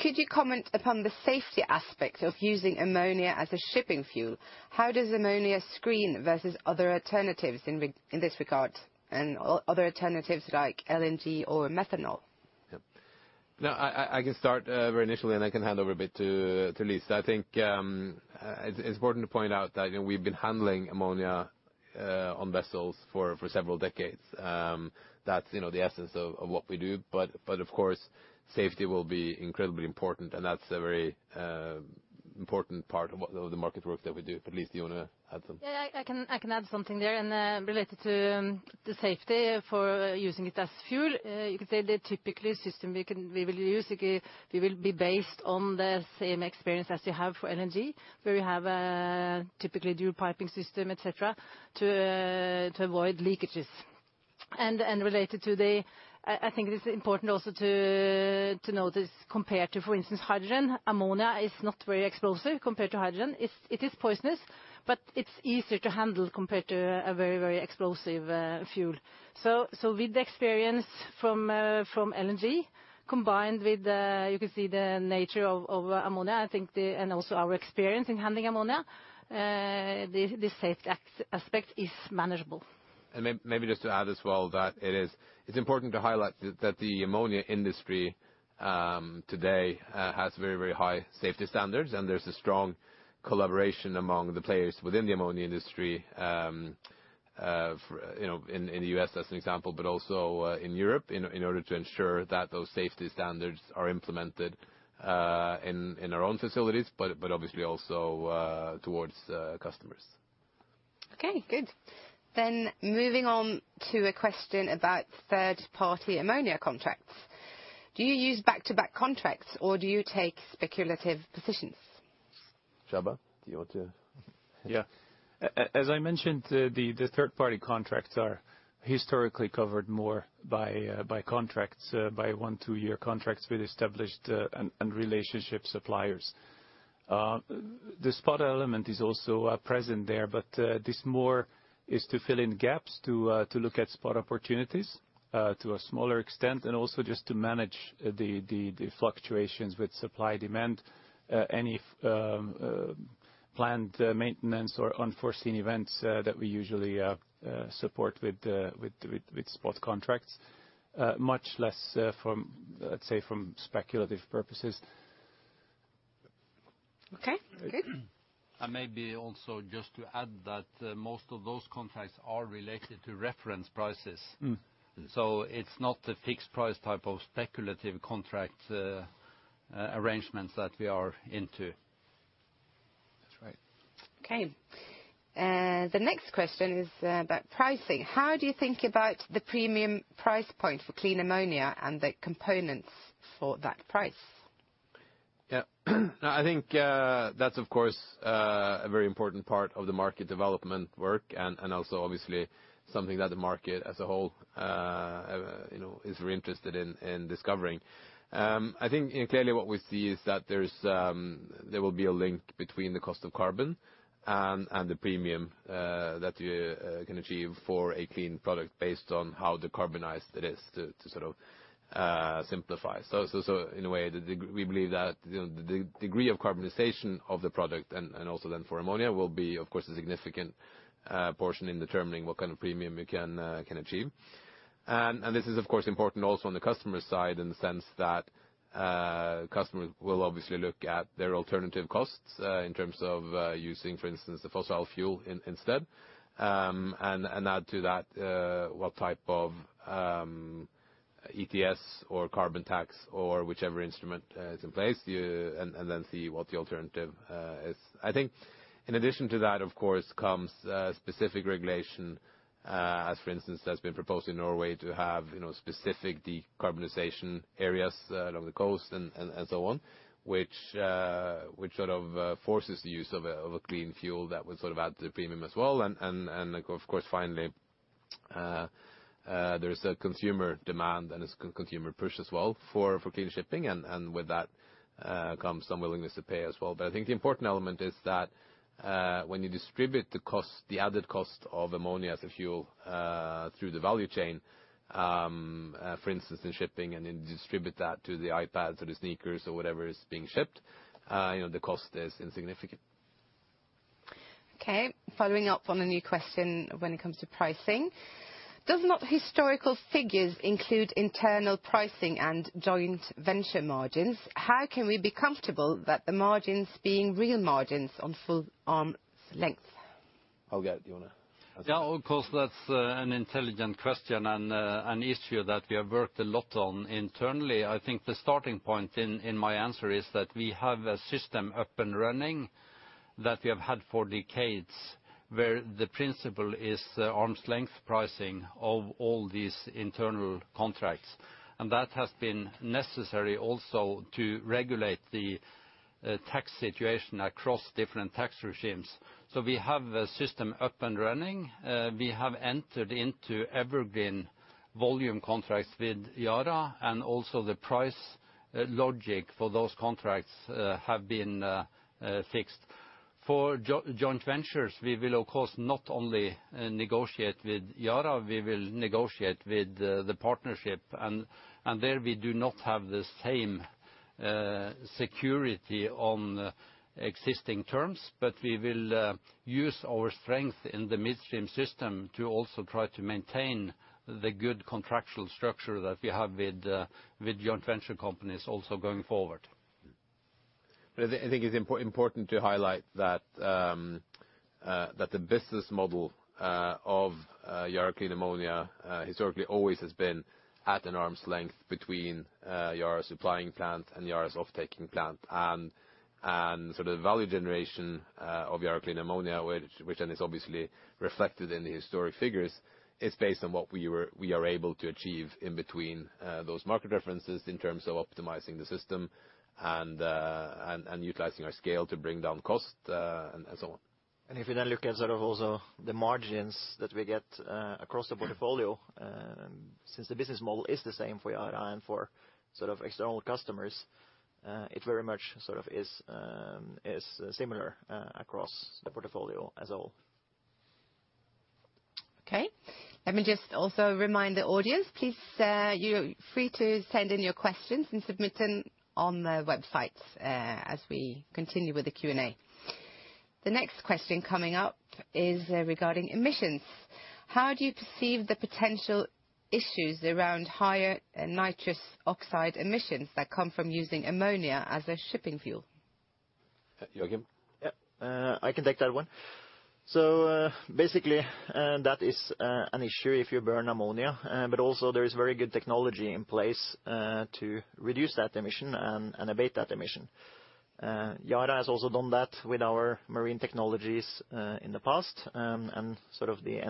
Could you comment upon the safety aspect of using ammonia as a shipping fuel? How does ammonia screen versus other alternatives in this regard, and other alternatives like LNG or methanol? No, I can start very initially, and I can hand over a bit to Lise. I think it's important to point out that, you know, we've been handling ammonia on vessels for several decades. That's, you know, the essence of what we do. But of course, safety will be incredibly important, and that's a very important part of what the market work that we do. Lise, do you wanna add something? Yeah, I can add something there. Related to the safety for using it as fuel, you could say the typical system we will use. It will be based on the same experience as you have for LNG, where you have a typical dual piping system, et cetera, to avoid leakages. I think it is important also to notice compared to, for instance, hydrogen, ammonia is not very explosive compared to hydrogen. It is poisonous, but it's easier to handle compared to a very explosive fuel. With the experience from LNG combined with, you can see the nature of ammonia, I think. Also our experience in handling ammonia, the safety aspect is manageable. Maybe just to add as well that it is, it's important to highlight that the ammonia industry today has very, very high safety standards, and there's a strong collaboration among the players within the ammonia industry for, you know, in the U.S. as an example, but also in Europe in order to ensure that those safety standards are implemented in our own facilities, but obviously also towards customers. Okay, good. Moving on to a question about third-party ammonia contracts. Do you use back-to-back contracts or do you take speculative positions? Csaba, do you want to? As I mentioned, the third-party contracts are historically covered more by one- to two-year contracts with established relationship suppliers. The spot element is also present there, but this is more to fill in gaps to look at spot opportunities to a smaller extent, and also just to manage the fluctuations with supply and demand, any planned maintenance or unforeseen events that we usually support with spot contracts, much less from, let's say, speculative purposes. Okay. Good. Maybe also just to add that most of those contracts are related to reference prices. It's not a fixed price type of speculative contract, arrangements that we are into. That's right. Okay. The next question is about pricing. How do you think about the premium price point for clean ammonia and the components for that price? Yeah. I think that's of course a very important part of the market development work and also obviously something that the market as a whole, you know, is very interested in discovering. I think, you know, clearly what we see is that there will be a link between the cost of carbon and the premium that you can achieve for a clean product based on how decarbonized it is to sort of simplify. In a way, we believe that, you know, the degree of decarbonization of the product and also then for ammonia will be, of course, a significant portion in determining what kind of premium you can achieve. This is, of course, important also on the customer side in the sense that customers will obviously look at their alternative costs in terms of using, for instance, the fossil fuel instead. Add to that what type of ETS or carbon tax or whichever instrument is in place. Then see what the alternative is. I think in addition to that, of course, comes specific regulation, as for instance, that's been proposed in Norway to have, you know, specific decarbonization areas along the coast and so on, which sort of forces the use of a clean fuel that will sort of add to the premium as well. Of course, finally, there's a consumer demand and a consumer push as well for clean shipping and with that comes some willingness to pay as well. I think the important element is that when you distribute the cost, the added cost of ammonia as a fuel through the value chain for instance in shipping and then distribute that to the iPads or the sneakers or whatever is being shipped, you know, the cost is insignificant. Okay. Following up on a new question when it comes to pricing. Does not historical figures include internal pricing and joint venture margins? How can we be comfortable that the margins being real margins on full arm's-length? Hallgeir, do you wanna? Yeah, of course, that's an intelligent question and an issue that we have worked a lot on internally. I think the starting point in my answer is that we have a system up and running that we have had for decades, where the principle is arm's-length pricing of all these internal contracts. That has been necessary also to regulate the tax situation across different tax regimes. We have a system up and running. We have entered into evergreen volume contracts with Yara, and also the price logic for those contracts have been fixed. For joint ventures, we will, of course, not only negotiate with Yara, we will negotiate with the partnership. There we do not have the same security on existing terms, but we will use our strength in the midstream system to also try to maintain the good contractual structure that we have with joint venture companies also going forward. I think it's important to highlight that the business model of Yara Clean Ammonia historically always has been at an arm's-length between Yara's supplying plant and Yara's offtaking plant. The value generation of Yara Clean Ammonia, which then is obviously reflected in the historic figures, is based on what we are able to achieve in between those market references in terms of optimizing the system and utilizing our scale to bring down cost, and so on. If you then look at sort of also the margins that we get across the portfolio, since the business model is the same for Yara and for sort of external customers, it very much sort of is similar across the portfolio as all. Okay. Let me just also remind the audience, please, you're free to send in your questions and submit them on the website, as we continue with the Q&A. The next question coming up is regarding emissions. How do you perceive the potential issues around higher nitrous oxide emissions that come from using ammonia as a shipping fuel? Joacim? I can take that one. Basically, that is an issue if you burn ammonia, but also there is very good technology in place to reduce that emission and abate that emission. Yara has also done that with our marine technologies in the past, and sort of the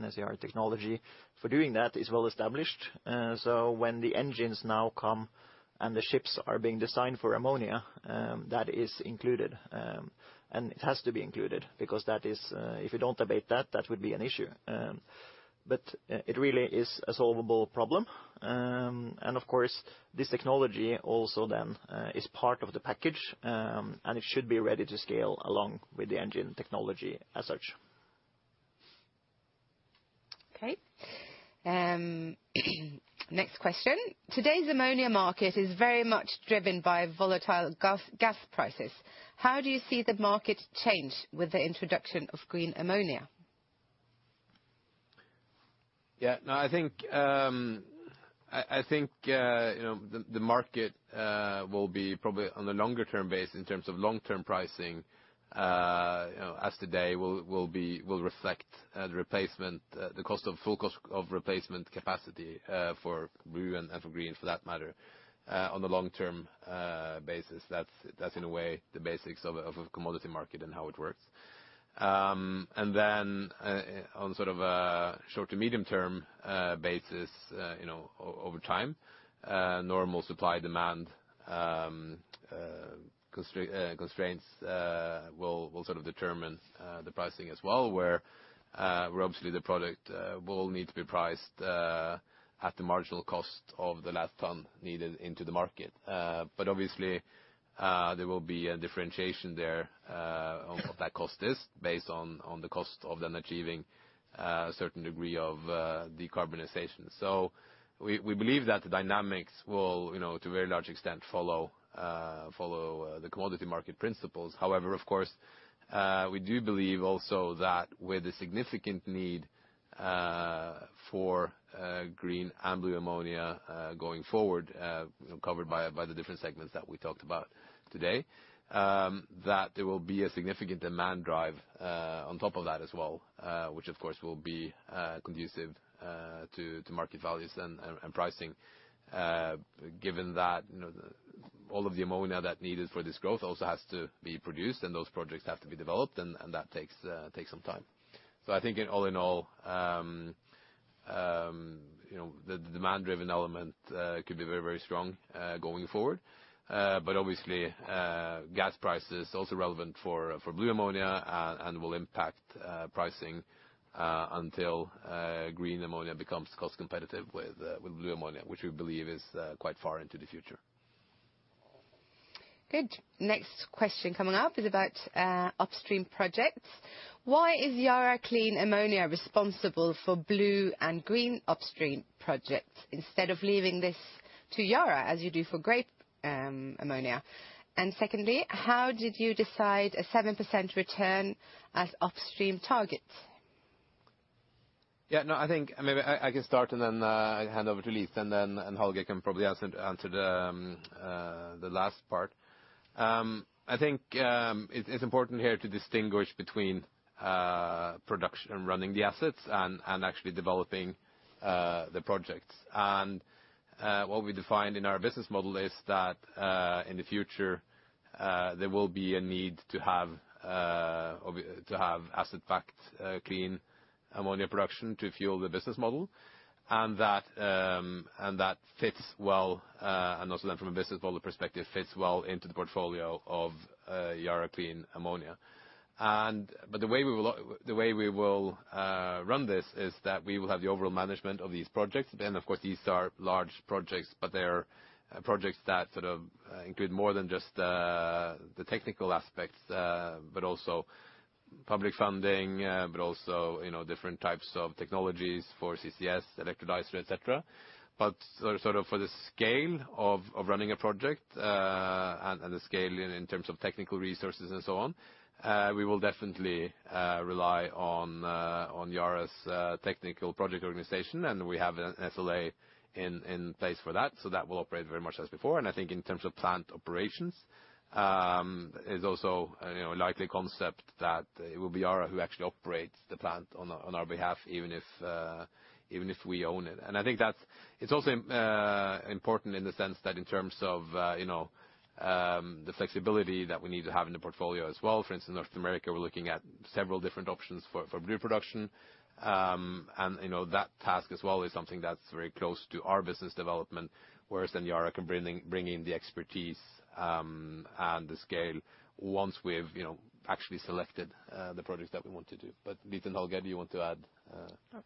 SCR technology for doing that is well established. When the engines now come and the ships are being designed for ammonia, that is included and it has to be included because if you don't abate that would be an issue. But it really is a solvable problem and of course, this technology also then is part of the package, and it should be ready to scale along with the engine technology as such. Okay. Next question. Today's ammonia market is very much driven by volatile gas prices. How do you see the market change with the introduction of green ammonia? Yeah. No, I think you know, the market will be probably on a longer term basis in terms of long-term pricing, you know, as today will reflect the full cost of replacement capacity for blue and for green for that matter on a long-term basis. That's in a way the basics of a commodity market and how it works. On sort of a short to medium term basis, you know, over time, normal supply-demand constraints will sort of determine the pricing as well, where obviously the product will need to be priced at the marginal cost of the last ton needed into the market. Obviously, there will be a differentiation there on what that cost is based on the cost of then achieving a certain degree of decarbonization. We believe that the dynamics will, you know, to a very large extent follow the commodity market principles. However, of course, we do believe also that with a significant need for green and blue ammonia going forward, you know, covered by the different segments that we talked about today, that there will be a significant demand drive on top of that as well, which of course will be conducive to market values and pricing. Given that, you know, all of the ammonia that's needed for this growth also has to be produced, and those projects have to be developed and that takes some time. I think all in all, you know, the demand-driven element could be very, very strong going forward, but obviously, gas price is also relevant for blue ammonia and will impact pricing until green ammonia becomes cost competitive with blue ammonia, which we believe is quite far into the future. Good. Next question coming up is about upstream projects. Why is Yara Clean Ammonia responsible for blue and green upstream projects instead of leaving this to Yara as you do for gray ammonia? Secondly, how did you decide a 7% return as upstream targets? Yeah, no, I think maybe I can start and then hand over to Lise, and then Hallgeir can probably answer the last part. I think it's important here to distinguish between production and running the assets and actually developing the projects. What we defined in our business model is that in the future there will be a need to have asset-backed clean ammonia production to fuel the business model. That fits well and also then from a business model perspective fits well into the portfolio of Yara Clean Ammonia. But the way we will run this is that we will have the overall management of these projects. Of course, these are large projects, but they are projects that sort of include more than just the technical aspects, but also public funding, but also, you know, different types of technologies for CCS, electrolyzer, et cetera. Sort of for the scale of running a project, and the scale in terms of technical resources and so on, we will definitely rely on Yara's technical project organization, and we have an SLA in place for that. That will operate very much as before. I think in terms of plant operations is also, you know, a likely concept that it will be Yara who actually operates the plant on our behalf, even if we own it. I think that's also important in the sense that in terms of, you know, the flexibility that we need to have in the portfolio as well. For instance, North America, we're looking at several different options for blue production. You know, that task as well is something that's very close to our business development, whereas Yara can bring in the expertise and the scale once we have, you know, actually selected the projects that we want to do. Lise and Hallgeir, do you want to add? No.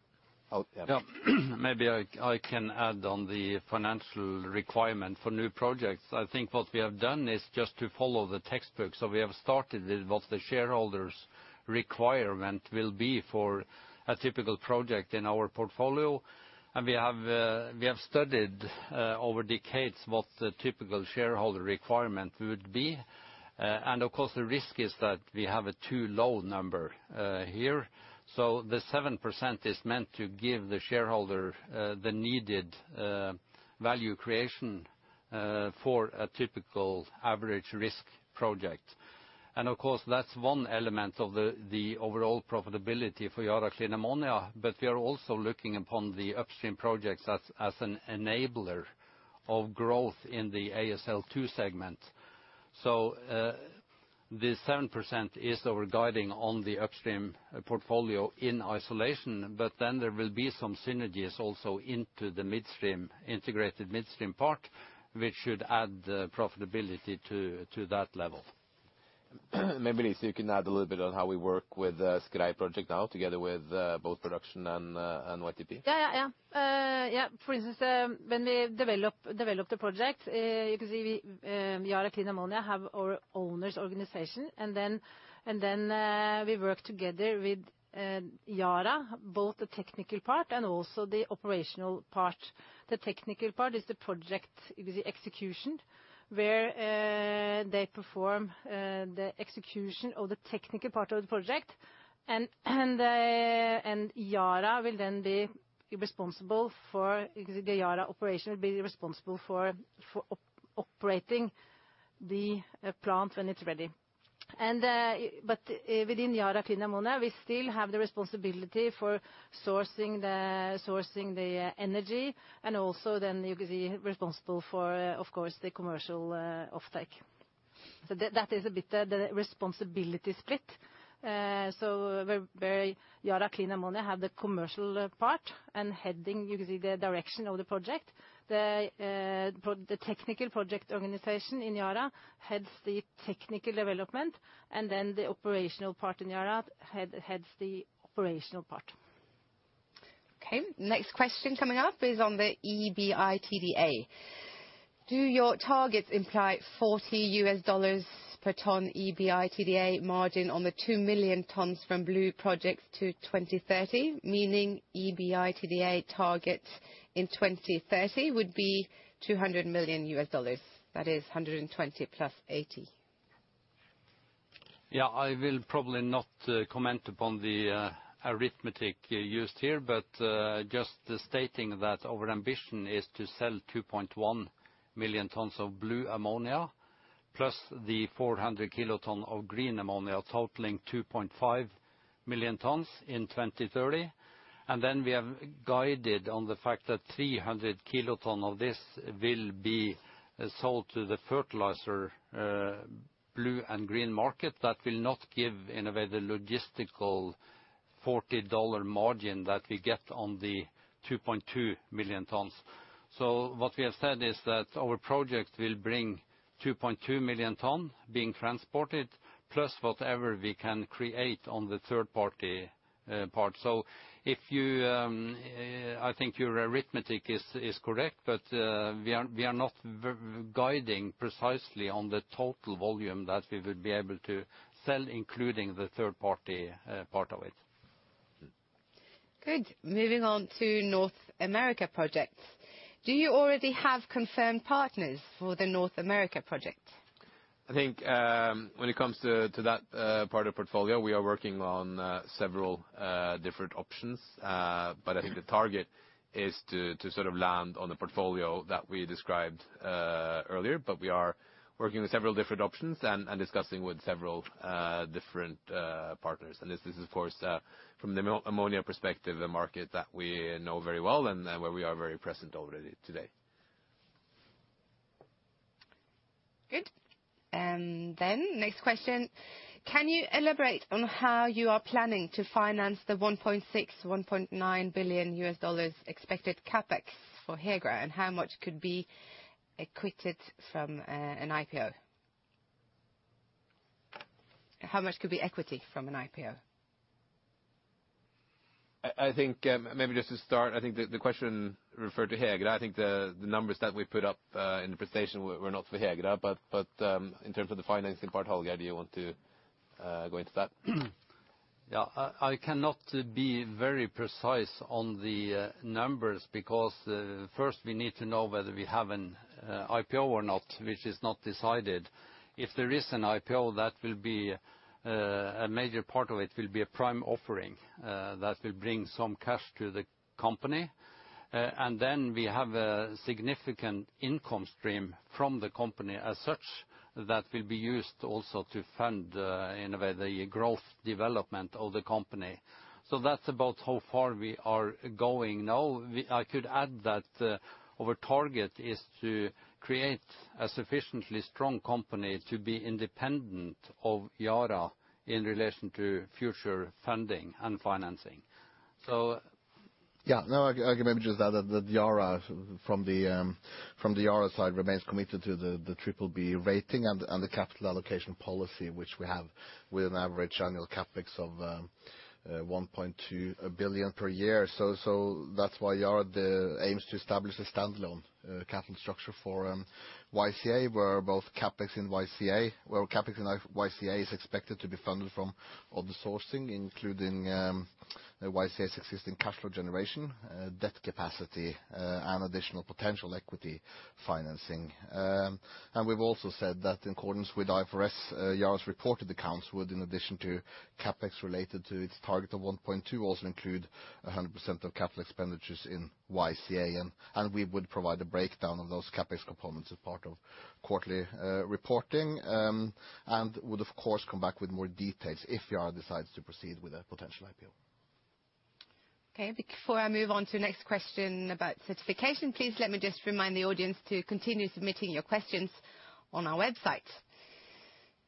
Oh, yeah. Yeah. Maybe I can add on the financial requirement for new projects. I think what we have done is just to follow the textbook. We have started with what the shareholders' requirement will be for a typical project in our portfolio. We have studied over decades what the typical shareholder requirement would be. Of course, the risk is that we have a too low number here. The 7% is meant to give the shareholder the needed value creation for a typical average risk project. Of course, that's one element of the overall profitability for Yara Clean Ammonia. We are also looking upon the upstream projects as an enabler of growth in the ASL two segment. The 7% is our guidance on the upstream portfolio in isolation, but then there will be some synergies also into the midstream, integrated midstream part, which should add profitability to that level. Maybe, Lise, you can add a little bit on how we work with the Sluiskil project now together with both production and YTP. For instance, when we develop the project, you can see we Yara Clean Ammonia have our owners' organization, and then we work together with Yara, both the technical part and also the operational part. The technical part is the project, you could say, execution, where they perform the execution of the technical part of the project. Yara will then be responsible for, you could say Yara operation will be responsible for operating the plant when it's ready. But within Yara Clean Ammonia, we still have the responsibility for sourcing the energy and also then you could be responsible for, of course, the commercial offtake. That is a bit the responsibility split. Where Yara Clean Ammonia have the commercial part and heading, you could say the direction of the project. The technical project organization in Yara heads the technical development, and then the operational part in Yara heads the operational part. Okay. Next question coming up is on the EBITDA. Do your targets imply $40 per ton EBITDA margin on the 2 million tons from blue projects to 2030, meaning EBITDA targets in 2030 would be $200 million? That is $120 million+$80 million. Yeah. I will probably not comment upon the arithmetic used here, but just stating that our ambition is to sell 2.1 million tons of blue ammonia plus the 400 kilotons of green ammonia, totaling 2.5 million tons in 2030. We have guided on the fact that 300 kilotons of this will be sold to the fertilizer blue and green market. That will not give in a way the logistical $40 margin that we get on the 2.2 million tons. What we have said is that our project will bring 2.2 million tons being transported plus whatever we can create on the third party part. I think your arithmetic is correct, but we are not guiding precisely on the total volume that we would be able to sell, including the third party part of it. Good. Moving on to North America projects. Do you already have confirmed partners for the North America project? I think, when it comes to that part of portfolio, we are working on several different options. I think the target is to sort of land on the portfolio that we described earlier. We are working with several different options and discussing with several different partners. This is of course, from the ammonia perspective, a market that we know very well and where we are very present already today. Good. Next question. Can you elaborate on how you are planning to finance the $1.6-$1.9 billion expected CapEx for Herøya, and how much could be equity from an IPO? How much could be equity from an IPO? I think maybe just to start, I think the question referred to Herøya. I think the numbers that we put up in the presentation were not for Herøya. In terms of the financing part, Hallgeir, do you want to go into that? Yeah. I cannot be very precise on the numbers because first we need to know whether we have an IPO or not, which is not decided. If there is an IPO, that will be a major part of it will be a primary offering that will bring some cash to the company. We have a significant income stream from the company as such that will be used also to fund in a way the growth development of the company. That's about how far we are going. Now, I could add that our target is to create a sufficiently strong company to be independent of Yara in relation to future funding and financing. I can maybe just add that Yara, from the Yara side, remains committed to the triple B rating and the capital allocation policy, which we have with an average annual CapEx of $1.2 billion per year. That's why Yara aims to establish a standalone capital structure for YCA, where CapEx and YCA is expected to be funded from other sources, including YCA's existing cash flow generation, debt capacity, and additional potential equity financing. We've also said that in accordance with IFRS, Yara's reported accounts would, in addition to CapEx related to its target of $1.2 billion, also include 100% of capital expenditures in YCA. We would provide a breakdown of those CapEx components as part of quarterly reporting and would of course come back with more details if Yara decides to proceed with a potential IPO. Okay. Before I move on to the next question about certification, please let me just remind the audience to continue submitting your questions on our website.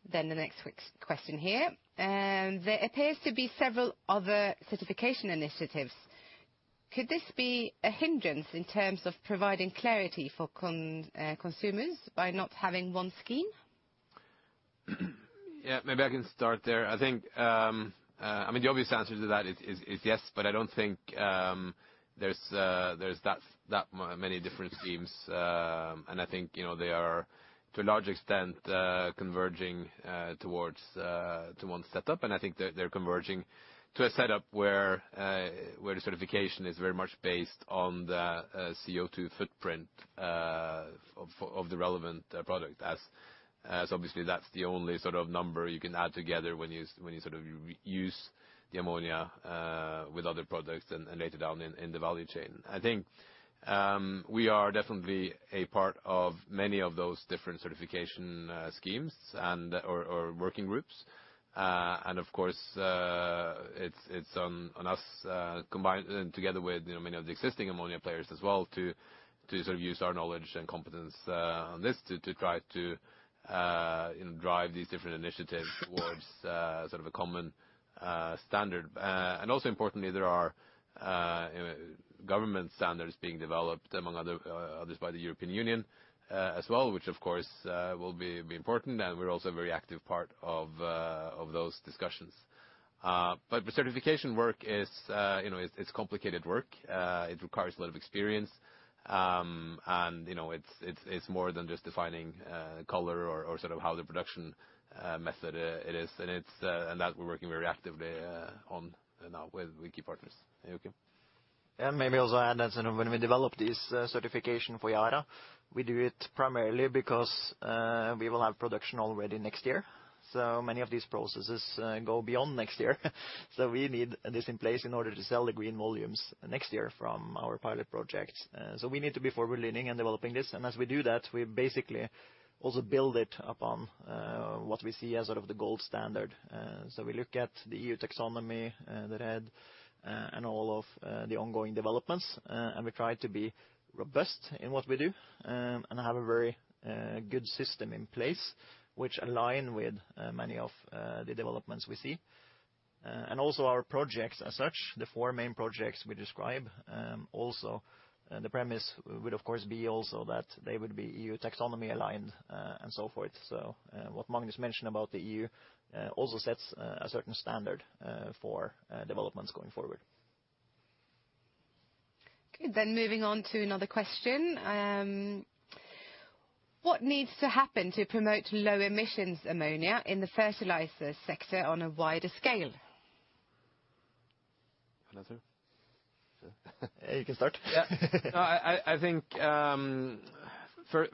The next week's question here, there appears to be several other certification initiatives. Could this be a hindrance in terms of providing clarity for consumers by not having one scheme? Yeah, maybe I can start there. I think, I mean, the obvious answer to that is yes, but I don't think there's that many different schemes. I think, you know, they are to a large extent converging towards to one setup. I think they're converging to a setup where the certification is very much based on the CO2 footprint of the relevant product. As obviously that's the only sort of number you can add together when you sort of use the ammonia with other products and later down in the value chain. I think we are definitely a part of many of those different certification schemes and or working groups. Of course, it's on us combined and together with you know many of the existing ammonia players as well to sort of use our knowledge and competence on this to try to you know drive these different initiatives towards sort of a common standard. Also importantly, there are you know government standards being developed among others by the European Union as well, which of course will be important. We're also a very active part of those discussions, but the certification work is you know it's more than just defining color or sort of how the production method that we're working very actively on now with key partners. Joacim? Maybe also add that sort of when we develop this certification for Yara, we do it primarily because we will have production already next year. Many of these processes go beyond next year. We need this in place in order to sell the green volumes next year from our pilot project. We need to be forward-leaning in developing this. As we do that, we basically also build it upon what we see as sort of the gold standard. We look at the EU taxonomy, the RED II and all of the ongoing developments. We try to be robust in what we do, and have a very good system in place which align with many of the developments we see. Also our projects as such, the four main projects we describe. The premise would of course be also that they would be EU taxonomy aligned, and so forth. What Magnus mentioned about the EU also sets a certain standard for developments going forward. Okay. Moving on to another question. What needs to happen to promote low emissions ammonia in the fertilizer sector on a wider scale? You wanna answer? You can start. Yeah. No, I think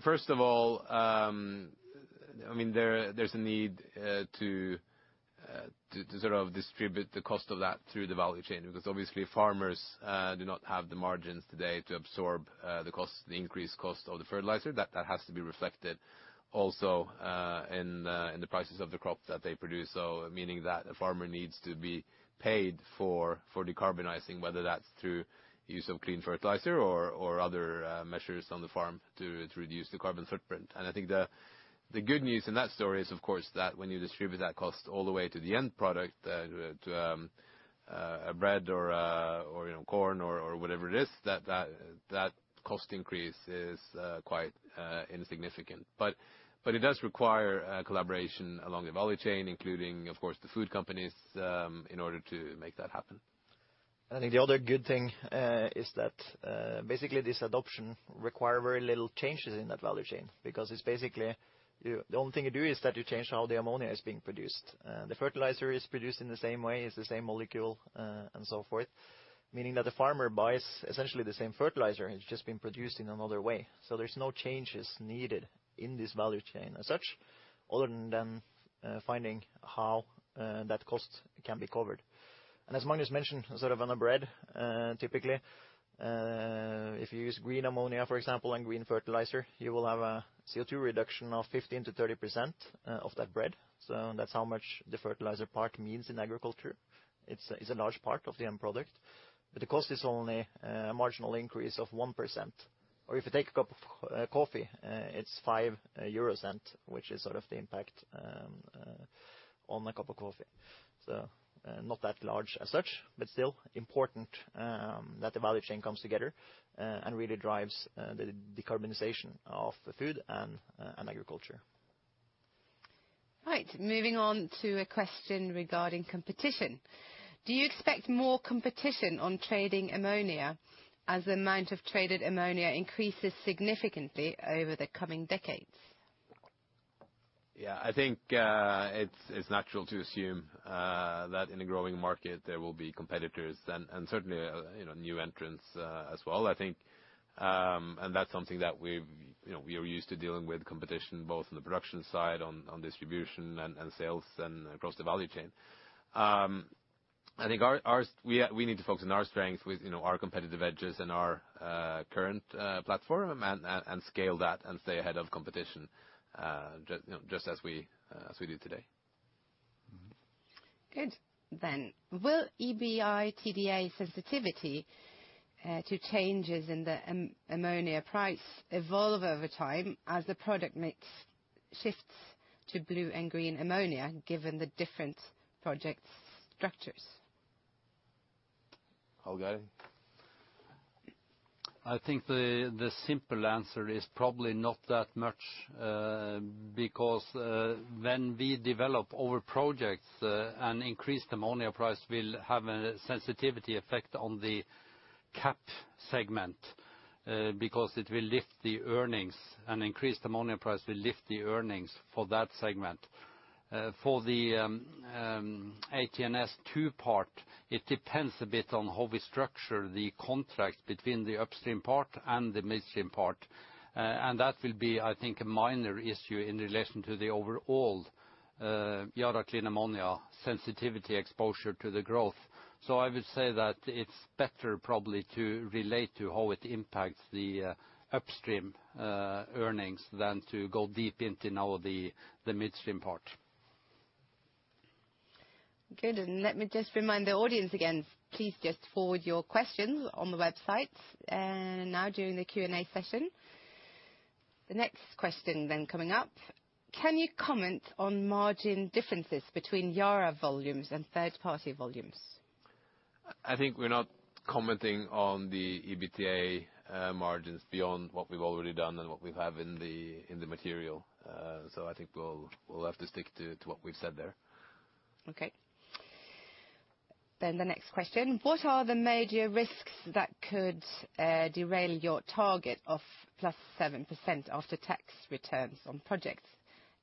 first of all, I mean, there's a need to sort of distribute the cost of that through the value chain because obviously farmers do not have the margins today to absorb the increased cost of the fertilizer. That has to be reflected also in the prices of the crop that they produce. Meaning that a farmer needs to be paid for decarbonizing, whether that's through use of clean fertilizer or other measures on the farm to reduce the carbon footprint. I think the good news in that story is of course that when you distribute that cost all the way to the end product, to a bread or you know corn or whatever it is, that cost increase is quite insignificant. It does require collaboration along the value chain, including, of course, the food companies, in order to make that happen. I think the other good thing is that basically this adoption require very little changes in that value chain, because it's basically the only thing you do is that you change how the ammonia is being produced. The fertilizer is produced in the same way, it's the same molecule, and so forth, meaning that the farmer buys essentially the same fertilizer, it's just been produced in another way. There's no changes needed in this value chain as such, other than finding how that cost can be covered. As Magnus mentioned, sort of on a broad, typically, if you use green ammonia, for example, and green fertilizer, you will have a CO2 reduction of 15%-30% of that broad. That's how much the fertilizer part means in agriculture. It's a large part of the end product. The cost is only a marginal increase of 1%. If you take a cup of coffee, it's 0.05, which is sort of the impact on a cup of coffee. Not that large as such, but still important that the value chain comes together and really drives the decarbonization of food and agriculture. Right. Moving on to a question regarding competition. Do you expect more competition on trading ammonia as the amount of traded ammonia increases significantly over the coming decades? Yeah. I think it's natural to assume that in a growing market there will be competitors and certainly you know new entrants as well. I think that's something that we've you know we are used to dealing with competition both on the production side on distribution and sales and across the value chain. I think we need to focus on our strength with you know our competitive edges and our current platform and scale that and stay ahead of competition you know just as we do today. Good. Will EBITDA sensitivity to changes in the ammonia price evolve over time as the product mix shifts to blue and green ammonia, given the different projects' structures? Hallgeir. I think the simple answer is probably not that much, because when we develop our projects, an increased ammonia price will have a sensitivity effect on the CAP segment, because it will lift the earnings. An increased ammonia price will lift the earnings for that segment. For the ASL Two part, it depends a bit on how we structure the contract between the upstream part and the midstream part. That will be, I think, a minor issue in relation to the overall Yara Clean Ammonia sensitivity exposure to the growth. I would say that it's better probably to relate to how it impacts the upstream earnings than to go deep into now the midstream part. Good. Let me just remind the audience again, please just forward your questions on the website, now during the Q&A session. The next question coming up: Can you comment on margin differences between Yara volumes and third-party volumes? I think we're not commenting on the EBITDA margins beyond what we've already done and what we have in the material. So I think we'll have to stick to what we've said there. Okay. The next question: What are the major risks that could derail your target of +7% after tax returns on projects?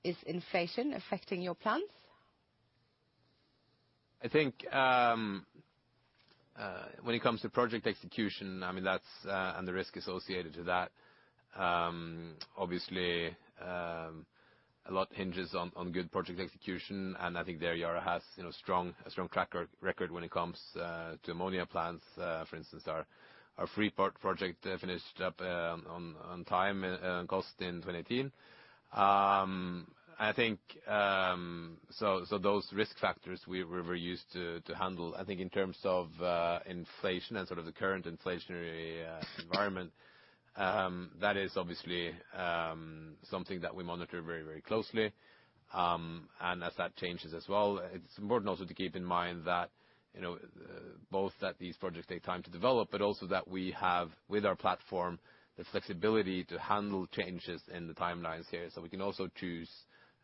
Is inflation affecting your plans? I think, when it comes to project execution, I mean, that's and the risk associated to that, obviously, a lot hinges on good project execution, and I think there Yara has, you know, a strong track record when it comes to ammonia plants. For instance our Freeport project finished up on time in August 2018. Those risk factors we're very used to handle. I think in terms of inflation and sort of the current inflationary environment, that is obviously something that we monitor very closely. As that changes as well, it's important also to keep in mind that, you know, both that these projects take time to develop, but also that we have, with our platform, the flexibility to handle changes in the timelines here. We can also choose,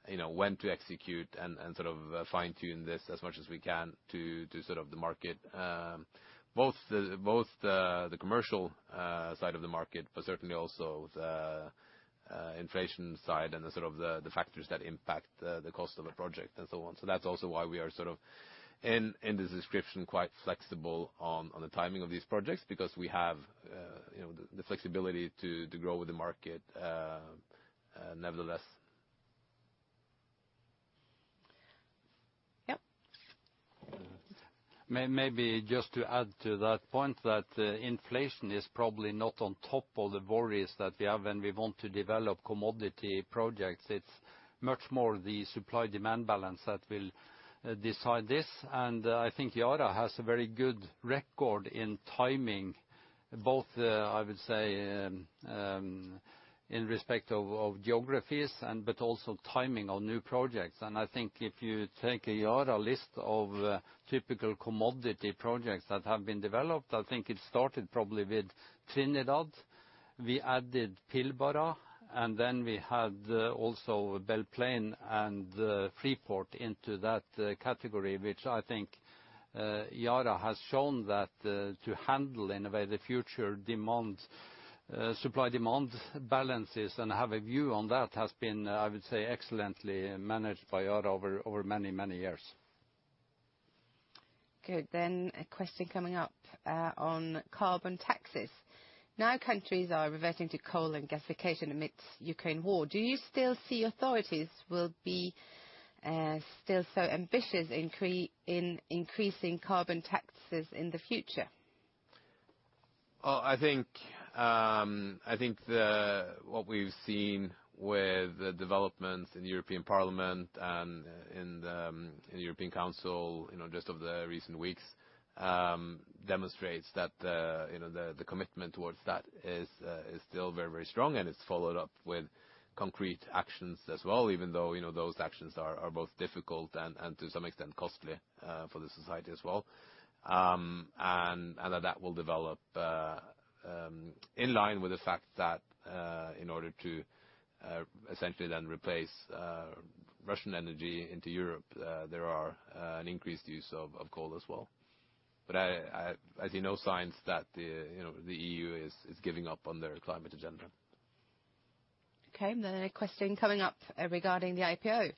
you know, when to execute and sort of fine-tune this as much as we can to sort of the market. Both the commercial side of the market, but certainly also the inflation side and the sort of the factors that impact the cost of a project and so on. That's also why we are sort of in this description, quite flexible on the timing of these projects because we have, you know, the flexibility to grow with the market, nevertheless. Yeah. Maybe just to add to that point, that inflation is probably not on top of the worries that we have when we want to develop commodity projects. It's much more the supply-demand balance that will decide this. I think Yara has a very good record in timing both. I would say in respect of geographies, but also timing on new projects. I think if you take a Yara list of typical commodity projects that have been developed, I think it started probably with Trinidad. We added Pilbara, and then we had also Belle Plaine and Freeport into that category, which I think Yara has shown that to handle in a way the future demand supply-demand balances and have a view on that has been, I would say, excellently managed by Yara over over many many years. Good. A question coming up on carbon taxes. Now countries are reverting to coal and gasification amidst Ukraine war. Do you still see authorities will be still so ambitious in increasing carbon taxes in the future? What we've seen with the developments in European Parliament and in the European Council, you know, just over the recent weeks, demonstrates that, you know, the commitment towards that is still very, very strong and it's followed up with concrete actions as well, even though, you know, those actions are both difficult and to some extent costly for the society as well. That will develop in line with the fact that, in order to essentially then replace Russian energy into Europe, there is an increased use of coal as well. I see no signs that, you know, the EU is giving up on their climate agenda. Okay. A question coming up regarding the IPO.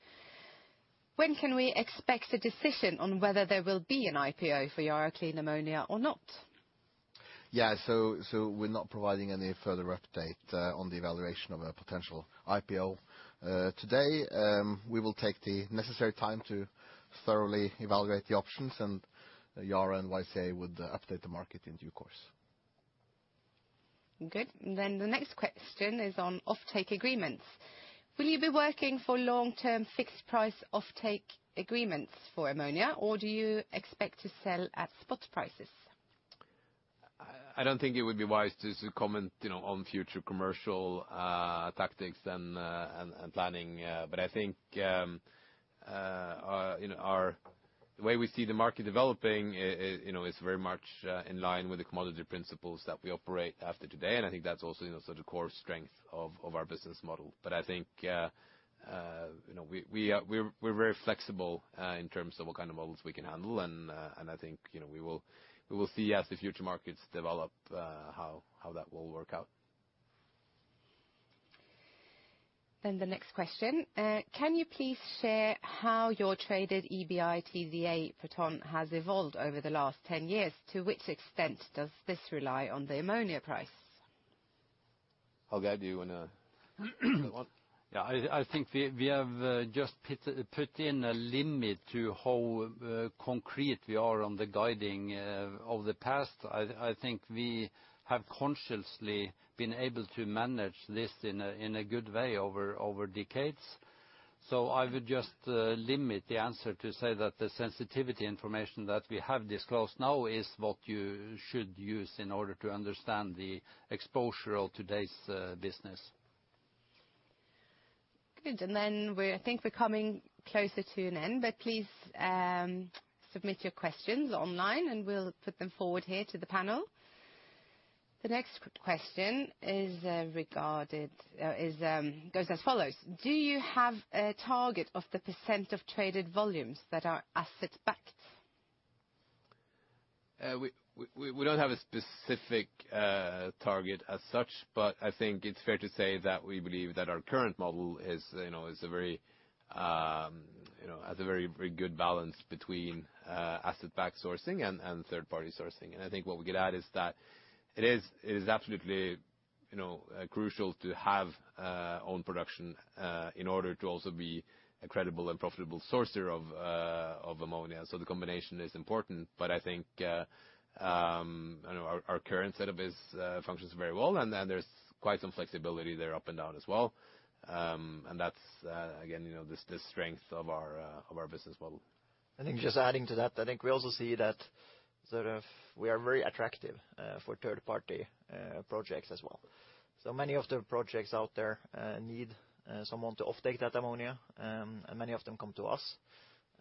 When can we expect a decision on whether there will be an IPO for Yara Clean Ammonia or not? We're not providing any further update on the evaluation of a potential IPO today. We will take the necessary time to thoroughly evaluate the options, and Yara and YCA would update the market in due course. Good. The next question is on offtake agreements. Will you be working for long-term fixed price offtake agreements for ammonia, or do you expect to sell at spot prices? I don't think it would be wise to comment, you know, on future commercial tactics and planning. I think the way we see the market developing, you know, is very much in line with the commodity principles that we operate after today. I think that's also, you know, sort of core strength of our business model. I think, you know, we're very flexible in terms of what kind of models we can handle and I think, you know, we will see as the future markets develop how that will work out. The next question. Can you please share how your traded EBITDA per ton has evolved over the last 10 years? To which extent does this rely on the ammonia price? How about you wanna take that one? Yeah, I think we have just put in a limit to how concrete we are on the guidance of the past. I think we have consciously been able to manage this in a good way over decades. I would just limit the answer to say that the sensitivity information that we have disclosed now is what you should use in order to understand the exposure of today's business. Good. Then we're coming closer to an end, but please, submit your questions online and we'll put them forward here to the panel. The next question goes as follows: Do you have a target of the percent of traded volumes that are asset backed? We don't have a specific target as such, but I think it's fair to say that we believe that our current model, you know, has a very, very good balance between asset-backed sourcing and third-party sourcing. I think what we could add is that it is absolutely, you know, crucial to have own production in order to also be a credible and profitable sourcer of ammonia. The combination is important, but I think our current setup functions very well, and then there's quite some flexibility there up and down as well. That's again, you know, the strength of our business model. I think just adding to that, I think we also see that sort of we are very attractive for third-party projects as well. Many of the projects out there need someone to offtake that ammonia, and many of them come to us.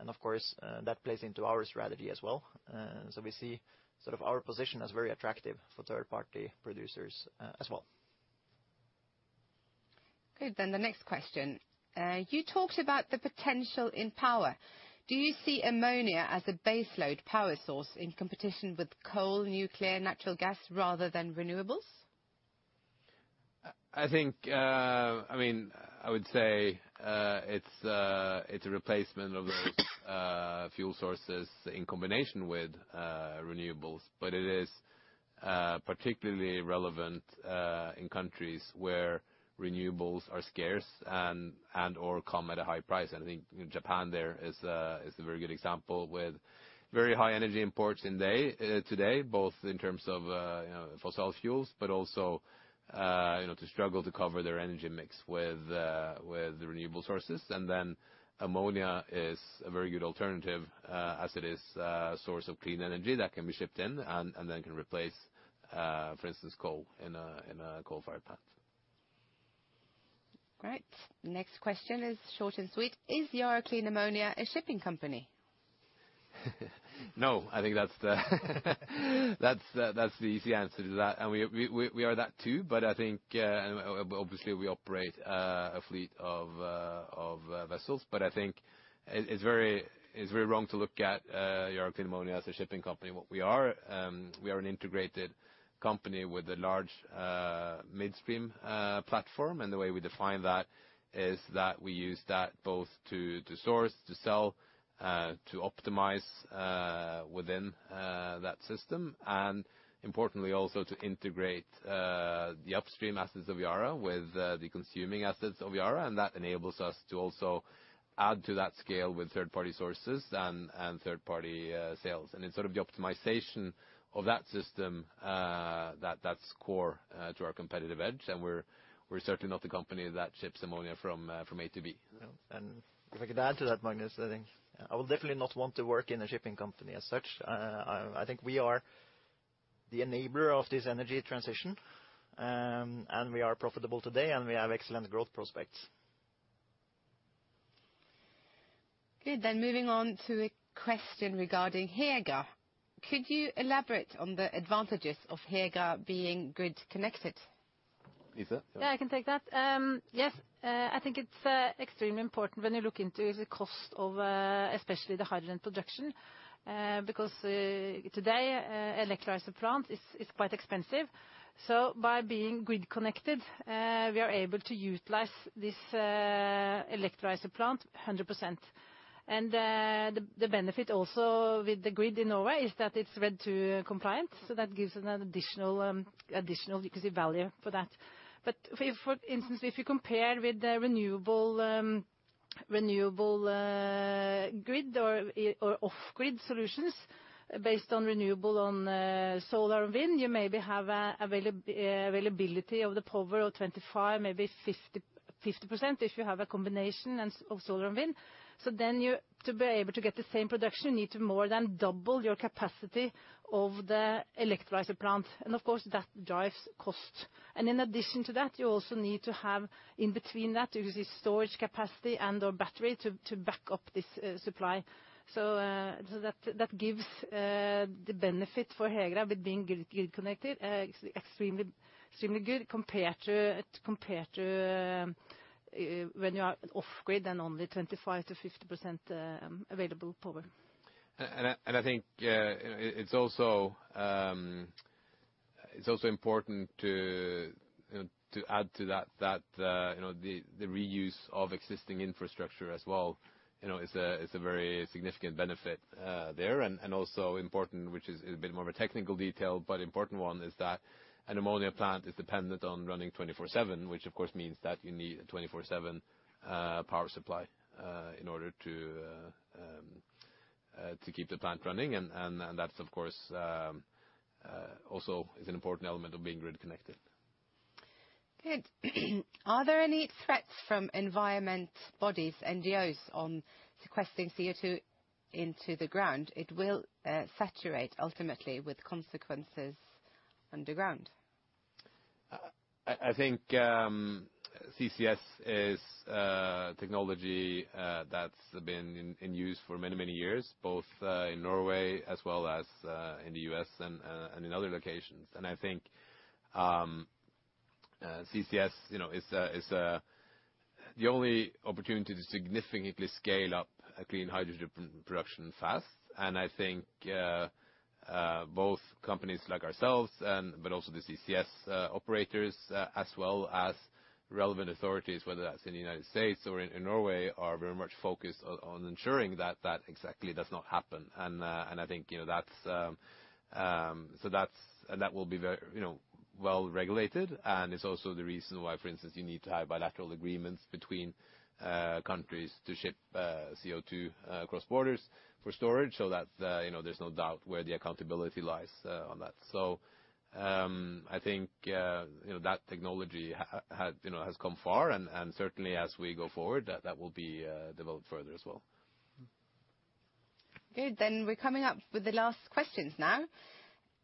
Of course, that plays into our strategy as well. We see sort of our position as very attractive for third-party producers as well. Okay. The next question. You talked about the potential in power. Do you see ammonia as a base load power source in competition with coal, nuclear, natural gas, rather than renewables? I think I mean I would say it's a replacement of fuel sources in combination with renewables. It is particularly relevant in countries where renewables are scarce and or come at a high price. I think Japan is a very good example with very high energy imports in that they today both in terms of you know fossil fuels. But also you know they struggle to cover their energy mix with renewable sources. Ammonia is a very good alternative as it is a source of clean energy that can be shipped in and then can replace for instance coal in a coal-fired plant. Great. Next question is short and sweet. Is Yara Clean Ammonia a shipping company? No, I think that's the easy answer to that. We are that too, but I think obviously we operate a fleet of vessels, but I think it's very wrong to look at Yara Clean Ammonia as a shipping company. What we are, we are an integrated company with a large midstream platform. The way we define that is that we use that both to source, to sell, to optimize within that system, and importantly also to integrate the upstream assets of Yara with the consuming assets of Yara. That enables us to also add to that scale with third-party sources and third-party sales. It's sort of the optimization of that system that's core to our competitive edge. We're certainly not the company that ships ammonia from A-B. If I could add to that, Magnus, I think I would definitely not want to work in a shipping company as such. I think we are the enabler of this energy transition, and we are profitable today, and we have excellent growth prospects. Good. Moving on to a question regarding Herøya. Could you elaborate on the advantages of Herøya being grid connected? Lise. Yeah, I can take that. Yes, I think it's extremely important when you look into the cost of especially the hydrogen production, because today electrolyzer plant is quite expensive. By being grid connected, we are able to utilize this electrolyzer plant 100%. The benefit also with the grid in Norway is that it's RED II compliant, so that gives an additional, you could say value for that. If, for instance, you compare with the renewable grid or off-grid solutions based on renewable on solar and wind, you maybe have availability of the power of 25, maybe 50% if you have a combination and of solar and wind. To be able to get the same production, you need to more than double your capacity of the electrolyzer plant. Of course that drives cost. In addition to that, you also need to have in between that, you could say storage capacity and/or battery to back up this supply. That gives the benefit for Herøya with being grid connected extremely good compared to when you are off-grid and only 25%-50% available power. I think it's also important to add to that, you know, the reuse of existing infrastructure as well, you know, is a very significant benefit there. Also important, which is a bit more of a technical detail but important one, is that an ammonia plant is dependent on running 24/7, which of course means that you need a 24/7 power supply in order to keep the plant running. That's of course also an important element of being grid connected. Good. Are there any threats from environmental bodies, NGOs, on sequestering CO2 into the ground? It will saturate ultimately with consequences underground. I think CCS is a technology that's been in use for many years, both in Norway as well as in the U.S. and in other locations. I think CCS, you know, is the only opportunity to significantly scale up a clean hydrogen production fast. I think both companies like ourselves but also the CCS operators as well as relevant authorities, whether that's in the United States or in Norway, are very much focused on ensuring that exactly does not happen. I think, you know, that's and that will be very, you know, well-regulated. It's also the reason why, for instance, you need to have bilateral agreements between countries to ship CO2 across borders for storage so that you know, there's no doubt where the accountability lies on that. I think you know, that technology has come far and certainly as we go forward that will be developed further as well. Good. We're coming up with the last questions now.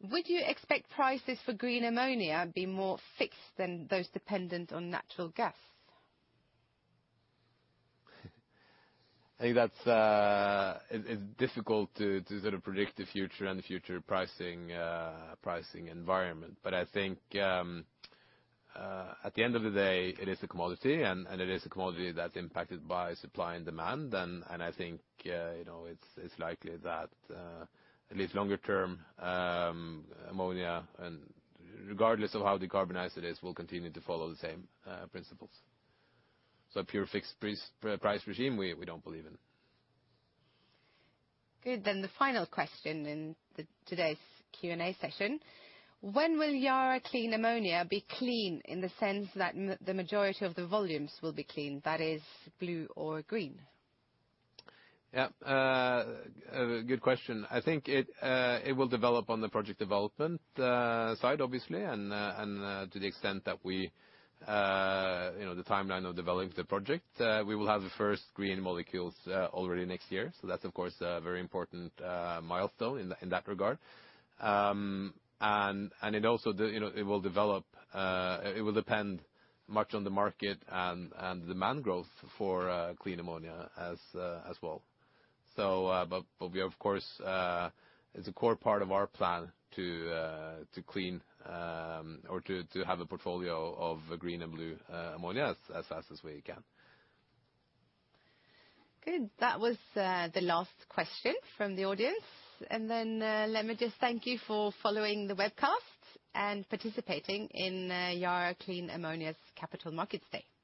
Would you expect prices for green ammonia be more fixed than those dependent on natural gas? I think that's. It's difficult to sort of predict the future and the future pricing environment. I think at the end of the day, it is a commodity and it is a commodity that's impacted by supply and demand and I think you know, it's likely that at least longer term, ammonia and regardless of how decarbonized it is, will continue to follow the same principles. A pure fixed price regime, we don't believe in. Good. The final question in today's Q&A session: When will Yara Clean Ammonia be clean in the sense that the majority of the volumes will be clean, that is blue or green? Yeah. A good question. I think it will develop on the project development side obviously, and to the extent that we you know the timeline of developing the project we will have the first green molecules already next year. That's of course a very important milestone in that regard. It also you know it will develop it will depend much on the market and demand growth for clean ammonia as well, but we have of course it's a core part of our plan to clean or to have a portfolio of green and blue ammonia as fast as we can. Good. That was the last question from the audience. Then, let me just thank you for following the webcast and participating in Yara Clean Ammonia's Capital Markets Day.